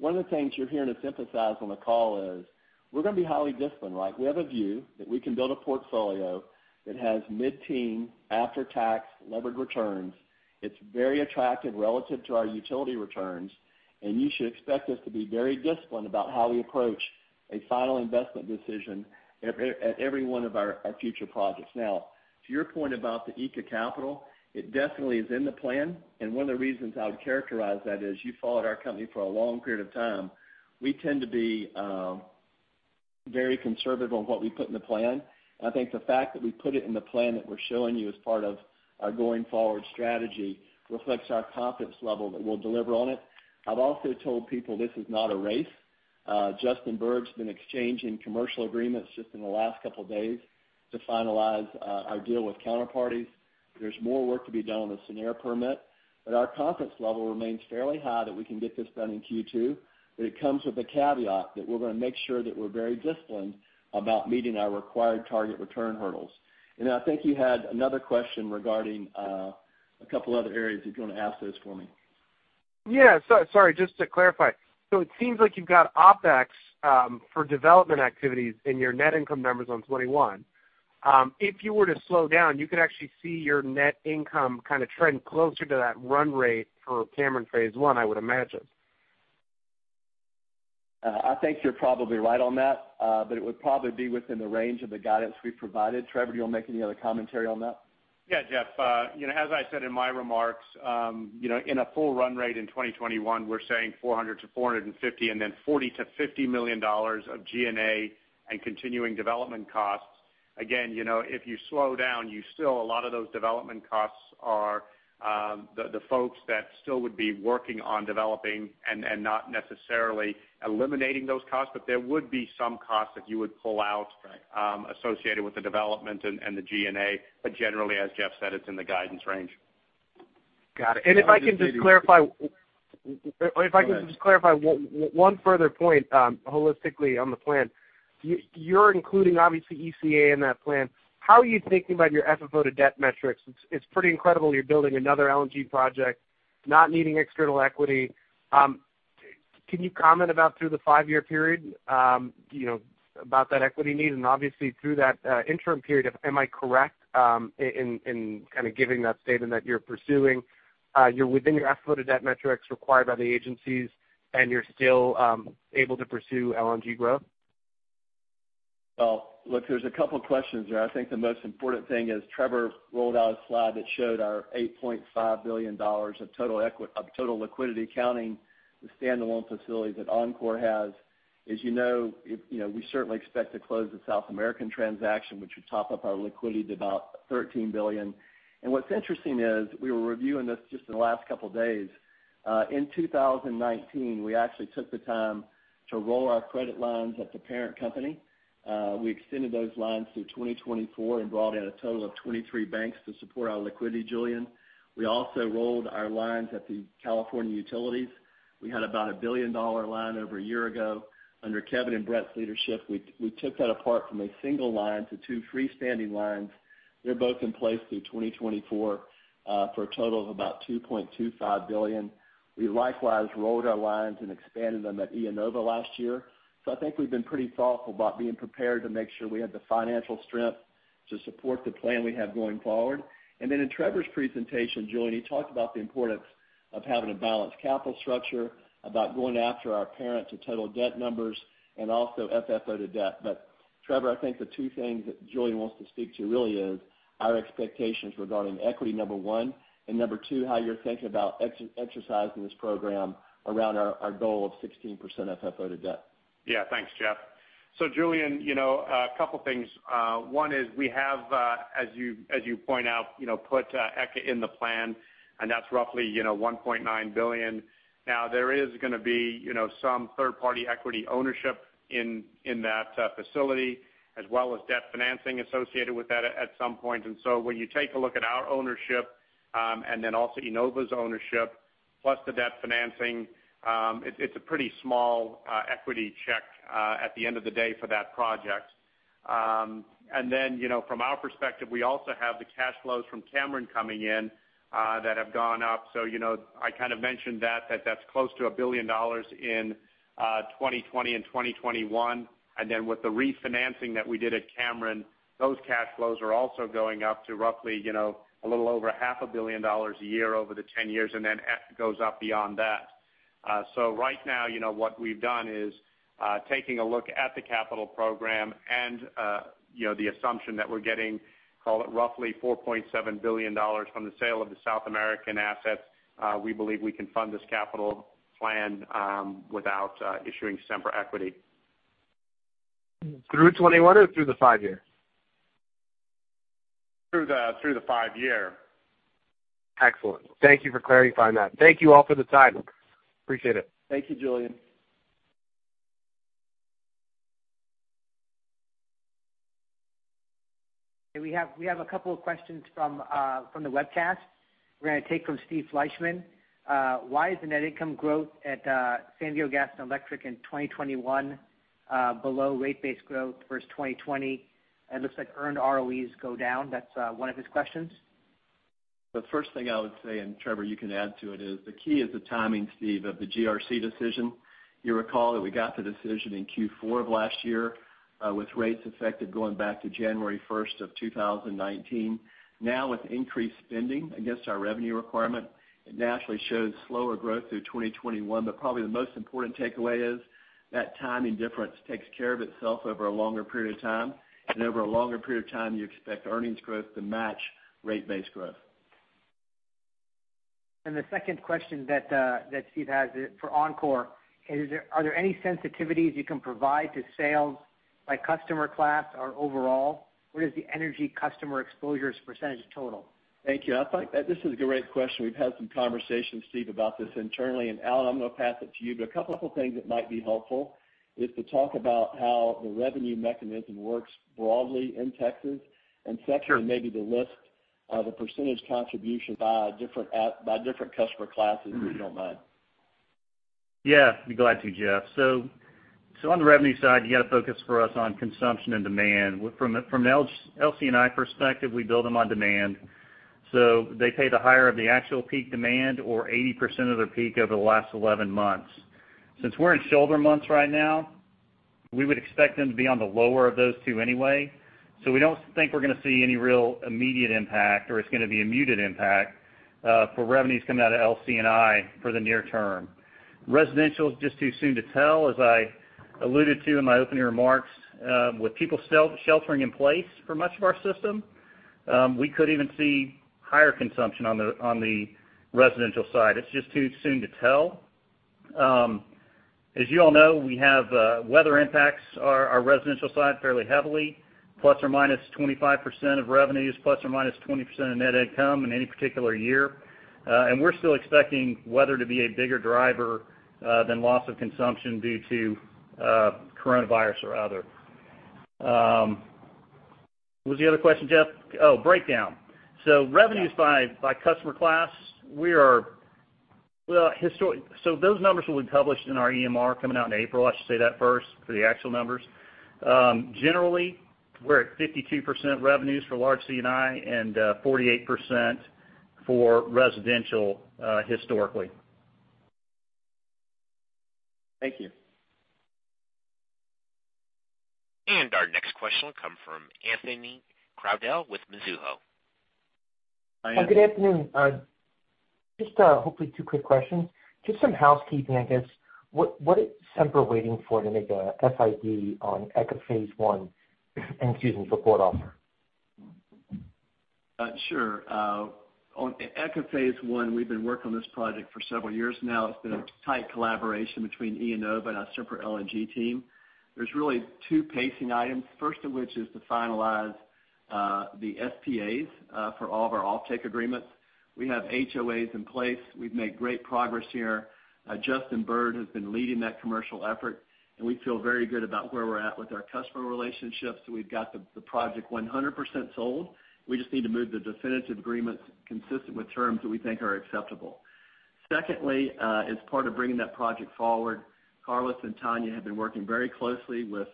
One of the things you're hearing us emphasize on the call is we're going to be highly disciplined, right? We have a view that we can build a portfolio that has mid-teen after-tax levered returns. It's very attractive relative to our utility returns, and you should expect us to be very disciplined about how we approach a final investment decision at every one of our future projects. To your point about the ECA capital, it definitely is in the plan, and one of the reasons I would characterize that is you followed our company for a long period of time. We tend to be very conservative on what we put in the plan. I think the fact that we put it in the plan that we're showing you as part of our going-forward strategy reflects our confidence level that we'll deliver on it. I've also told people this is not a race. Justin Bird's been exchanging commercial agreements just in the last couple of days to finalize our deal with counterparties. There's more work to be done on the SENER permit, but our confidence level remains fairly high that we can get this done in Q2. It comes with the caveat that we're going to make sure that we're very disciplined about meeting our required target return hurdles. I think you had another question regarding a couple other areas, if you want to ask those for me. Yeah. Sorry, just to clarify. It seems like you've got OpEx for development activities in your net income numbers on 2021. If you were to slow down, you could actually see your net income kind of trend closer to that run rate for Cameron Phase 1, I would imagine. I think you're probably right on that, but it would probably be within the range of the guidance we've provided. Trevor, do you want to make any other commentary on that? Yeah, Jeff. As I said in my remarks, in a full run rate in 2021, we're saying $400-$450, and then $40 million-$50 million of G&A and continuing development costs. Again, if you slow down, a lot of those development costs are the folks that still would be working on developing and not necessarily eliminating those costs. There would be some costs that you would pull out. Right associated with the development and the G&A. Generally, as Jeff said, it's in the guidance range. Got it. If I can just clarify one further point holistically on the plan. You're including, obviously, ECA in that plan. How are you thinking about your FFO to debt metrics? It's pretty incredible you're building another LNG project, not needing external equity. Can you comment about through the five-year period, about that equity need? Obviously, through that interim period, am I correct in kind of giving that statement that you're within your FFO to debt metrics required by the agencies, and you're still able to pursue LNG growth? Look, there's a couple questions there. I think the most important thing is Trevor rolled out a slide that showed our $8.5 billion of total liquidity counting the standalone facilities that Oncor has. As you know, we certainly expect to close the South American transaction, which would top up our liquidity to about $13 billion. What's interesting is, we were reviewing this just in the last couple of days. In 2019, we actually took the time to roll our credit lines at the parent company. We extended those lines through 2024 and brought in a total of 23 banks to support our liquidity, Julien. We also rolled our lines at the California utilities. We had about a $1 billion line over a year ago. Under Kevin and Bret's leadership, we took that apart from a single line to two freestanding lines. They're both in place through 2024, for a total of about $2.25 billion. We likewise rolled our lines and expanded them at IEnova last year. I think we've been pretty thoughtful about being prepared to make sure we have the financial strength to support the plan we have going forward. In Trevor's presentation, Julien, he talked about the importance of having a balanced capital structure, about going after our parent to total debt numbers, and also FFO to debt. Trevor, I think the two things that Julien wants to speak to really is our expectations regarding equity, number one, and number two, how you're thinking about exercising this program around our goal of 16% FFO to debt. Yeah. Thanks, Jeff. Julien, a couple of things. One is, we have, as you point out, put ECA in the plan, and that's roughly $1.9 billion. Now, there is going to be some third-party equity ownership in that facility, as well as debt financing associated with that at some point. When you take a look at our ownership and then also IEnova's ownership, plus the debt financing, it's a pretty small equity check at the end of the day for that project. From our perspective, we also have the cash flows from Cameron coming in that have gone up. I kind of mentioned that's close to $1 billion in 2020 and 2021. With the refinancing that we did at Cameron, those cash flows are also going up to roughly a little over half a billion dollars a year over the 10 years, and then it goes up beyond that. Right now, what we've done is taking a look at the capital program and the assumption that we're getting, call it, roughly $4.7 billion from the sale of the South American assets. We believe we can fund this capital plan without issuing Sempra equity. Through 2021 or through the five-year? Through the five year. Excellent. Thank you for clarifying that. Thank you all for the time. Appreciate it. Thank you, Julien. We have a couple of questions from the webcast. We're going to take from Steve Fleishman. Why is the net income growth at San Diego Gas & Electric in 2021 below rate base growth versus 2020? It looks like earned ROEs go down. That's one of his questions. The first thing I would say, Trevor, you can add to it, is the key is the timing, Steve, of the GRC decision. You recall that we got the decision in Q4 of last year, with rates affected going back to January 1st of 2019. With increased spending against our revenue requirement, it naturally shows slower growth through 2021. Probably the most important takeaway is that timing difference takes care of itself over a longer period of time. Over a longer period of time, you expect earnings growth to match rate base growth. The second question that Steve has for Oncor, are there any sensitivities you can provide to sales? By customer class or overall, what is the energy customer exposure as percentage of total? Thank you. I think that this is a great question. We've had some conversations, Steve, about this internally. Allen, I'm going to pass it to you, but a couple of things that might be helpful is to talk about how the revenue mechanism works broadly in Texas. Second- Sure maybe the list of the percentage contribution by different customer classes, if you don't mind. Yeah, be glad to, Jeff. On the revenue side, you got to focus for us on consumption and demand. From an LC&I perspective, we bill them on demand, so they pay the higher of the actual peak demand or 80% of their peak over the last 11 months. Since we're in shoulder months right now, we would expect them to be on the lower of those two anyway. We don't think we're going to see any real immediate impact, or it's going to be a muted impact, for revenues coming out of LC&I for the near term. Residential is just too soon to tell. As I alluded to in my opening remarks, with people still sheltering in place for much of our system, we could even see higher consumption on the residential side. It's just too soon to tell. As you all know, we have weather impacts our residential side fairly heavily, ±25% of revenues, ±20% of net income in any particular year. We're still expecting weather to be a bigger driver than loss of consumption due to coronavirus or other. What was the other question, Jeff? Oh, breakdown. Revenues by customer class. Those numbers will be published in our EMR coming out in April, I should say that first, for the actual numbers. Generally, we're at 52% revenues for large C&I and 48% for residential historically. Thank you. Our next question will come from Anthony Crowdell with Mizuho. Good afternoon. Just hopefully two quick questions. Just some housekeeping, I guess. What is Sempra waiting for to make a FID on ECA Phase 1, and excuse me, for Port Arthur? Sure. On ECA Phase 1, we've been working on this project for several years now. It's been a tight collaboration between IEnova and our Sempra LNG team. There's really two pacing items, first of which is to finalize the SPAs for all of our off-take agreements. We have HOAs in place. We've made great progress here. Justin Bird has been leading that commercial effort, and we feel very good about where we're at with our customer relationships. We've got the project 100% sold. We just need to move the definitive agreements consistent with terms that we think are acceptable. As part of bringing that project forward, Carlos and Tania have been working very closely with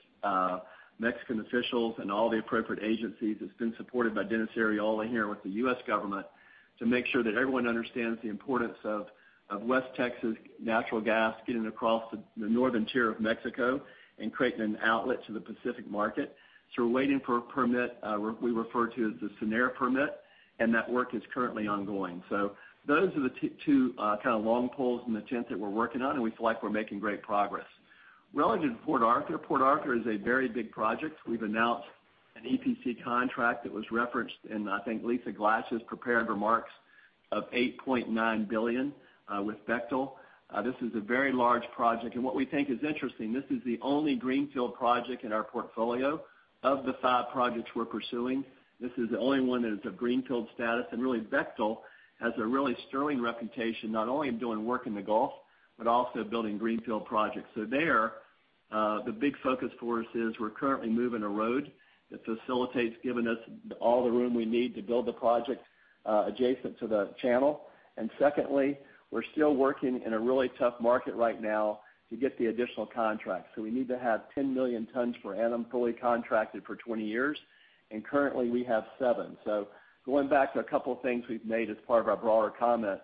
Mexican officials and all the appropriate agencies that's been supported by Dennis Arriola here with the U.S. government to make sure that everyone understands the importance of West Texas natural gas getting across the northern tier of Mexico and creating an outlet to the Pacific market. We're waiting for a permit, we refer to as the SENER permit, and that work is currently ongoing. Those are the two kind of long poles in the tent that we're working on, and we feel like we're making great progress. Relative to Port Arthur, Port Arthur is a very big project. We've announced an EPC contract that was referenced in, I think, Lisa Glatch' prepared remarks of $8.9 billion with Bechtel. This is a very large project, and what we think is interesting, this is the only greenfield project in our portfolio of the five projects we're pursuing. This is the only one that is a greenfield status. Really, Bechtel has a really sterling reputation, not only of doing work in the Gulf, but also building greenfield projects. There, the big focus for us is we're currently moving a road that facilitates giving us all the room we need to build the project adjacent to the channel. Secondly, we're still working in a really tough market right now to get the additional contracts. We need to have 10 million tons per annum fully contracted for 20 years, and currently we have seven. Going back to a couple of things we've made as part of our broader comments,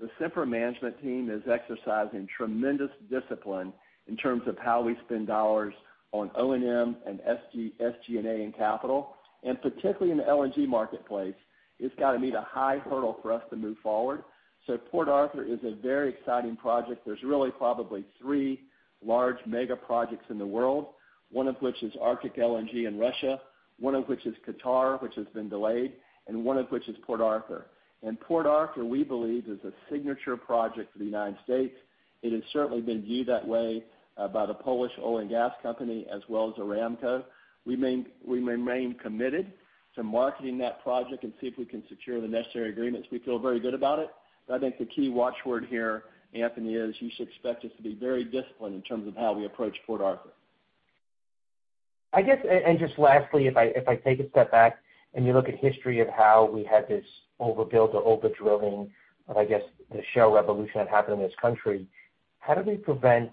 the Sempra management team is exercising tremendous discipline in terms of how we spend dollars on O&M and SG&A and capital. Particularly in the LNG marketplace, it's got to meet a high hurdle for us to move forward. Port Arthur is a very exciting project. There's really probably three large mega projects in the world, one of which is Arctic LNG in Russia, one of which is Qatar, which has been delayed, and one of which is Port Arthur. Port Arthur, we believe, is a signature project for the U.S. It has certainly been viewed that way by the Polish Oil and Gas Company, as well as Aramco. We remain committed to marketing that project and see if we can secure the necessary agreements. We feel very good about it, but I think the key watchword here, Anthony, is you should expect us to be very disciplined in terms of how we approach Port Arthur. I guess, just lastly, if I take a step back and you look at history of how we had this overbuild or over-drilling of, I guess, the shale revolution that happened in this country, how do we prevent,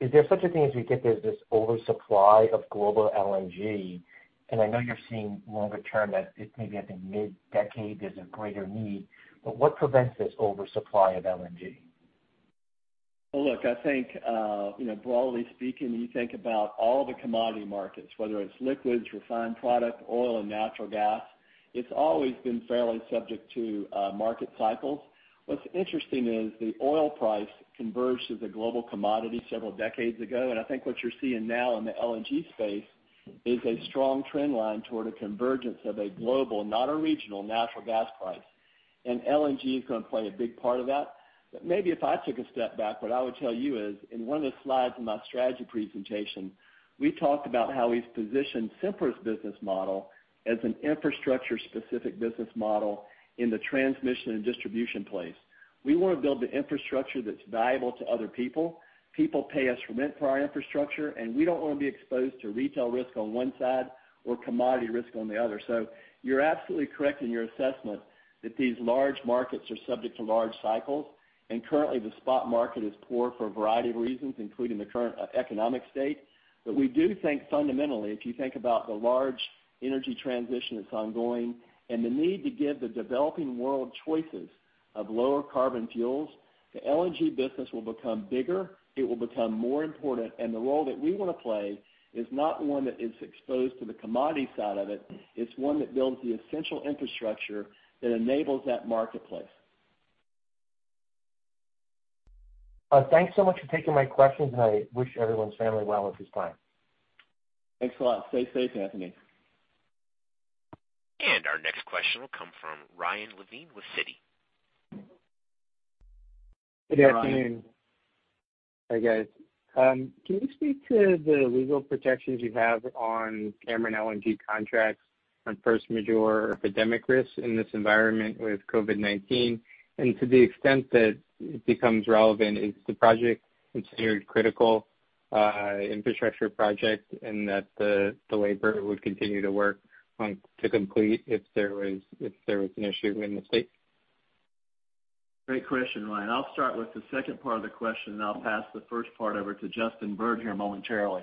is there such a thing as we get there's this oversupply of global LNG? I know you're seeing longer term that it may be, I think, mid-decade there's a greater need, but what prevents this oversupply of LNG? Look, I think, broadly speaking, when you think about all the commodity markets, whether it's liquids, refined product, oil, and natural gas, it's always been fairly subject to market cycles. What's interesting is the oil price converged as a global commodity several decades ago, and I think what you're seeing now in the LNG space is a strong trend line toward a convergence of a global, not a regional, natural gas price. LNG is going to play a big part of that. Maybe if I took a step back, what I would tell you is, in one of the slides in my strategy presentation, we talked about how we've positioned Sempra's business model as an infrastructure-specific business model in the transmission and distribution place. We want to build the infrastructure that's valuable to other people. People pay us rent for our infrastructure, and we don't want to be exposed to retail risk on one side or commodity risk on the other. You're absolutely correct in your assessment that these large markets are subject to large cycles, and currently the spot market is poor for a variety of reasons, including the current economic state. We do think fundamentally, if you think about the large energy transition that's ongoing and the need to give the developing world choices of lower carbon fuels, the LNG business will become bigger, it will become more important, and the role that we want to play is not one that is exposed to the commodity side of it. It's one that builds the essential infrastructure that enables that marketplace. Thanks so much for taking my questions, and I wish everyone's family well at this time. Thanks a lot. Stay safe, Anthony. Our next question will come from Ryan Levine with Citi. Hi, Ryan. Good afternoon. Hi, guys. Can you speak to the legal protections you have on Cameron LNG contracts on force majeure epidemic risks in this environment with COVID-19? To the extent that it becomes relevant, is the project considered critical infrastructure project in that the labor would continue to work on to complete if there was an issue in the state? Great question, Ryan. I'll start with the second part of the question, I'll pass the first part over to Justin Bird here momentarily.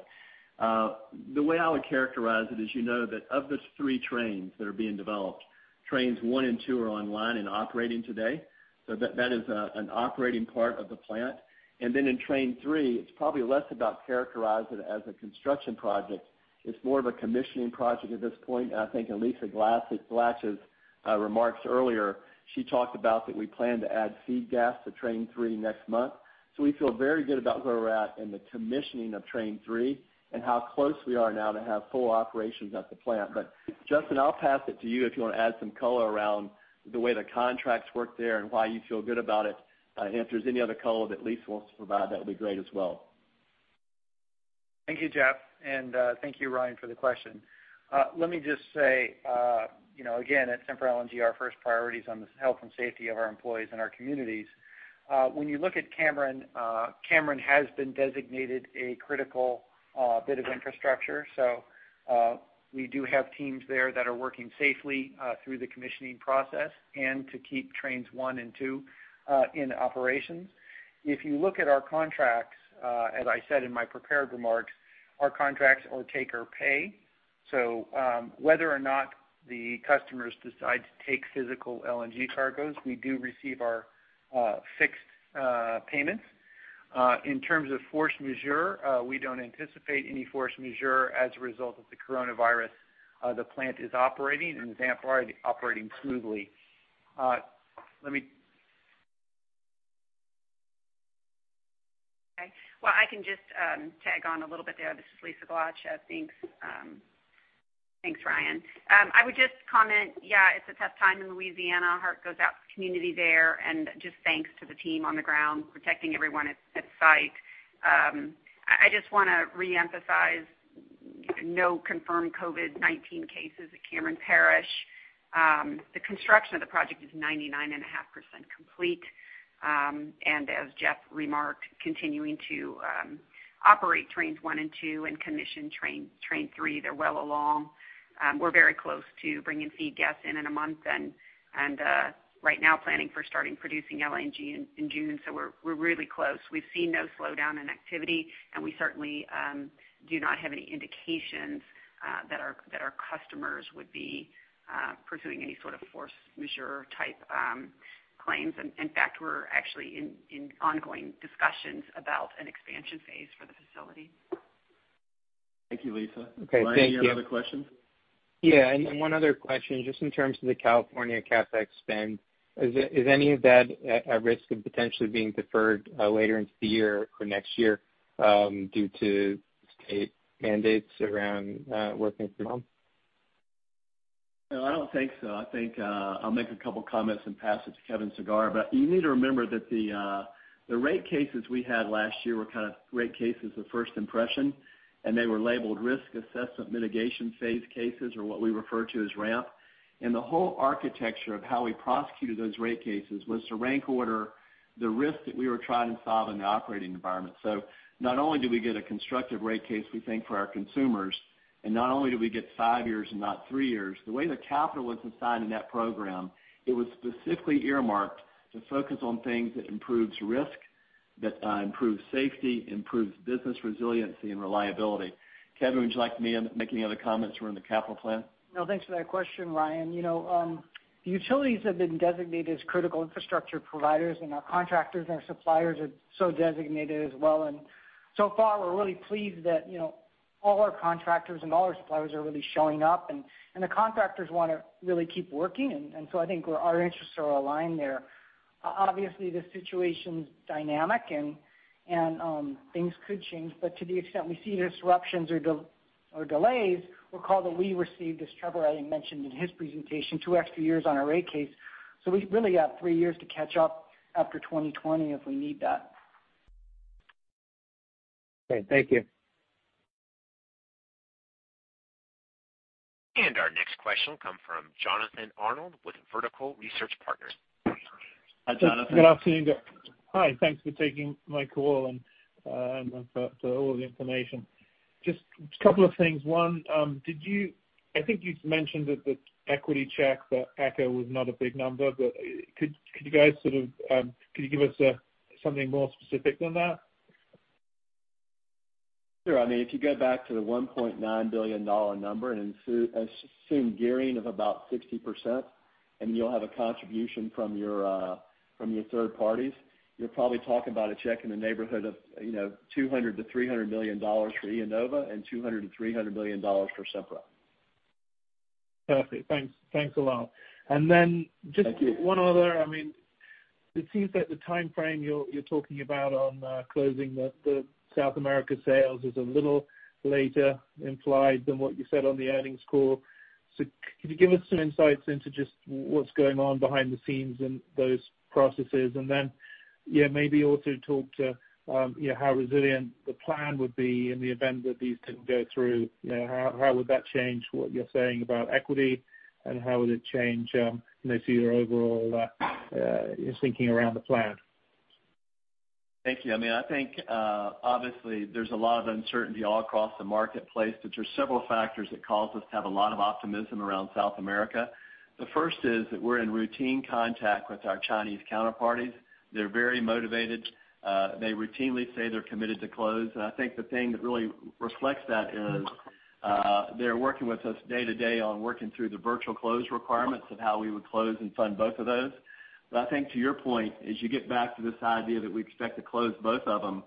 The way I would characterize it is, you know that of the three trains that are being developed, trains one and two are online and operating today. That is an operating part of the plant. Then in Train 3, it's probably less about characterized as a construction project. It's more of a commissioning project at this point. I think in Lisa Glatch's remarks earlier, she talked about that we plan to add feed gas to Train 3 next month. We feel very good about where we're at in the commissioning of Train 3 and how close we are now to have full operations at the plant. Justin, I'll pass it to you if you want to add some color around the way the contracts work there and why you feel good about it. If there's any other color that Lisa wants to provide, that would be great as well. Thank you, Jeff. Thank you Ryan for the question. Let me just say, again, at Sempra LNG, our first priority is on the health and safety of our employees and our communities. When you look at Cameron has been designated a critical bit of infrastructure. We do have teams there that are working safely, through the commissioning process and to keep trains one and two in operations. If you look at our contracts, as I said in my prepared remarks, our contracts are take or pay. Whether or not the customers decide to take physical LNG cargoes, we do receive our fixed payments. In terms of force majeure, we don't anticipate any force majeure as a result of the coronavirus. The plant is operating, and as of now, operating smoothly. Okay. Well, I can just tag on a little bit there. This is Lisa Glatch. Thanks. Thanks, Ryan. I would just comment, yeah, it's a tough time in Louisiana. Heart goes out to the community there, and just thanks to the team on the ground protecting everyone at site. I just want to reemphasize no confirmed COVID-19 cases at Cameron Parish. The construction of the project is 99.5% complete. As Jeff remarked, continuing to operate Trains 1 and 2 and commission Train 3. They're well along. We're very close to bringing feed gas in in a month, and right now planning for starting producing LNG in June. We're really close. We've seen no slowdown in activity, and we certainly do not have any indications that our customers would be pursuing any sort of force majeure-type claims. In fact, we're actually in ongoing discussions about an expansion phase for the facility. Thank you, Lisa. Okay. Thank you. Ryan, do you have other questions? Yeah. One other question, just in terms of the California CapEx spend, is any of that at risk of potentially being deferred later into the year or next year, due to state mandates around working from home? No, I don't think so. I think, I'll make a couple comments and pass it to Kevin Sagara. You need to remember that the rate cases we had last year were kind of rate cases of first impression, and they were labeled Risk Assessment Mitigation Phase cases or what we refer to as RAMP. The whole architecture of how we prosecuted those rate cases was to rank order the risk that we were trying to solve in the operating environment. Not only did we get a constructive rate case, we think, for our consumers, and not only did we get five years and not three years, the way the capital was assigned in that program, it was specifically earmarked to focus on things that improves risk, that improves safety, improves business resiliency and reliability. Kevin, would you like me to make any other comments around the capital plan? Thanks for that question, Ryan. The utilities have been designated as critical infrastructure providers, and our contractors and our suppliers are so designated as well. So far, we're really pleased that all our contractors and all our suppliers are really showing up, and the contractors wanna really keep working, and so I think our interests are aligned there. Obviously, the situation's dynamic and things could change, but to the extent we see disruptions. delays, recall that we received, as Trevor mentioned in his presentation, two extra years on our rate case. We've really got three years to catch up after 2020 if we need that. Great. Thank you. Our next question comes from Jonathan Arnold with Vertical Research Partners. Hi, Jonathan. Good afternoon, guys. Hi, thanks for taking my call and for all the information. Just a couple of things. One, I think you mentioned that the equity check for ECA was not a big number, but could you give us something more specific than that? Sure. If you go back to the $1.9 billion number and assume gearing of about 60%, and you'll have a contribution from your third parties, you're probably talking about a check in the neighborhood of $200 million-$300 million for IEnova and $200 million-$300 million for Sempra. Perfect. Thanks a lot. Thank you. Just one other. It seems that the timeframe you're talking about on closing the South America sales is a little later implied than what you said on the earnings call. Can you give us some insights into just what's going on behind the scenes in those processes? Maybe also talk to how resilient the plan would be in the event that these didn't go through. How would that change what you're saying about equity, and how would it change your overall thinking around the plan? Thank you. I think, obviously, there's a lot of uncertainty all across the marketplace, there's several factors that cause us to have a lot of optimism around Sempra. The first is that we're in routine contact with our Chinese counterparties. They're very motivated. They routinely say they're committed to close. I think the thing that really reflects that is, they're working with us day-to-day on working through the virtual close requirements of how we would close and fund both of those. I think to your point, as you get back to this idea that we expect to close both of them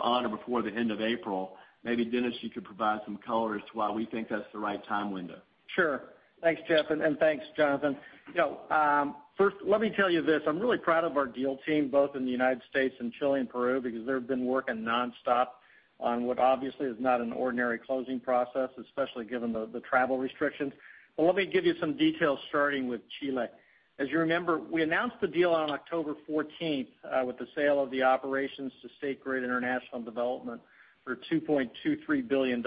on or before the end of April, maybe Dennis, you could provide some color as to why we think that's the right time window. Sure. Thanks, Jeff, and thanks, Jonathan. First, let me tell you this. I'm really proud of our deal team, both in the United States and Chile and Peru, because they've been working non-stop on what obviously is not an ordinary closing process, especially given the travel restrictions. Let me give you some details, starting with Chile. As you remember, we announced the deal on October 14th, with the sale of the operations to State Grid International Development for $2.23 billion.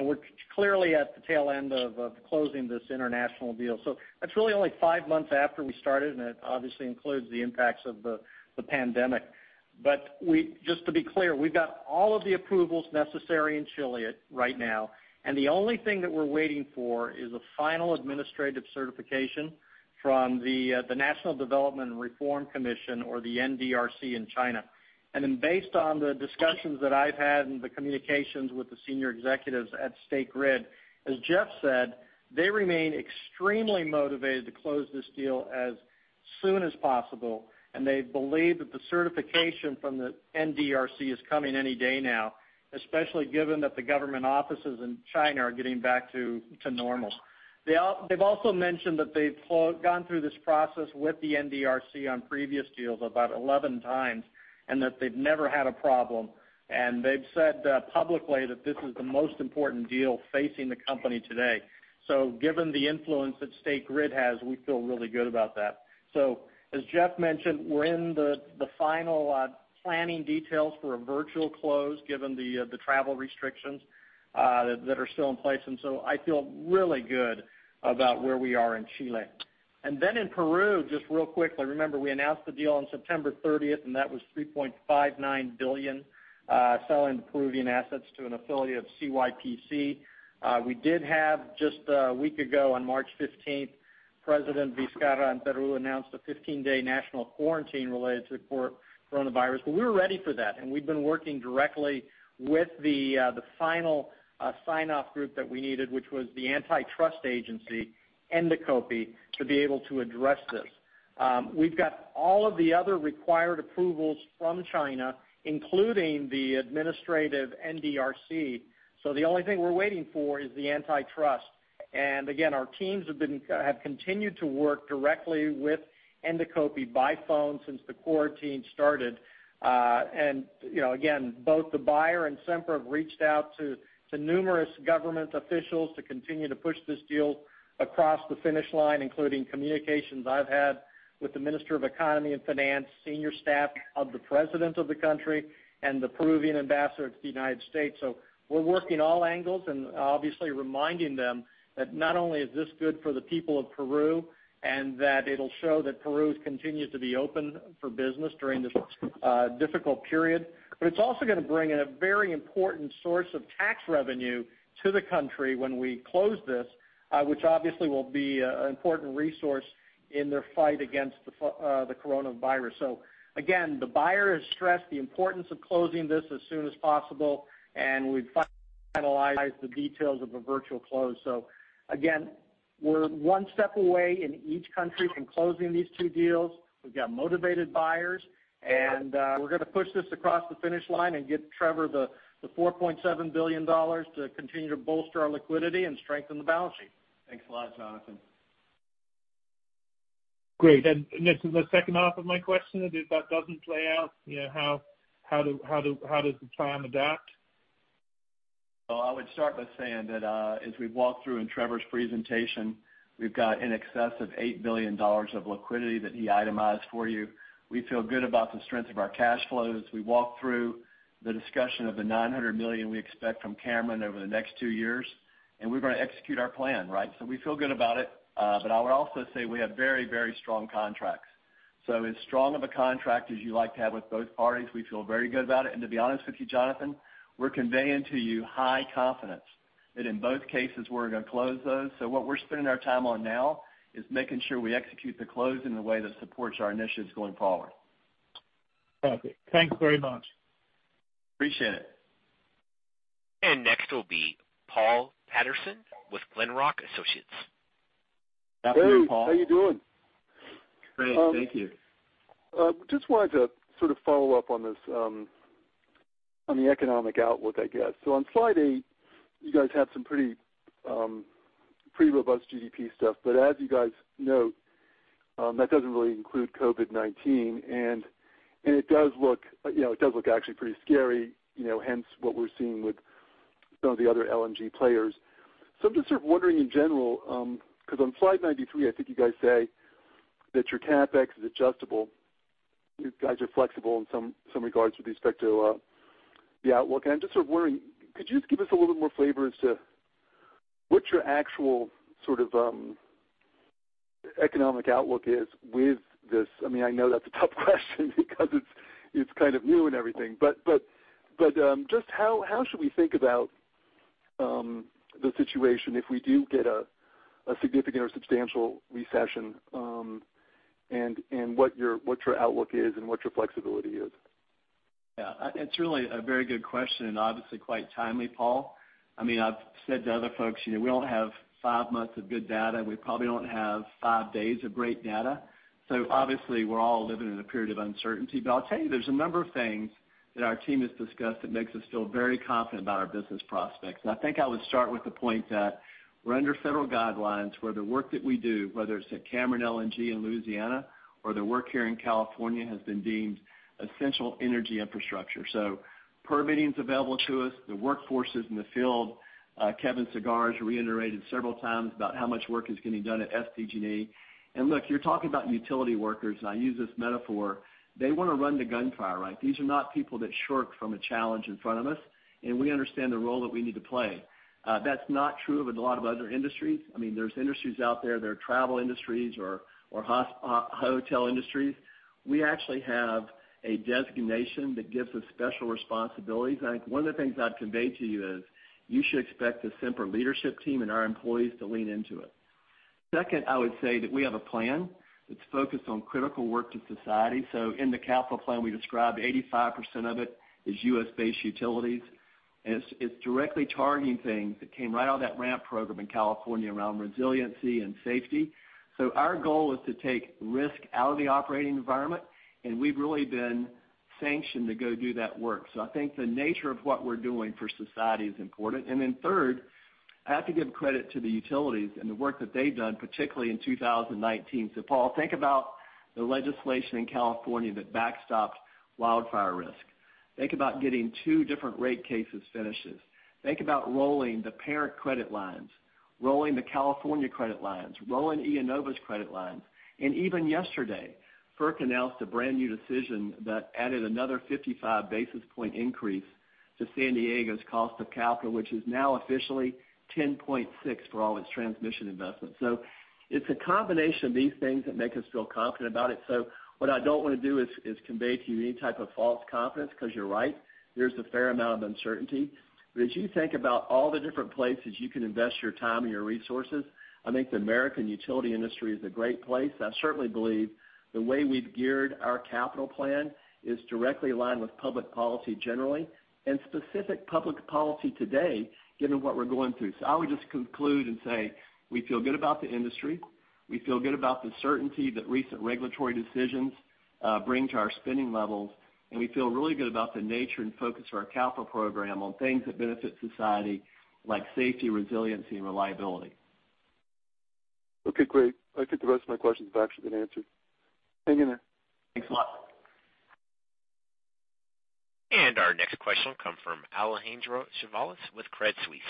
We're clearly at the tail end of closing this international deal. That's really only five months after we started, and it obviously includes the impacts of the pandemic. Just to be clear, we've got all of the approvals necessary in Chile right now, and the only thing that we're waiting for is a final administrative certification from the National Development and Reform Commission or the NDRC in China. Based on the discussions that I've had and the communications with the senior executives at State Grid, as Jeff said, they remain extremely motivated to close this deal as soon as possible, and they believe that the certification from the NDRC is coming any day now, especially given that the government offices in China are getting back to normal. They've also mentioned that they've gone through this process with the NDRC on previous deals about 11 times, and that they've never had a problem. They've said publicly that this is the most important deal facing the company today. Given the influence that State Grid has, we feel really good about that. As Jeff mentioned, we're in the final planning details for a virtual close given the travel restrictions that are still in place, and so I feel really good about where we are in Chile. In Peru, just real quickly, remember we announced the deal on September 30th, and that was $3.59 billion, selling Peruvian assets to an affiliate of CYPC. We did have just a week ago on March 15th, President Vizcarra in Peru announced a 15-day national quarantine related to the coronavirus, but we were ready for that, and we've been working directly with the final sign-off group that we needed, which was the antitrust agency, INDECOPI, to be able to address this. We've got all of the other required approvals from China, including the administrative NDRC. The only thing we're waiting for is the antitrust. Again, our teams have continued to work directly with INDECOPI by phone since the quarantine started. Again, both the buyer and Sempra have reached out to numerous government officials to continue to push this deal across the finish line, including communications I've had with the Minister of Economy and Finance, senior staff of the president of the country, and the Peruvian Ambassador to the United States. We're working all angles and obviously reminding them that not only is this good for the people of Peru, and that it'll show that Peru continues to be open for business during this difficult period, but it's also going to bring in a very important source of tax revenue to the country when we close this, which obviously will be an important resource in their fight against the coronavirus. Again, the buyer has stressed the importance of closing this as soon as possible, and we've finalized the details of a virtual close. Again, we're one step away in each country from closing these two deals. We've got motivated buyers, and we're going to push this across the finish line and get Trevor the $4.7 billion to continue to bolster our liquidity and strengthen the balance sheet. Thanks a lot, Jonathan. Great. This is the second half of my question. If that doesn't play out, how does the plan adapt? Well, I would start by saying that, as we've walked through in Trevor's presentation, we've got in excess of $8 billion of liquidity that he itemized for you. We feel good about the strength of our cash flows. We walked through the discussion of the $900 million we expect from Cameron over the next two years. We're going to execute our plan, right? We feel good about it. I would also say we have very, very strong contracts. As strong of a contract as you like to have with both parties, we feel very good about it. To be honest with you, Jonathan, we're conveying to you high confidence that in both cases, we're going to close those. What we're spending our time on now is making sure we execute the close in a way that supports our initiatives going forward. Perfect. Thanks very much. Appreciate it. Next will be Paul Patterson with Glenrock Associates. Afternoon, Paul. Hey, how you doing? Great, thank you. Just wanted to sort of follow up on the economic outlook, I guess. On slide eight, you guys have some pretty robust GDP stuff. As you guys note, that doesn't really include COVID-19, and it does look actually pretty scary, hence what we're seeing with some of the other LNG players. I'm just sort of wondering in general, because on slide 93, I think you guys say that your CapEx is adjustable. You guys are flexible in some regards with respect to the outlook. I'm just sort of wondering, could you just give us a little bit more flavor as to what your actual sort of economic outlook is with this? I know that's a tough question because it's kind of new and everything. Just how should we think about the situation if we do get a significant or substantial recession, and what your outlook is and what your flexibility is? It's really a very good question and obviously quite timely, Paul Patterson. I've said to other folks, we don't have five months of good data, and we probably don't have five days of great data. Obviously we're all living in a period of uncertainty. I'll tell you, there's a number of things that our team has discussed that makes us feel very confident about our business prospects. I think I would start with the point that we're under federal guidelines where the work that we do, whether it's at Cameron LNG in Louisiana or the work here in California, has been deemed essential energy infrastructure. Permitting's available to us. The workforce is in the field. Kevin Sagara reiterated several times about how much work is getting done at SDG&E. Look, you're talking about utility workers, and I use this metaphor, they want to run to gunfire, right? These are not people that shirk from a challenge in front of us, and we understand the role that we need to play. That's not true of a lot of other industries. There's industries out there that are travel industries or hotel industries. We actually have a designation that gives us special responsibilities, and I think one of the things I'd convey to you is you should expect the Sempra leadership team and our employees to lean into it. Second, I would say that we have a plan that's focused on critical work to society. In the capital plan, we describe 85% of it is U.S.-based utilities, and it's directly targeting things that came right out of that RAMP program in California around resiliency and safety. Our goal is to take risk out of the operating environment, and we've really been sanctioned to go do that work. I think the nature of what we're doing for society is important. Third, I have to give credit to the utilities and the work that they've done, particularly in 2019. Paul, think about the legislation in California that backstops wildfire risk. Think about getting two different rate cases finishes. Think about rolling the parent credit lines, rolling the California credit lines, rolling IEnova's credit lines. Even yesterday, FERC announced a brand-new decision that added another 55 basis point increase to San Diego's cost of capital, which is now officially 10.6 for all its transmission investments. It's a combination of these things that make us feel confident about it. What I don't want to do is convey to you any type of false confidence, because you're right, there's a fair amount of uncertainty. As you think about all the different places you can invest your time and your resources, I think the American utility industry is a great place. I certainly believe the way we've geared our capital plan is directly aligned with public policy generally and specific public policy today, given what we're going through. I would just conclude and say we feel good about the industry. We feel good about the certainty that recent regulatory decisions bring to our spending levels, and we feel really good about the nature and focus of our capital program on things that benefit society, like safety, resiliency, and reliability. Okay, great. I think the rest of my questions have actually been answered. Hang in there. Thanks a lot. Our next question will come from [Alejandro Chavez] with Credit Suisse.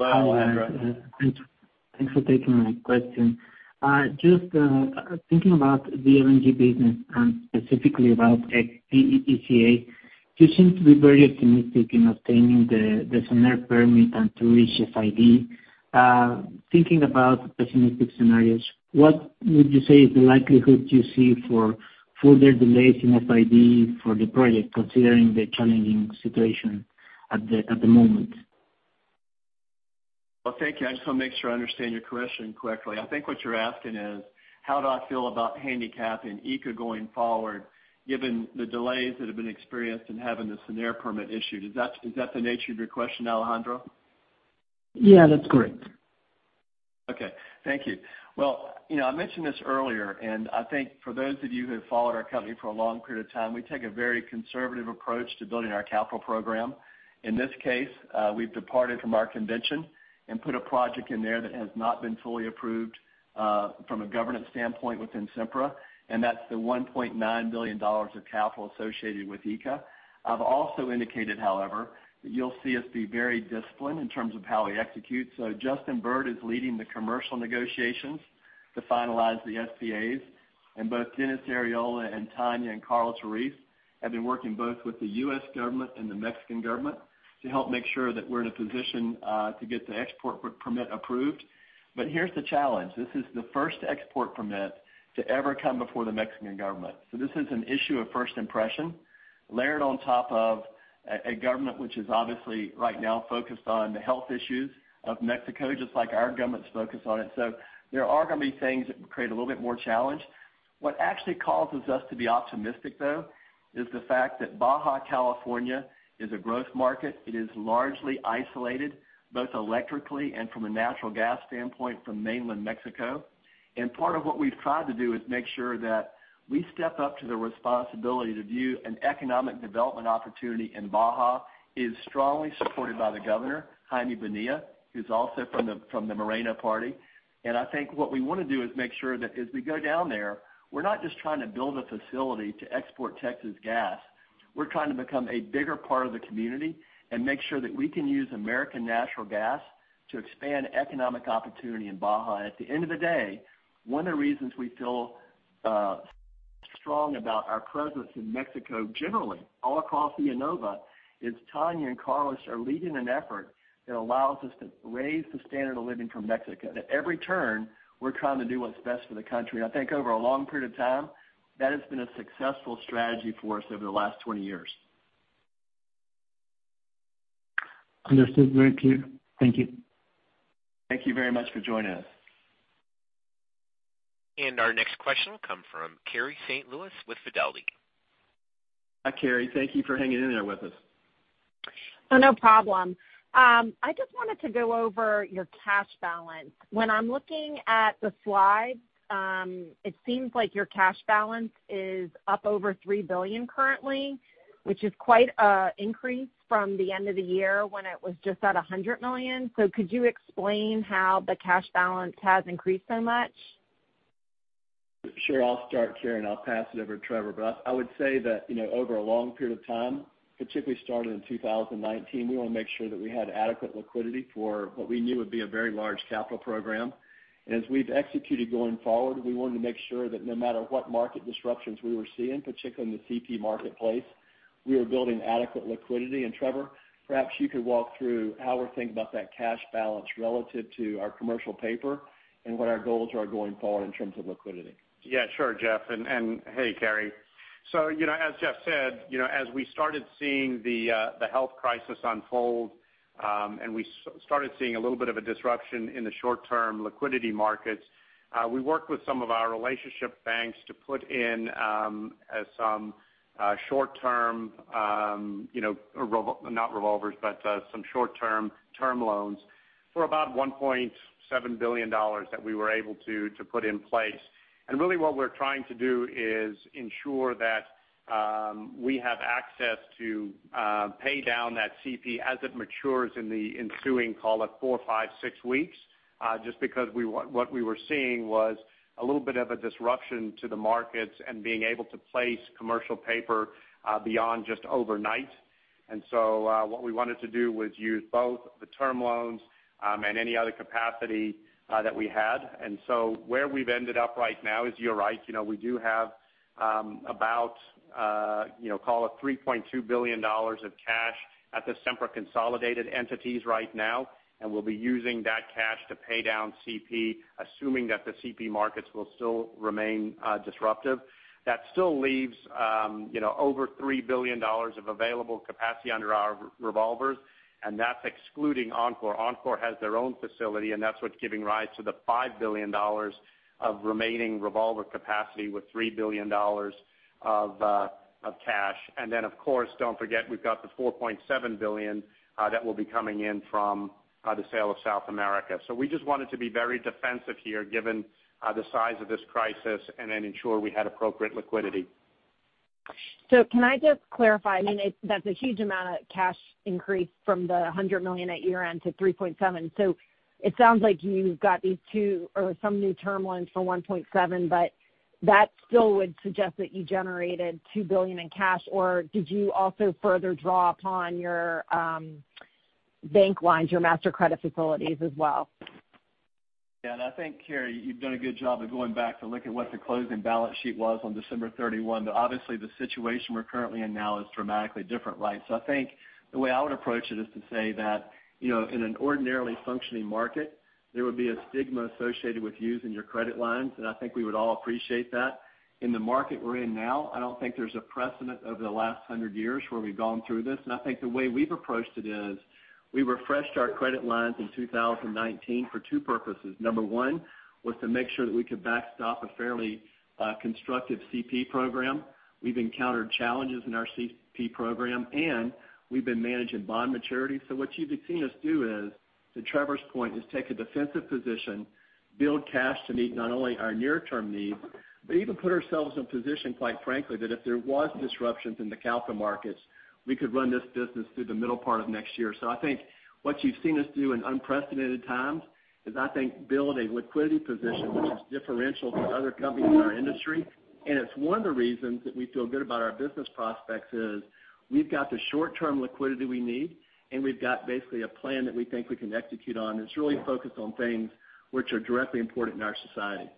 Alejandro. Hi. Thanks for taking my question. Just thinking about the LNG business and specifically about ECA. You seem to be very optimistic in obtaining the SENER permit and to reach FID. Thinking about pessimistic scenarios, what would you say is the likelihood you see for further delays in FID for the project, considering the challenging situation at the moment? Well, thank you. I just want to make sure I understand your question correctly. I think what you're asking is how do I feel about handicapping ECA going forward, given the delays that have been experienced in having the SENER permit issued. Is that the nature of your question, Alejandro? Yeah, that's correct. Okay. Thank you. Well, I mentioned this earlier, and I think for those of you who have followed our company for a long period of time, we take a very conservative approach to building our capital program. In this case, we've departed from our convention and put a project in there that has not been fully approved, from a governance standpoint within Sempra, and that's the $1.9 billion of capital associated with ECA. I've also indicated, however, that you'll see us be very disciplined in terms of how we execute. Justin Bird is leading the commercial negotiations to finalize the SPAs, and both Dennis Arriola and Tania and Carlos Ruiz have been working both with the U.S. government and the Mexican government to help make sure that we're in a position to get the export permit approved. Here's the challenge. This is the first export permit to ever come before the Mexican government. This is an issue of first impression, layered on top of a government which is obviously right now focused on the health issues of Mexico, just like our government's focused on it. There are going to be things that create a little bit more challenge. What actually causes us to be optimistic, though, is the fact that [Baja] California is a growth market. It is largely isolated, both electrically and from a natural gas standpoint from mainland Mexico. Part of what we've tried to do is make sure that we step up to the responsibility to view an economic development opportunity in Baja is strongly supported by the governor, Jaime Bonilla, who's also from the Morena party. I think what we want to do is make sure that as we go down there, we're not just trying to build a facility to export Texas gas. We're trying to become a bigger part of the community and make sure that we can use American natural gas to expand economic opportunity in Baja. At the end of the day, one of the reasons we feel strong about our presence in Mexico, generally, all across IEnova, is Tania and Carlos are leading an effort that allows us to raise the standard of living for Mexico. At every turn, we're trying to do what's best for the country. I think over a long period of time, that has been a successful strategy for us over the last 20 years. Understood very clear. Thank you. Thank you very much for joining us. Our next question will come from Carrie Saint Louis with Fidelity. Hi, Carrie. Thank you for hanging in there with us. Oh, no problem. I just wanted to go over your cash balance. When I'm looking at the slides, it seems like your cash balance is up over $3 billion currently, which is quite an increase from the end of the year when it was just at $100 million. Could you explain how the cash balance has increased so much? Sure. I'll start, Carrie, and I'll pass it over to Trevor. I would say that over a long period of time, particularly starting in 2019, we wanted to make sure that we had adequate liquidity for what we knew would be a very large capital program. As we've executed going forward, we wanted to make sure that no matter what market disruptions we were seeing, particularly in the CP marketplace, we were building adequate liquidity. Trevor, perhaps you could walk through how we're thinking about that cash balance relative to our commercial paper and what our goals are going forward in terms of liquidity. Sure, Jeff, and hey, Carrie. As Jeff said, as we started seeing the health crisis unfold, and we started seeing a little bit of a disruption in the short-term liquidity markets, we worked with some of our relationship banks to put in some short-term, not revolvers, but some short-term loans for about $1.7 billion that we were able to put in place. Really what we're trying to do is ensure that we have access to pay down that CP as it matures in the ensuing, call it four, five, six weeks, just because what we were seeing was a little bit of a disruption to the markets and being able to place commercial paper beyond just overnight. What we wanted to do was use both the term loans, and any other capacity that we had. Where we've ended up right now is, you're right, we do have about, call it $3.2 billion of cash at the Sempra consolidated entities right now, and we'll be using that cash to pay down CP, assuming that the CP markets will still remain disruptive. That still leaves over $3 billion of available capacity under our revolvers, and that's excluding Oncor. Oncor has their own facility, and that's what's giving rise to the $5 billion of remaining revolver capacity with $3 billion of cash. Of course, don't forget we've got the $4.7 billion that will be coming in from the sale of South America. We just wanted to be very defensive here, given the size of this crisis, and then ensure we had appropriate liquidity. Can I just clarify? I mean, that's a huge amount of cash increase from the $100 million at year-end to $3.7. It sounds like you've got these two or some new term loans for $1.7, but that still would suggest that you generated $2 billion in cash. Did you also further draw upon your bank lines, your master credit facilities as well? I think, Carrie, you've done a good job of going back to look at what the closing balance sheet was on December 31. Obviously the situation we're currently in now is dramatically different, right? I think the way I would approach it is to say that, in an ordinarily functioning market, there would be a stigma associated with using your credit lines, and I think we would all appreciate that. In the market we're in now, I don't think there's a precedent over the last 100 years where we've gone through this, and I think the way we've approached it is we refreshed our credit lines in 2019 for two purposes. Number one was to make sure that we could backstop a fairly constructive CP program. We've encountered challenges in our CP program, and we've been managing bond maturity. What you've seen us do is, to Trevor's point, is take a defensive position, build cash to meet not only our near-term needs, but even put ourselves in a position, quite frankly, that if there was disruptions in the capital markets, we could run this business through the middle part of next year. I think what you've seen us do in unprecedented times is I think build a liquidity position which is differential to other companies in our industry. It's one of the reasons that we feel good about our business prospects is we've got the short-term liquidity we need, and we've got basically a plan that we think we can execute on that's really focused on things which are directly important in our society.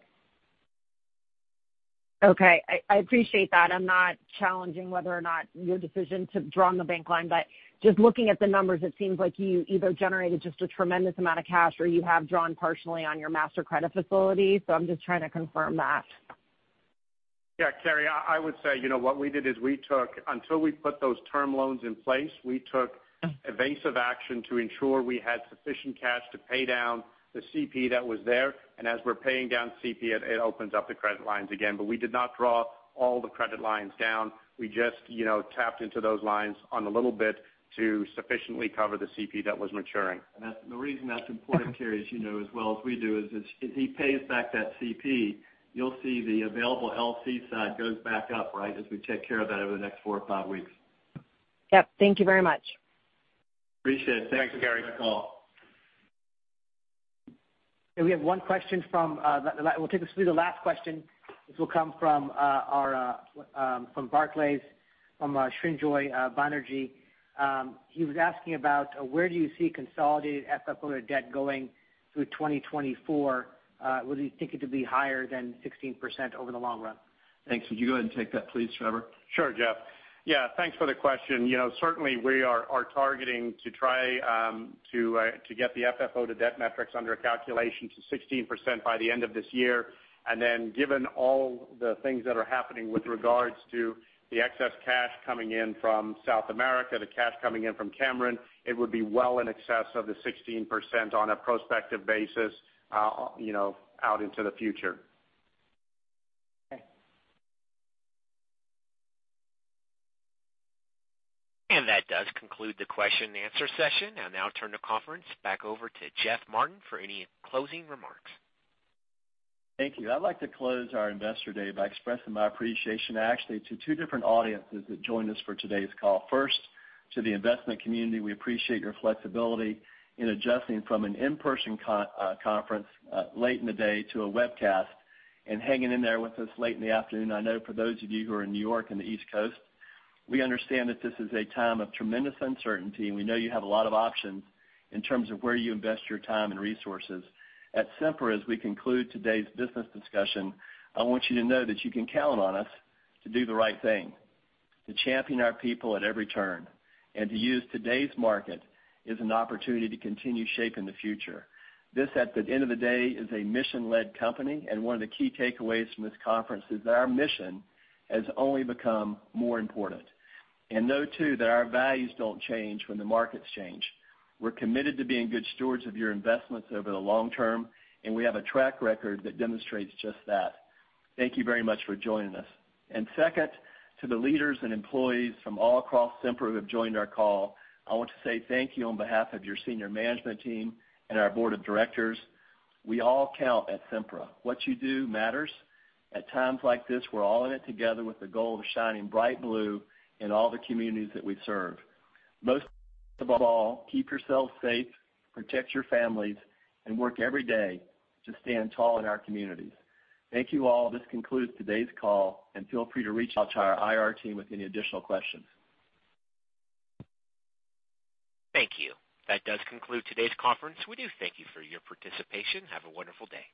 Okay. I appreciate that. I'm not challenging whether or not your decision to draw on the bank line, but just looking at the numbers, it seems like you either generated just a tremendous amount of cash or you have drawn partially on your master credit facility. I'm just trying to confirm that. Yeah, Carrie, I would say, what we did is we took, until we put those term loans in place, we took evasive action to ensure we had sufficient cash to pay down the CP that was there. As we're paying down CP, it opens up the credit lines again. We did not draw all the credit lines down. We just tapped into those lines on a little bit to sufficiently cover the CP that was maturing. The reason that's important, Carrie, as you know as well as we do, is as he pays back that CP, you'll see the available LC side goes back up, right, as we take care of that over the next four or five weeks. Yep. Thank you very much. Appreciate it. Thanks for the call. Thanks, Carrie. We have one question, we'll take this will be the last question, which will come from Barclays, from Srinjoy Banerjee. He was asking about where do you see consolidated FFO to debt going through 2024? Would you think it to be higher than 16% over the long run? Thanks. Would you go ahead and take that please, Trevor? Sure, Jeff. Yeah, thanks for the question. Certainly, we are targeting to try to get the FFO to debt metrics under a calculation to 16% by the end of this year. Given all the things that are happening with regards to the excess cash coming in from South America, the cash coming in from Cameron LNG, it would be well in excess of the 16% on a prospective basis out into the future. Okay. That does conclude the question and answer session. I'll now turn the conference back over to Jeff Martin for any closing remarks. Thank you. I'd like to close our investor day by expressing my appreciation, actually, to two different audiences that joined us for today's call. First, to the investment community. We appreciate your flexibility in adjusting from an in-person conference late in the day to a webcast and hanging in there with us late in the afternoon. I know for those of you who are in New York and the East Coast, we understand that this is a time of tremendous uncertainty, and we know you have a lot of options in terms of where you invest your time and resources. At Sempra, as we conclude today's business discussion, I want you to know that you can count on us to do the right thing, to champion our people at every turn, and to use today's market as an opportunity to continue shaping the future. This, at the end of the day, is a mission-led company, and one of the key takeaways from this conference is that our mission has only become more important. Know too, that our values don't change when the markets change. We're committed to being good stewards of your investments over the long term, and we have a track record that demonstrates just that. Thank you very much for joining us. Second, to the leaders and employees from all across Sempra who have joined our call, I want to say thank you on behalf of your senior management team and our board of directors. We all count at Sempra. What you do matters. At times like this, we're all in it together with the goal of shining bright blue in all the communities that we serve. Most of all, keep yourselves safe, protect your families, and work every day to stand tall in our communities. Thank you all. This concludes today's call. Feel free to reach out to our IR team with any additional questions. Thank you. That does conclude today's conference. We do thank you for your participation. Have a wonderful day.